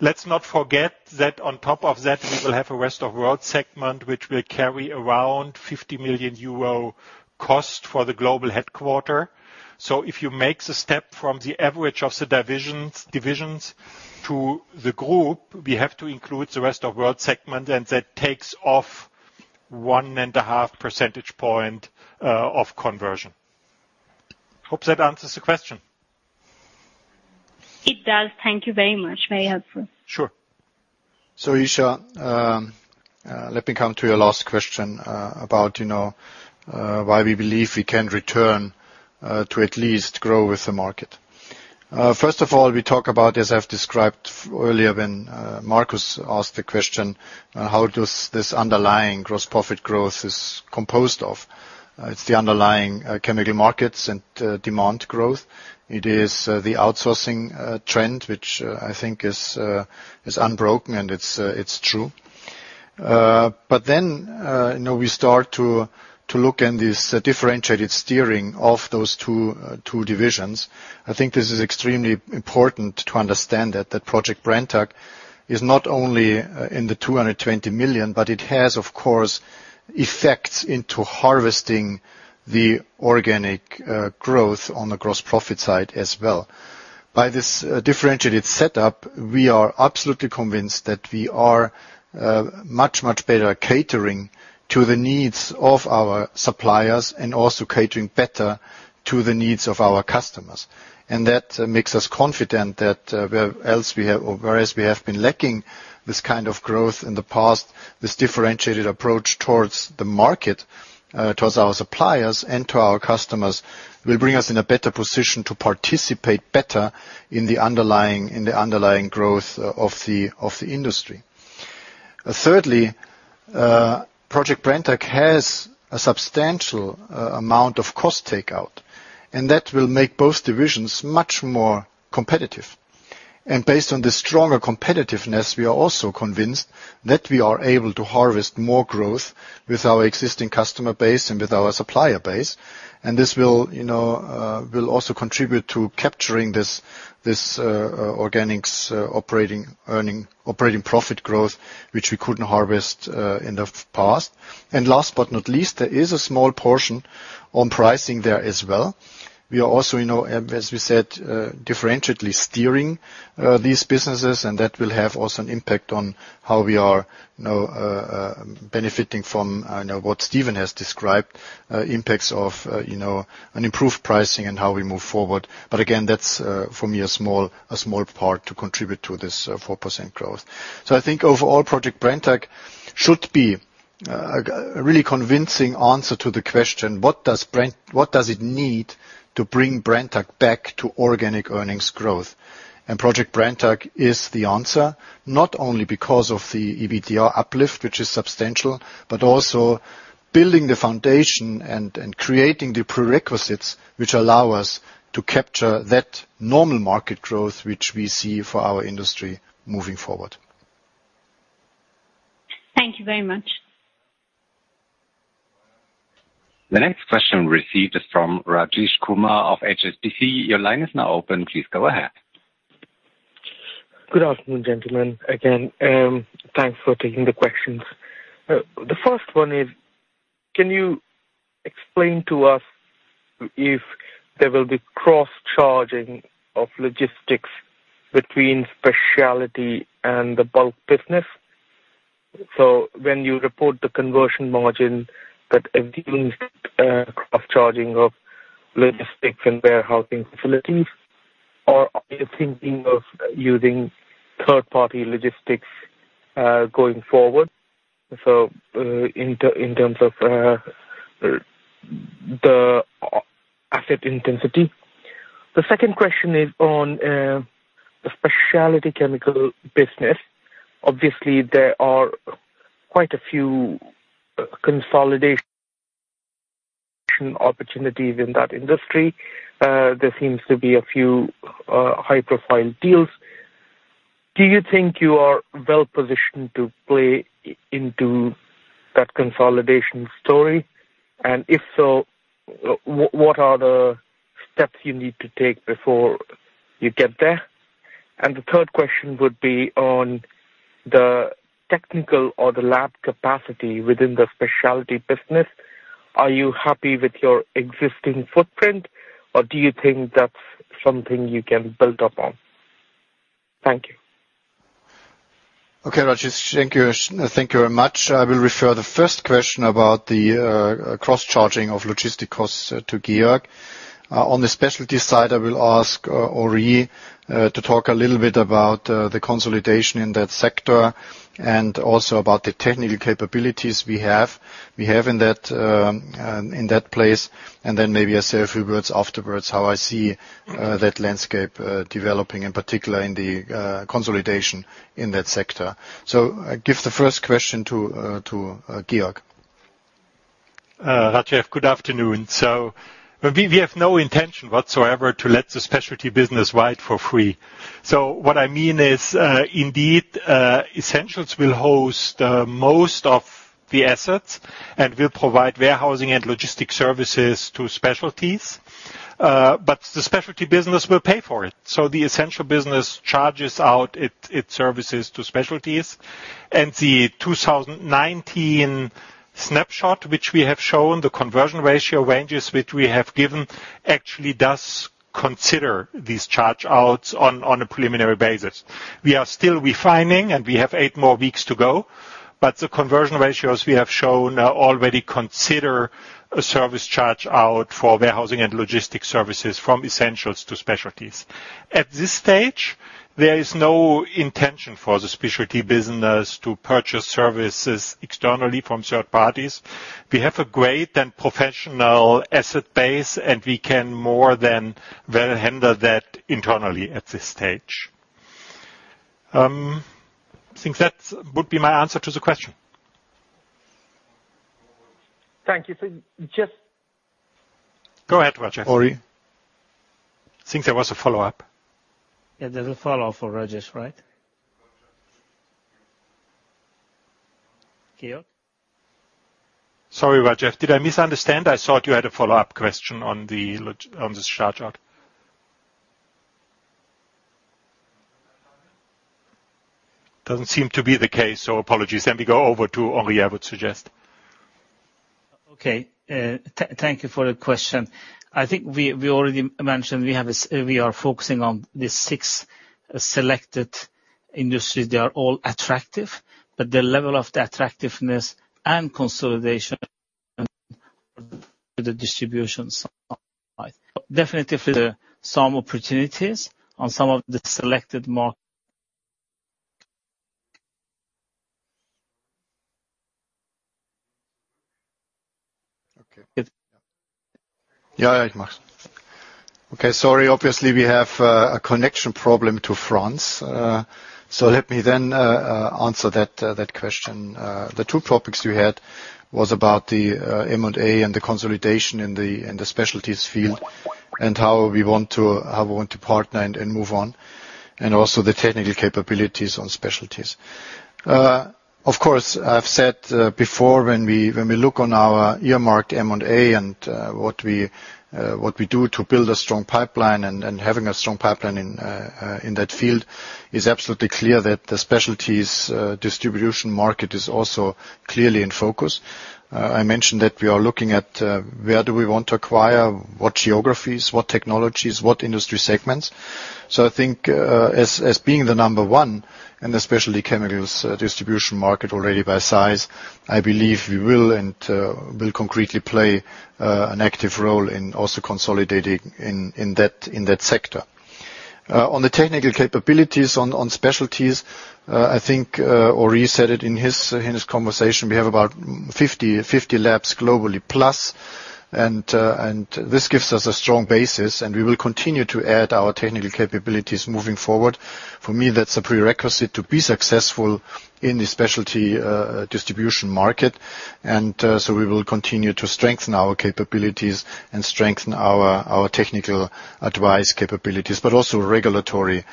F: Let's not forget that on top of that, we will have a rest of world segment which will carry around 50 million euro cost for the global headquarter. If you make the step from the average of the divisions to the group, we have to include the rest of world segment, and that takes off one and a half percentage point of conversion. Hope that answers the question.
N: It does. Thank you very much. Very helpful.
F: Sure.
C: Isha, let me come to your last question about why we believe we can return to at least grow with the market. First of all, we talk about, as I've described earlier, when Markus asked the question, how does this underlying gross profit growth is composed of? It's the underlying chemical markets and demand growth. It is the outsourcing trend, which I think is unbroken, and it's true. We start to look in this differentiated steering of those two divisions. I think this is extremely important to understand that Project Brenntag is not only in the 220 million, but it has, of course, effects into harvesting the organic growth on the gross profit side as well. By this differentiated setup, we are absolutely convinced that we are much, much better catering to the needs of our suppliers and also catering better to the needs of our customers. That makes us confident that whereas we have been lacking this kind of growth in the past, this differentiated approach towards the market, towards our suppliers and to our customers, will bring us in a better position to participate better in the underlying growth of the industry. Thirdly, Project Brenntag has a substantial amount of cost takeout, that will make both divisions much more competitive. Based on the stronger competitiveness, we are also convinced that we are able to harvest more growth with our existing customer base and with our supplier base. This will also contribute to capturing this organics operating profit growth, which we couldn't harvest in the past. Last but not least, there is a small portion on pricing there as well. We are also, as we said, differentiatedly steering these businesses, and that will have also an impact on how we are benefiting from what Steven has described, impacts of an improved pricing and how we move forward. Again, that's for me, a small part to contribute to this 4% growth. I think overall, Project Brenntag should be a really convincing answer to the question, what does it need to bring Brenntag back to organic earnings growth? Project Brenntag is the answer, not only because of the EBITDA uplift, which is substantial, but also building the foundation and creating the prerequisites which allow us to capture that normal market growth which we see for our industry moving forward.
N: Thank you very much.
G: The next question received is from Rajesh Kumar of HSBC. Your line is now open. Please go ahead.
O: Good afternoon, gentlemen. Again, thanks for taking the questions. The first one is, can you explain to us if there will be cross-charging of logistics between specialty and the bulk business? When you report the conversion margin that cross-charging of logistics and warehousing facilities or are you thinking of using third-party logistics going forward, so in terms of the asset intensity? The second question is on the specialty chemical business. Obviously, there are quite a few consolidation opportunities in that industry. There seems to be a few high-profile deals. Do you think you are well-positioned to play into that consolidation story? If so, what are the steps you need to take before you get there? The third question would be on the technical or the lab capacity within the specialty business. Are you happy with your existing footprint, or do you think that is something you can build upon? Thank you.
C: Rajesh, thank you very much. I will refer the first question about the cross-charging of logistic costs to Georg. On the specialty side, I will ask Henri to talk a little bit about the consolidation in that sector and also about the technical capabilities we have in that place, and then maybe I say a few words afterwards, how I see that landscape developing, in particular in the consolidation in that sector. I give the first question to Georg.
F: Rajesh, good afternoon. We have no intention whatsoever to let the specialty business ride for free. What I mean is, indeed, essentials will host most of the assets and will provide warehousing and logistics services to specialties, but the specialty business will pay for it. The essential business charges out its services to specialties, and the 2019 snapshot, which we have shown, the conversion ratio ranges which we have given, actually does consider these charge-outs on a preliminary basis. We are still refining, and we have eight more weeks to go, but the conversion ratios we have shown already consider a service charge-out for warehousing and logistics services from essentials to specialties. At this stage there is no intention for the specialty business to purchase services externally from third parties. We have a great and professional asset base, and we can more than well handle that internally at this stage. I think that would be my answer to the question.
O: Thank you.
C: Go ahead, Rajesh. I think there was a follow-up. Yeah, there's a follow-up for Rajesh, right? Georg? Sorry, Rajesh, did I misunderstand? I thought you had a follow-up question on this chart. Doesn't seem to be the case, so apologies. We go over to Henri, I would suggest.
E: Okay. Thank you for the question. I think we already mentioned, we are focusing on the six selected industries. They are all attractive, but the level of the attractiveness and consolidation to the distribution side. Definitely, there are some opportunities on some of the selected.
C: Okay, sorry. Obviously, we have a connection problem to France. Let me then answer that question. The two topics you had was about the M&A and the consolidation in the specialties field and how we want to partner and move on, and also the technical capabilities on specialties. Of course, I've said before, when we look on our earmarked M&A and what we do to build a strong pipeline and having a strong pipeline in that field, is absolutely clear that the specialties distribution market is also clearly in focus. I mentioned that we are looking at where do we want to acquire, what geographies, what technologies, what industry segments. I think as being the number 1 in the specialty chemicals distribution market already by size, I believe we will concretely play an active role in also consolidating in that sector. On the technical capabilities on specialties, I think Henri said it in his conversation, we have about 50 labs globally plus, and this gives us a strong basis, and we will continue to add our technical capabilities moving forward. For me, that's a prerequisite to be successful in the specialty distribution market. We will continue to strengthen our capabilities and strengthen our technical advice capabilities, but also regulatory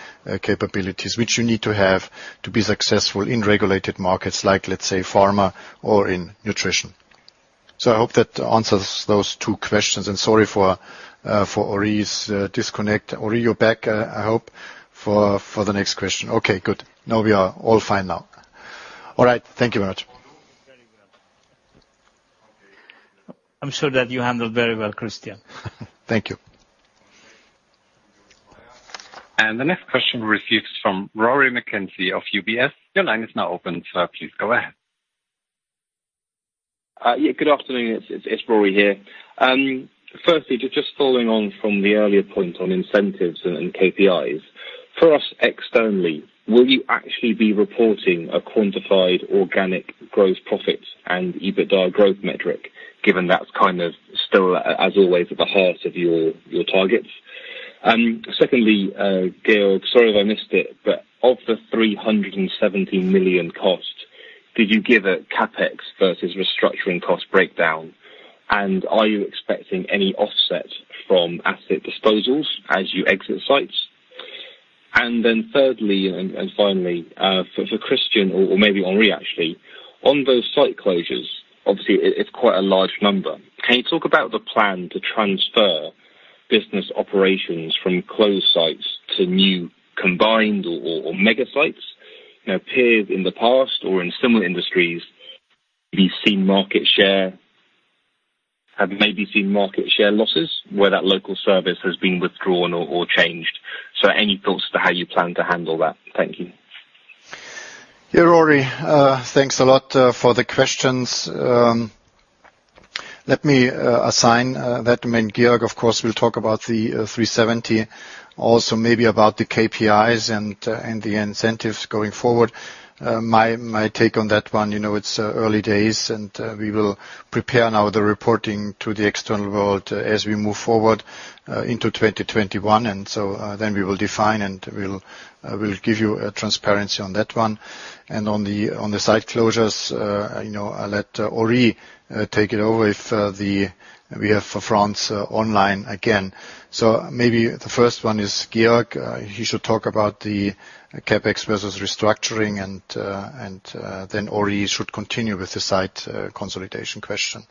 C: capabilities, which you need to have to be successful in regulated markets like, let's say, pharma or in nutrition. I hope that answers those two questions. Sorry for Henri's disconnect. Henri, you're back, I hope, for the next question. Okay, good. Now we are all fine now. All right. Thank you very much.
E: I am sure that you handled very well, Christian. Thank you.
G: The next question we receive is from Rory McKenzie of UBS. Your line is now open. Please go ahead.
P: Good afternoon. It's Rory here. Firstly, just following on from the earlier point on incentives and KPIs, for us externally, will you actually be reporting a quantified organic growth profit and EBITDA growth metric, given that's still, as always, at the heart of your targets? Secondly, Georg, sorry if I missed it, but of the 370 million cost, could you give a CapEx versus restructuring cost breakdown? Are you expecting any offset from asset disposals as you exit sites? Thirdly, and finally, for Christian or maybe Henri, actually, on those site closures, obviously it's quite a large number. Can you talk about the plan to transfer business operations from closed sites to new combined or mega sites? Peers in the past or in similar industries, have maybe seen market share losses where that local service has been withdrawn or changed. Any thoughts for how you plan to handle that? Thank you.
C: Yeah, Rory. Thanks a lot for the questions. Let me assign that. Georg, of course, will talk about the 370, also maybe about the KPIs and the incentives going forward. My take on that one, it's early days and we will prepare now the reporting to the external world as we move forward into 2021. We will define, and we'll give you transparency on that one. On the site closures, I'll let Henri take it over if we have France online again. Maybe the first one is Georg. He should talk about the CapEx versus restructuring and then Henri should continue with the site consolidation question.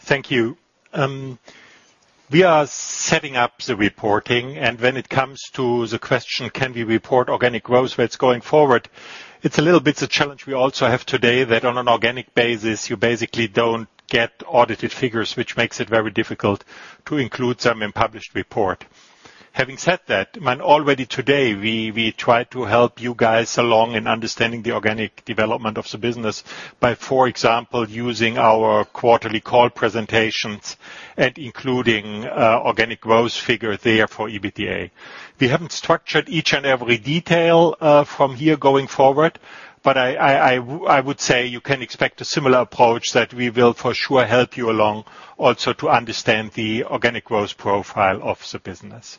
F: Thank you. We are setting up the reporting, and when it comes to the question, can we report organic growth rates going forward? It's a little bit a challenge we also have today that on an organic basis, you basically don't get audited figures, which makes it very difficult to include some in published report. Having said that, already today, we try to help you guys along in understanding the organic development of the business by, for example, using our quarterly call presentations and including organic growth figure there for EBITDA. I would say you can expect a similar approach that we will for sure help you along also to understand the organic growth profile of the business.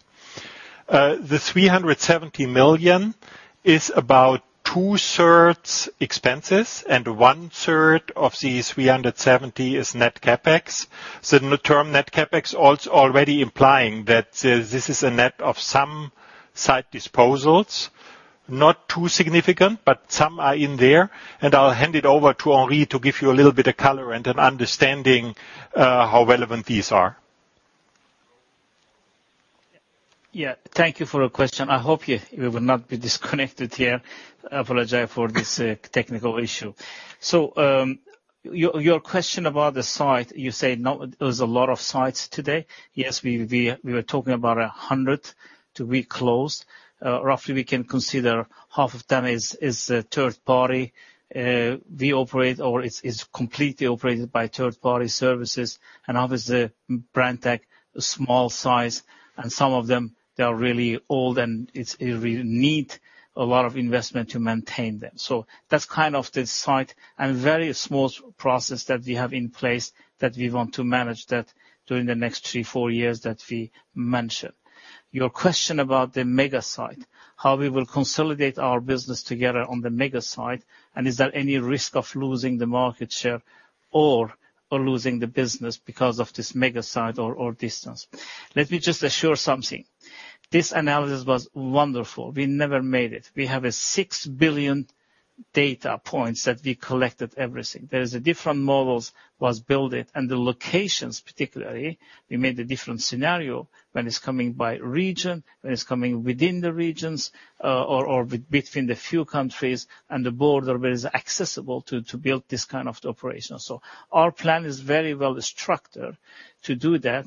F: The 370 million is about 2/3 expenses and 1/3 of the 370 is net CapEx. The term net CapEx already implying that this is a net of some site disposals. Not too significant, but some are in there. I'll hand it over to Henri to give you a little bit of color and an understanding how relevant these are.
E: Yeah. Thank you for your question. I hope you will not be disconnected here. I apologize for this technical issue. Your question about the site, you say there's a lot of sites today. Yes, we were talking about 100 to be closed. Roughly we can consider half of them is third party. We operate or it's completely operated by third party services and obviously, Brenntag, small size and some of them, they are really old and it will need a lot of investment to maintain them. That's the site and very small process that we have in place that we want to manage that during the next three, four years that we mentioned. Your question about the mega site, how we will consolidate our business together on the mega site, and is there any risk of losing the market share or losing the business because of this mega site or distance? Let me just assure something. This analysis was wonderful. We never made it. We have 6 billion data points that we collected everything. There are different models were built, and the locations particularly, we made a different scenario when it's coming by region, when it's coming within the regions, or between the few countries and the border where is accessible to build this kind of operation. Our plan is very well structured to do that.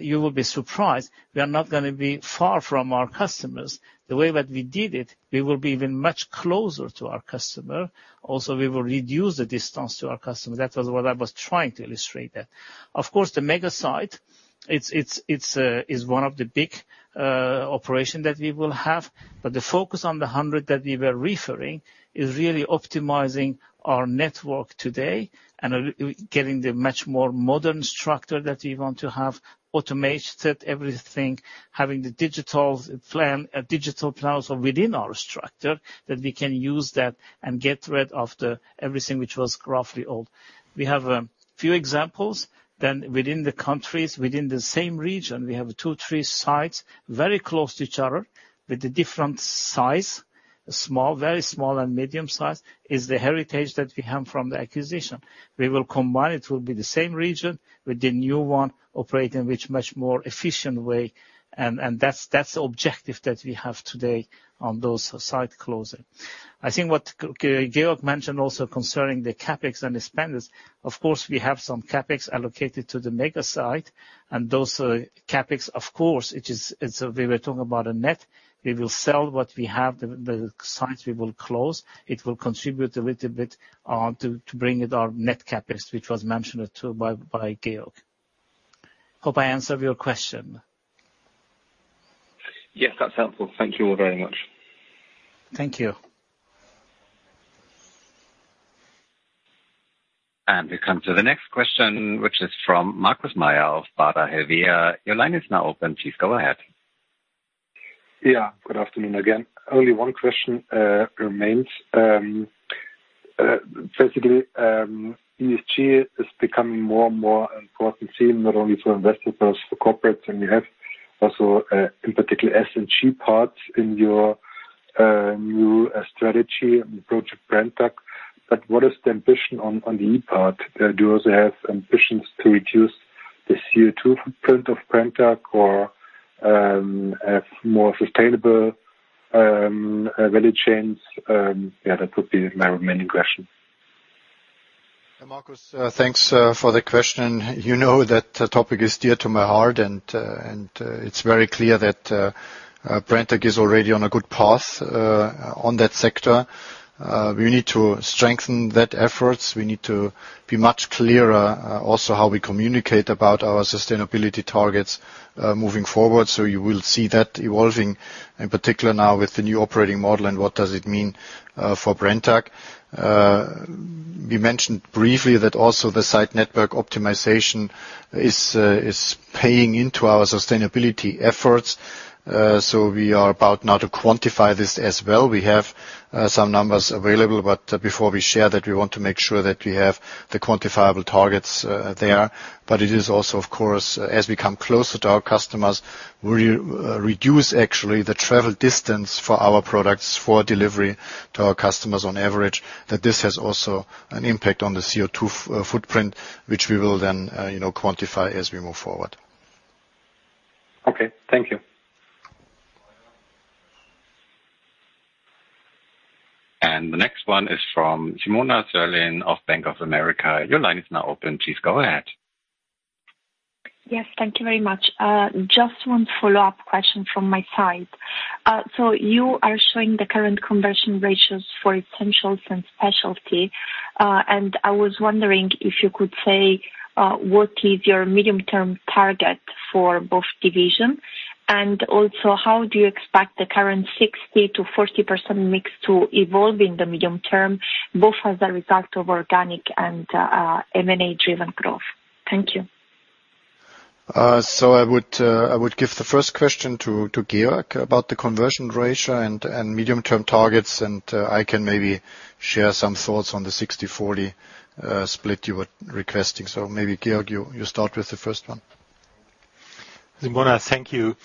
E: You will be surprised, we are not going to be far from our customers. The way that we did it, we will be even much closer to our customer. We will reduce the distance to our customer. That was what I was trying to illustrate there. Of course, the mega site is one of the big operation that we will have, but the focus on the 100 that we were referring is really optimizing our network today and getting the much more modern structure that we want to have, automated everything, having the digital plans within our structure that we can use that and get rid of the everything which was roughly old. We have a few examples, within the countries, within the same region, we have two, three sites very close to each other with a different size. Small, very small and medium size is the heritage that we have from the acquisition. We will combine, it will be the same region with the new one operating which much more efficient way. That's the objective that we have today on those site closing. I think what Georg mentioned also concerning the CapEx and the spend is, of course, we have some CapEx allocated to the mega site, and those CapEx, of course, we were talking about a net. We will sell what we have, the sites we will close. It will contribute a little bit to bring it our net CapEx, which was mentioned too by Georg. Hope I answered your question.
P: Yes, that's helpful. Thank you all very much.
E: Thank you.
G: We come to the next question, which is from Markus Mayer of Baader Helvea. Your line is now open. Please go ahead.
J: Good afternoon again. Only one question remains. ESG is becoming more and more important theme not only for investors, for corporates, and we have also, in particular S and G parts in your new strategy approach at Brenntag. What is the ambition on the E part? Do you also have ambitions to reduce the CO2 footprint of Brenntag or have more sustainable value chains? That would be my remaining question.
C: Markus, thanks for the question. You know that the topic is dear to my heart, and it's very clear that Brenntag is already on a good path on that sector. We need to strengthen that efforts. We need to be much clearer also how we communicate about our sustainability targets moving forward. You will see that evolving in particular now with the new operating model and what does it mean for Brenntag. We are about now to quantify this as well. We have some numbers available, but before we share that, we want to make sure that we have the quantifiable targets there. It is also, of course, as we come closer to our customers, we reduce actually the travel distance for our products for delivery to our customers on average, that this has also an impact on the CO2 footprint, which we will then quantify as we move forward.
J: Okay. Thank you.
G: The next one is from Simona Sarli of Bank of America. Your line is now open. Please go ahead.
L: Yes, thank you very much. Just one follow-up question from my side. You are showing the current conversion ratios for Essentials and Specialties. I was wondering if you could say, what is your medium-term target for both divisions? Also, how do you expect the current 60%-40% mix to evolve in the medium term, both as a result of organic and M&A-driven growth? Thank you.
C: I would give the first question to Georg about the conversion ratio and medium-term targets, and I can maybe share some thoughts on the 60/40 split you were requesting. Maybe Georg, you start with the first one.
F: Simona, thank you.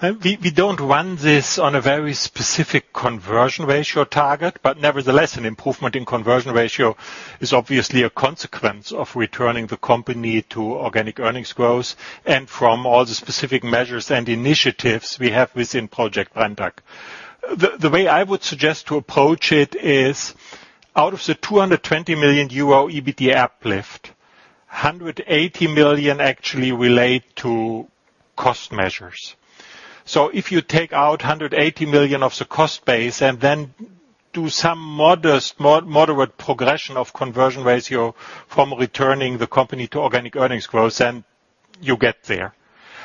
F: We don't run this on a very specific conversion ratio target, but nevertheless, an improvement in conversion ratio is obviously a consequence of returning the company to organic earnings growth and from all the specific measures and initiatives we have within Project Brenntag. The way I would suggest to approach it is out of the 220 million euro EBITDA uplift, 180 million actually relate to cost measures. If you take out 180 million of the cost base and then do some moderate progression of conversion ratio from returning the company to organic earnings growth, then you'll get there.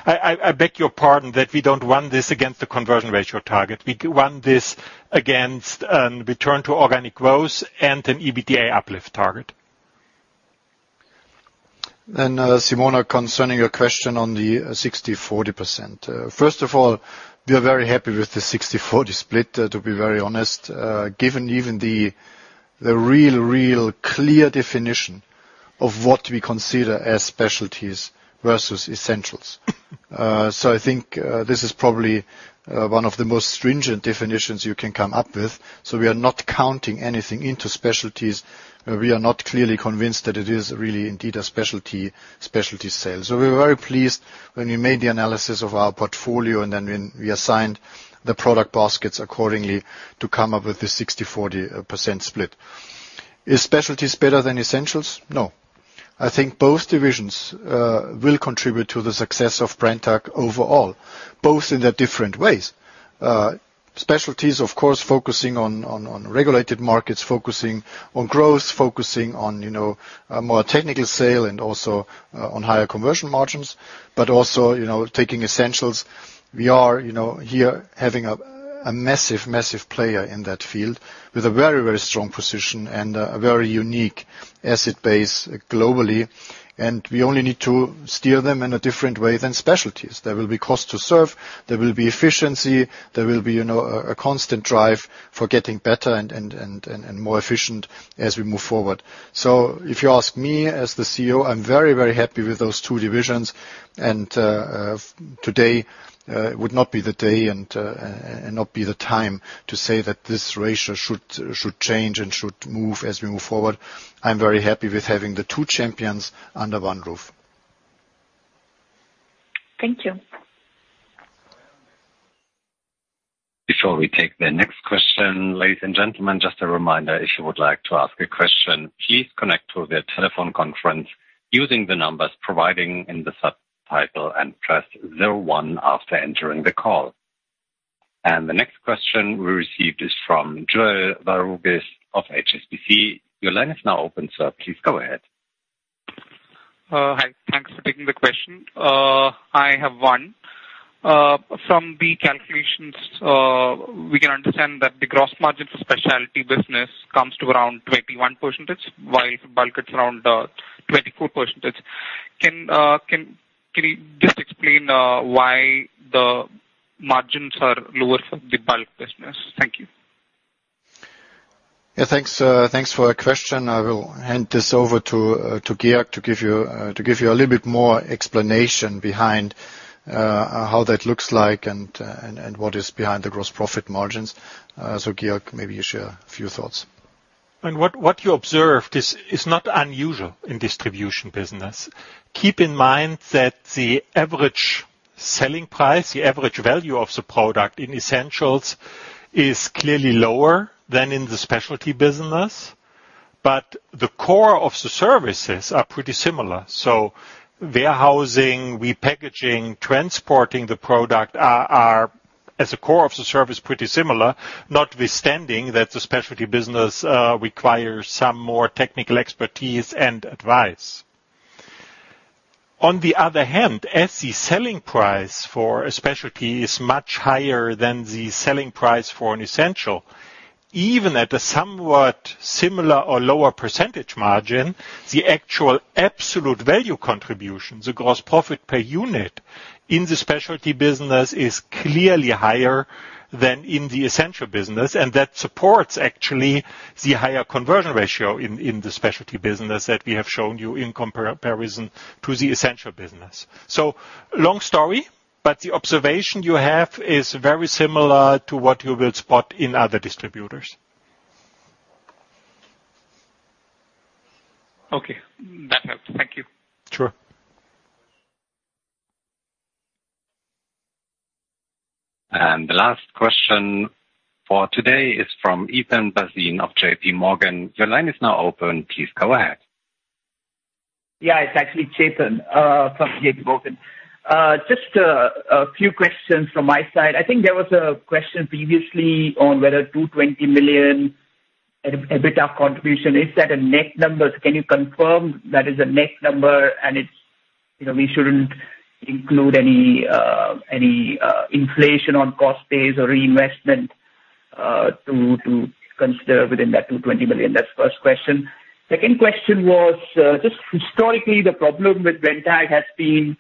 F: I beg your pardon that we don't run this against the conversion ratio target. We run this against return to organic growth and an EBITDA uplift target.
C: Simona, concerning your question on the 60%/40%. First of all, we are very happy with the 60/40 split, to be very honest, given even the real clear definition of what we consider as Specialties versus Essentials. I think this is probably one of the most stringent definitions you can come up with. We are not counting anything into Specialties. We are not clearly convinced that it is really indeed a specialty sale. We were very pleased when we made the analysis of our portfolio, and then when we assigned the product baskets accordingly to come up with the 60%/40% split. Is Specialties better than Essentials? No. I think both divisions will contribute to the success of Brenntag overall, both in their different ways. Specialties, of course, focusing on regulated markets, focusing on growth, focusing on more technical sale and also on higher conversion margins, but also, taking Essentials. We are here having a massive player in that field with a very strong position and a very unique asset base globally, and we only need to steer them in a different way than Specialties. There will be cost to serve, there will be efficiency, there will be a constant drive for getting better and more efficient as we move forward. If you ask me as the CEO, I'm very happy with those two divisions. Today would not be the day and not be the time to say that this ratio should change and should move as we move forward. I'm very happy with having the two champions under one roof.
L: Thank you.
G: Before we take the next question, ladies and gentlemen, just a reminder, if you would like to ask a question, please connect to the telephone conference using the numbers provided in the subtitle and press zero one after entering the call. The next question we received is from Jewel Varughese of HSBC. Your line is now open, sir. Please go ahead.
Q: Hi. Thanks for taking the question. I have one. From the calculations, we can understand that the gross margin for specialty business comes to around 21% while for bulk it's around 24%. Can you just explain why the margins are lower for the bulk business? Thank you.
C: Yeah, thanks for the question. I will hand this over to Georg to give you a little bit more explanation behind how that looks like and what is behind the gross profit margins. Georg, maybe you share a few thoughts.
F: What you observed is not unusual in distribution business. Keep in mind that the average selling price, the average value of the product in essentials is clearly lower than in the specialty business. The core of the services are pretty similar. Warehousing, repackaging, transporting the product are, as a core of the service, pretty similar, notwithstanding that the specialty business requires some more technical expertise and advice. On the other hand, as the selling price for a specialty is much higher than the selling price for an essential, even at a somewhat similar or lower percentage margin, the actual absolute value contribution, the gross profit per unit in the specialty business is clearly higher than in the essential business. That supports actually the higher conversion ratio in the specialty business that we have shown you in comparison to the essential business. Long story, but the observation you have is very similar to what you will spot in other distributors.
Q: Okay. That helps. Thank you.
F: Sure.
G: The last question for today is from [Ethan Burstin] of JPMorgan. Your line is now open. Please go ahead.
R: It's actually Chetan from JPMorgan. Just a few questions from my side. I think there was a question previously on whether 220 million EBITDA contribution, is that a net number? Can you confirm that is a net number and we shouldn't include any inflation on cost base or reinvestment to consider within that 220 million? That's the first question. Second question was just historically, the problem with Brenntag has been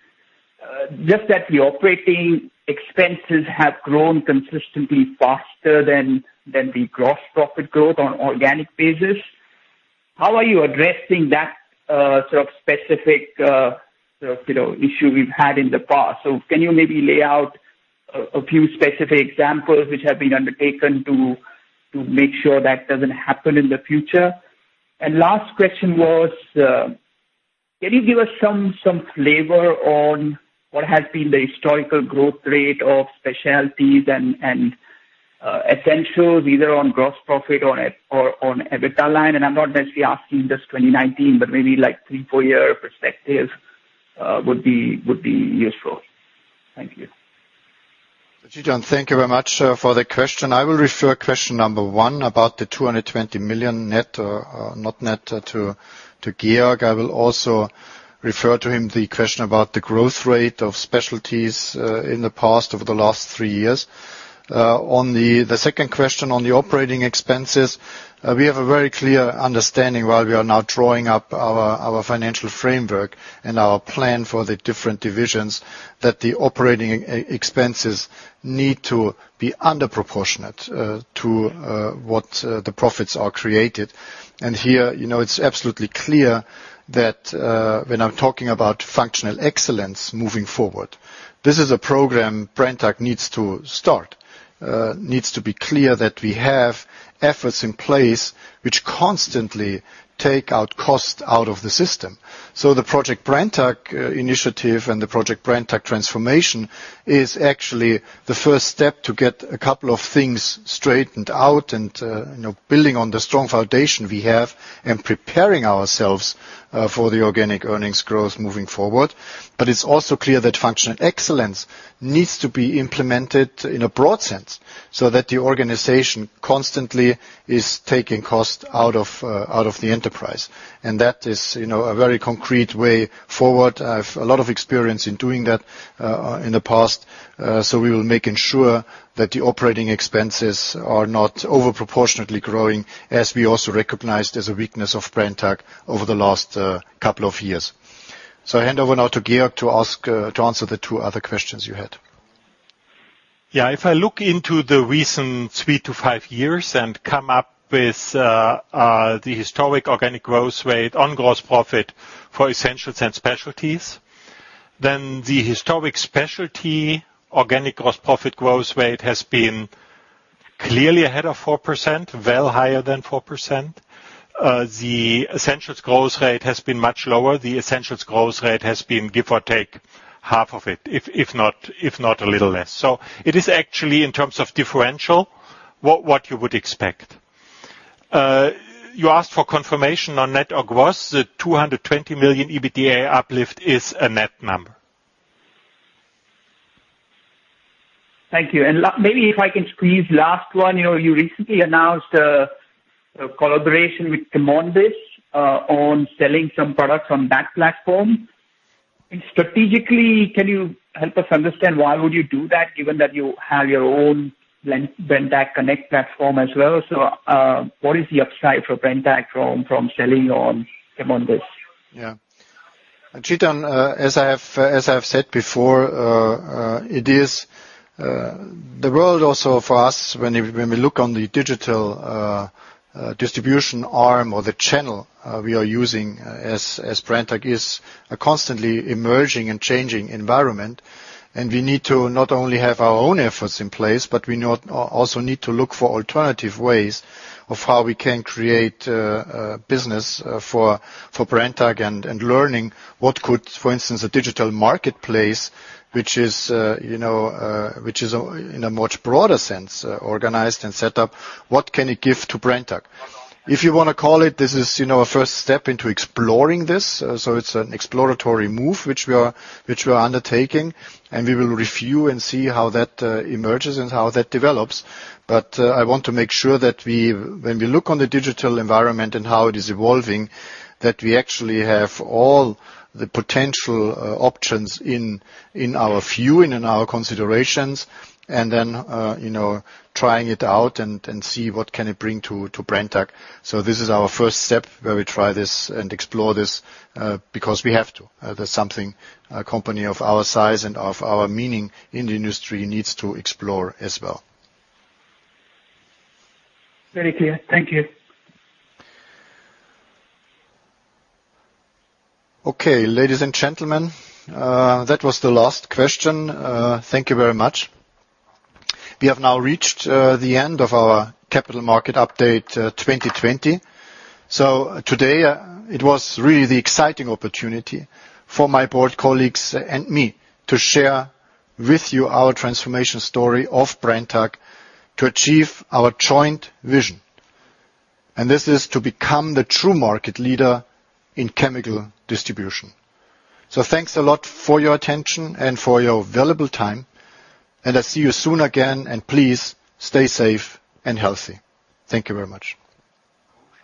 R: just that the operating expenses have grown consistently faster than the gross profit growth on organic basis. How are you addressing that sort of specific issue we've had in the past? Can you maybe lay out a few specific examples which have been undertaken to make sure that doesn't happen in the future? Last question was, can you give us some flavor on what has been the historical growth rate of Specialties and Essentials, either on Gross Profit or on EBITDA line? I'm not necessarily asking just 2019, but maybe like three, four-year perspective would be useful. Thank you.
C: Chetan, thank you very much for the question. I will refer question number one about the 220 million net, or not net, to Georg. I will also refer to him the question about the growth rate of specialties in the past, over the last three years. On the second question on the operating expenses, we have a very clear understanding while we are now drawing up our financial framework and our plan for the different divisions, that the operating expenses need to be under proportionate to what the profits are created. Here, it's absolutely clear that we're now talking about functional excellence moving forward. This is a program Brenntag needs to start, needs to be clear that we have efforts in place which constantly take cost out of the system. The Project Brenntag Initiative and the Project Brenntag Transformation is actually the first step to get a couple of things straightened out and building on the strong foundation we have and preparing ourselves for the organic earnings growth moving forward. It is also clear that functional excellence needs to be implemented in a broad sense so that the organization constantly is taking cost out of the enterprise. That is a very concrete way forward. I have a lot of experience in doing that in the past. We will make sure that the operating expenses are not over proportionately growing, as we also recognized as a weakness of Brenntag over the last couple of years. I hand over now to Georg to answer the two other questions you had.
F: Yeah. If I look into the recent three to five years and come up with the historic organic growth rate on gross profit for Essentials and Specialties, the historic Specialty organic gross profit growth rate has been clearly ahead of 4%, well higher than 4%. The Essentials growth rate has been much lower. The Essentials growth rate has been, give or take half of it, if not a little less. It is actually, in terms of differential, what you would expect. You asked for confirmation on net or gross. The 220 million EBITDA uplift is a net number.
R: Thank you. Maybe if I can squeeze last one. You recently announced a collaboration with CheMondis on selling some products on that platform. Strategically, can you help us understand why would you do that given that you have your own Brenntag Connect platform as well? What is the upside for Brenntag from selling on CheMondis?
C: Chetan, as I have said before, the world also for us, when we look on the digital distribution arm or the channel we are using as Brenntag is a constantly emerging and changing environment, and we need to not only have our own efforts in place, but we also need to look for alternative ways of how we can create business for Brenntag and learning what could, for instance, a digital marketplace, which is in a much broader sense, organized and set up, what can it give to Brenntag? If you want to call it, this is a first step into exploring this. It's an exploratory move which we are undertaking, and we will review and see how that emerges and how that develops. I want to make sure that when we look on the digital environment and how it is evolving, that we actually have all the potential options in our viewing and our considerations, and then trying it out and see what can it bring to Brenntag. This is our first step where we try this and explore this, because we have to. That's something a company of our size and of our meaning in the industry needs to explore as well.
R: Very clear. Thank you.
C: Okay. Ladies and gentlemen, that was the last question. Thank you very much. We have now reached the end of our Capital Markets Update 2020. Today, it was really the exciting opportunity for my board colleagues and me to share with you our transformation story of Brenntag to achieve our joint vision. This is to become the true market leader in chemical distribution. Thanks a lot for your attention and for your valuable time, and I'll see you soon again, and please stay safe and healthy. Thank you very much.